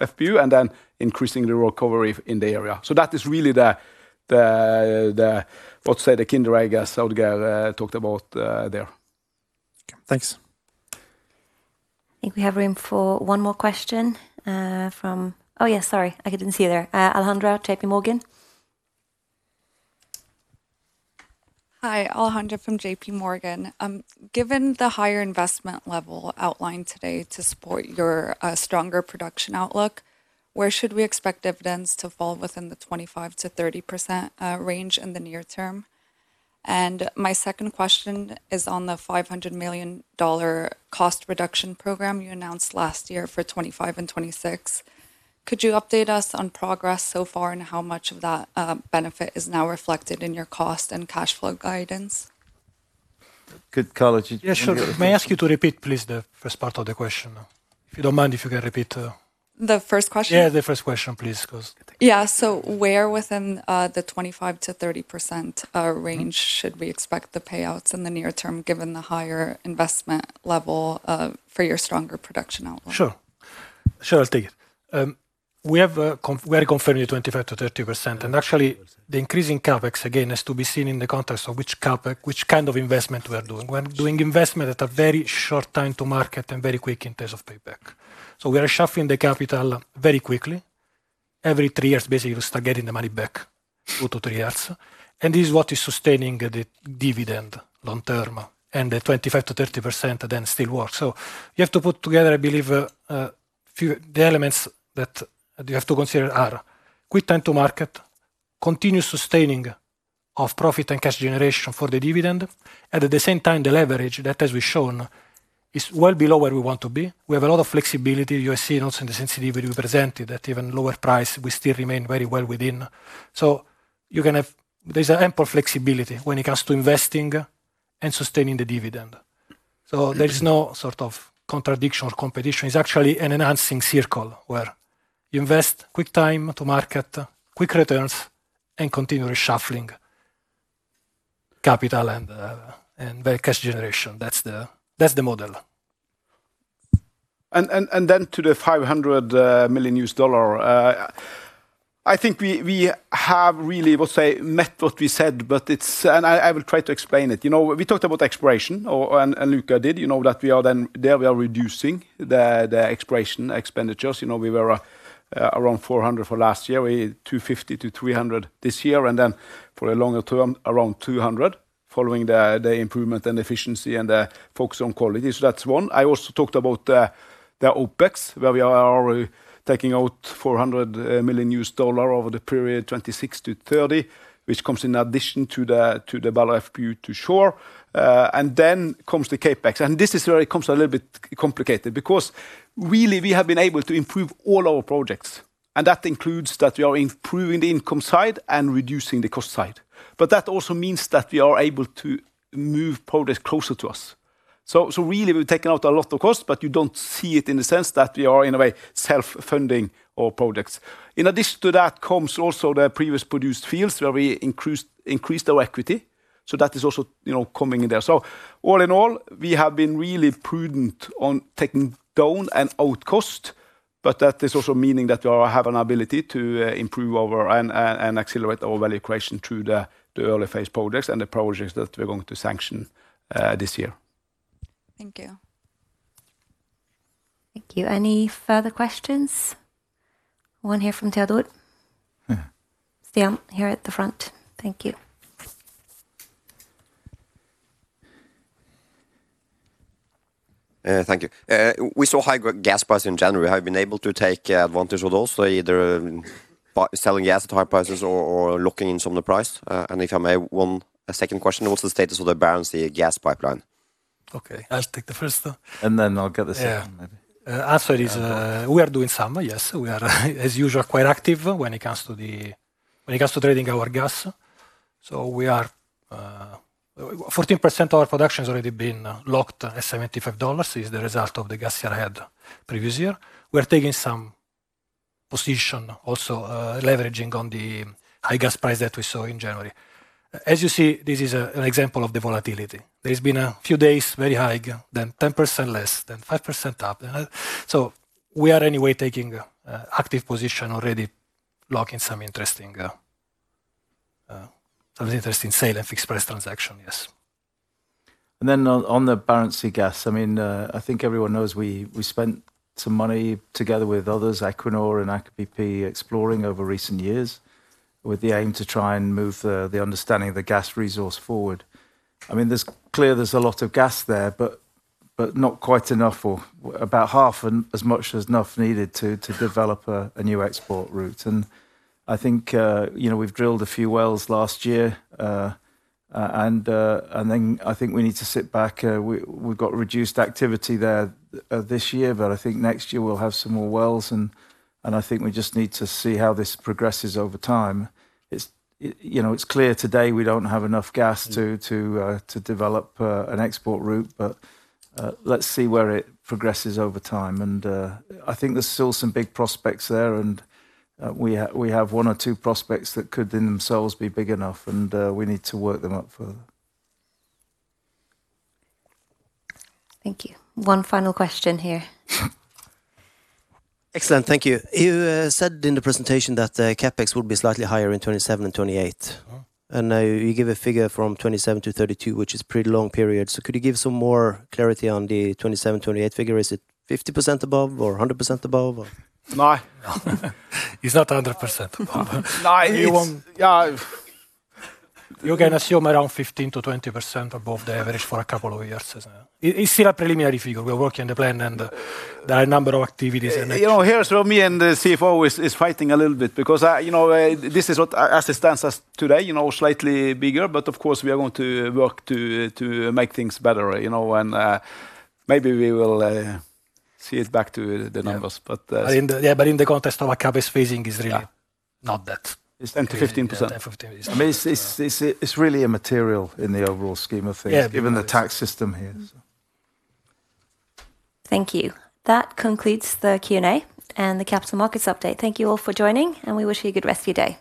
FPU and then increasing the recovery in the area. So that is really the, I would say, the kinder egg as Oddgeir talked about there. Okay. Thanks. I think we have room for one more question from oh, yeah. Sorry. I couldn't see you there. Alejandra, JPMorgan. Hi. Alejandra from JPMorgan. Given the higher investment level outlined today to support your stronger production outlook, where should we expect dividends to fall within the 25%-30% range in the near term? And my second question is on the $500 million cost reduction program you announced last year for 2025 and 2026. Could you update us on progress so far and how much of that benefit is now reflected in your cost and cash flow guidance? Good. Carlo, you can go ahead. Yeah. May I ask you to repeat, please, the first part of the question? If you don't mind, if you can repeat. The first question? Yeah, the first question, please, because. Yeah. So where within the 25%-30% range should we expect the payouts in the near term given the higher investment level for your stronger production outlook? Sure. Sure. I'll take it. We are confirming the 25%-30%. And actually, the increasing CapEx, again, is to be seen in the context of which CapEx, which kind of investment we are doing. We're doing investment at a very short time to market and very quick in terms of payback. So we are shuffling the capital very quickly. Every three years, basically, we start getting the money back, two to three years. And this is what is sustaining the dividend long term. And the 25%-30% then still works. So you have to put together, I believe, the elements that you have to consider are quick time to market, continued sustaining of profit and cash generation for the dividend. And at the same time, the leverage that, as we've shown, is well below where we want to be. We have a lot of flexibility. You have seen also in the sensitivity we presented that even lower price, we still remain very well within. So there is ample flexibility when it comes to investing and sustaining the dividend. So there is no sort of contradiction or competition. It's actually an enhancing circle where you invest quick time to market, quick returns, and continue shuffling capital and cash generation. That's the model. Then to the $500 million, I think we have really, I would say, met what we said. And I will try to explain it. We talked about exploration, and Luca did, that we are then there we are reducing the exploration expenditures. We were around $400 million for last year. We're $250 million-$300 million this year. And then for a longer term, around $200 million following the improvement and efficiency and the focus on quality. So that's one. I also talked about the OpEx where we are taking out $400 million over the period 2026-2030, which comes in addition to the Balder FPU to shore. And then comes the CapEx. And this is where it comes a little bit complicated because really, we have been able to improve all our projects. And that includes that we are improving the income side and reducing the cost side. But that also means that we are able to move projects closer to us. So really, we've taken out a lot of costs, but you don't see it in the sense that we are, in a way, self-funding our projects. In addition to that comes also the previous produced fields where we increased our equity. So that is also coming in there. So all in all, we have been really prudent on taking down and out cost. But that is also meaning that we have an ability to improve and accelerate our value creation through the early phase projects and the projects that we're going to sanction this year. Thank you. Thank you. Any further questions? One here from Teodor. Here at the front. Thank you. Thank you. We saw high gas prices in January. Have you been able to take advantage of those, either selling gas at high prices or locking in some of the price? And if I may, one second question. What's the status of the balance in the gas pipeline? Okay. I'll take the first. Then I'll get the second, maybe. As I said, we are doing some. Yes. We are, as usual, quite active when it comes to trading our gas. So 14% of our production has already been locked at $75. It's the result of the gas year ahead, previous year. We are taking some position, also leveraging on the high gas price that we saw in January. As you see, this is an example of the volatility. There has been a few days very high, then 10% less, then 5% up. So we are anyway taking active position already, locking some interesting sale and fixed price transaction. Yes. And then on the balance in gas, I mean, I think everyone knows we spent some money together with others, Equinor and ACPP, exploring over recent years with the aim to try and move the understanding of the gas resource forward. I mean, it's clear there's a lot of gas there, but not quite enough or about half as much as enough needed to develop a new export route. And I think we've drilled a few wells last year. And then I think we need to sit back. We've got reduced activity there this year, but I think next year we'll have some more wells. And I think we just need to see how this progresses over time. It's clear today we don't have enough gas to develop an export route. But let's see where it progresses over time. And I think there's still some big prospects there. We have one or two prospects that could in themselves be big enough. We need to work them up further. Thank you. One final question here. Excellent. Thank you. You said in the presentation that CapEx would be slightly higher in 2027 and 2028. And you give a figure from 2027 to 2032, which is a pretty long period. So could you give some more clarity on the 2027-2028 figure? Is it 50% above or 100% above? No. It's not 100% above. Yeah. You can assume around 15%-20% above the average for a couple of years. It's still a preliminary figure. We are working on the plan. There are a number of activities. Here's where me and the CFO is fighting a little bit because this is what as it stands today, slightly bigger. But of course, we are going to work to make things better. Maybe we will see it back to the numbers. Yeah. But in the context of a CapEx phasing is really not that. It's 10%-15%. 10%-15%. I mean, it's really immaterial in the overall scheme of things, given the tax system here. Thank you. That concludes the Q&A and the Capital Markets Update. Thank you all for joining, and we wish you a good rest of your day.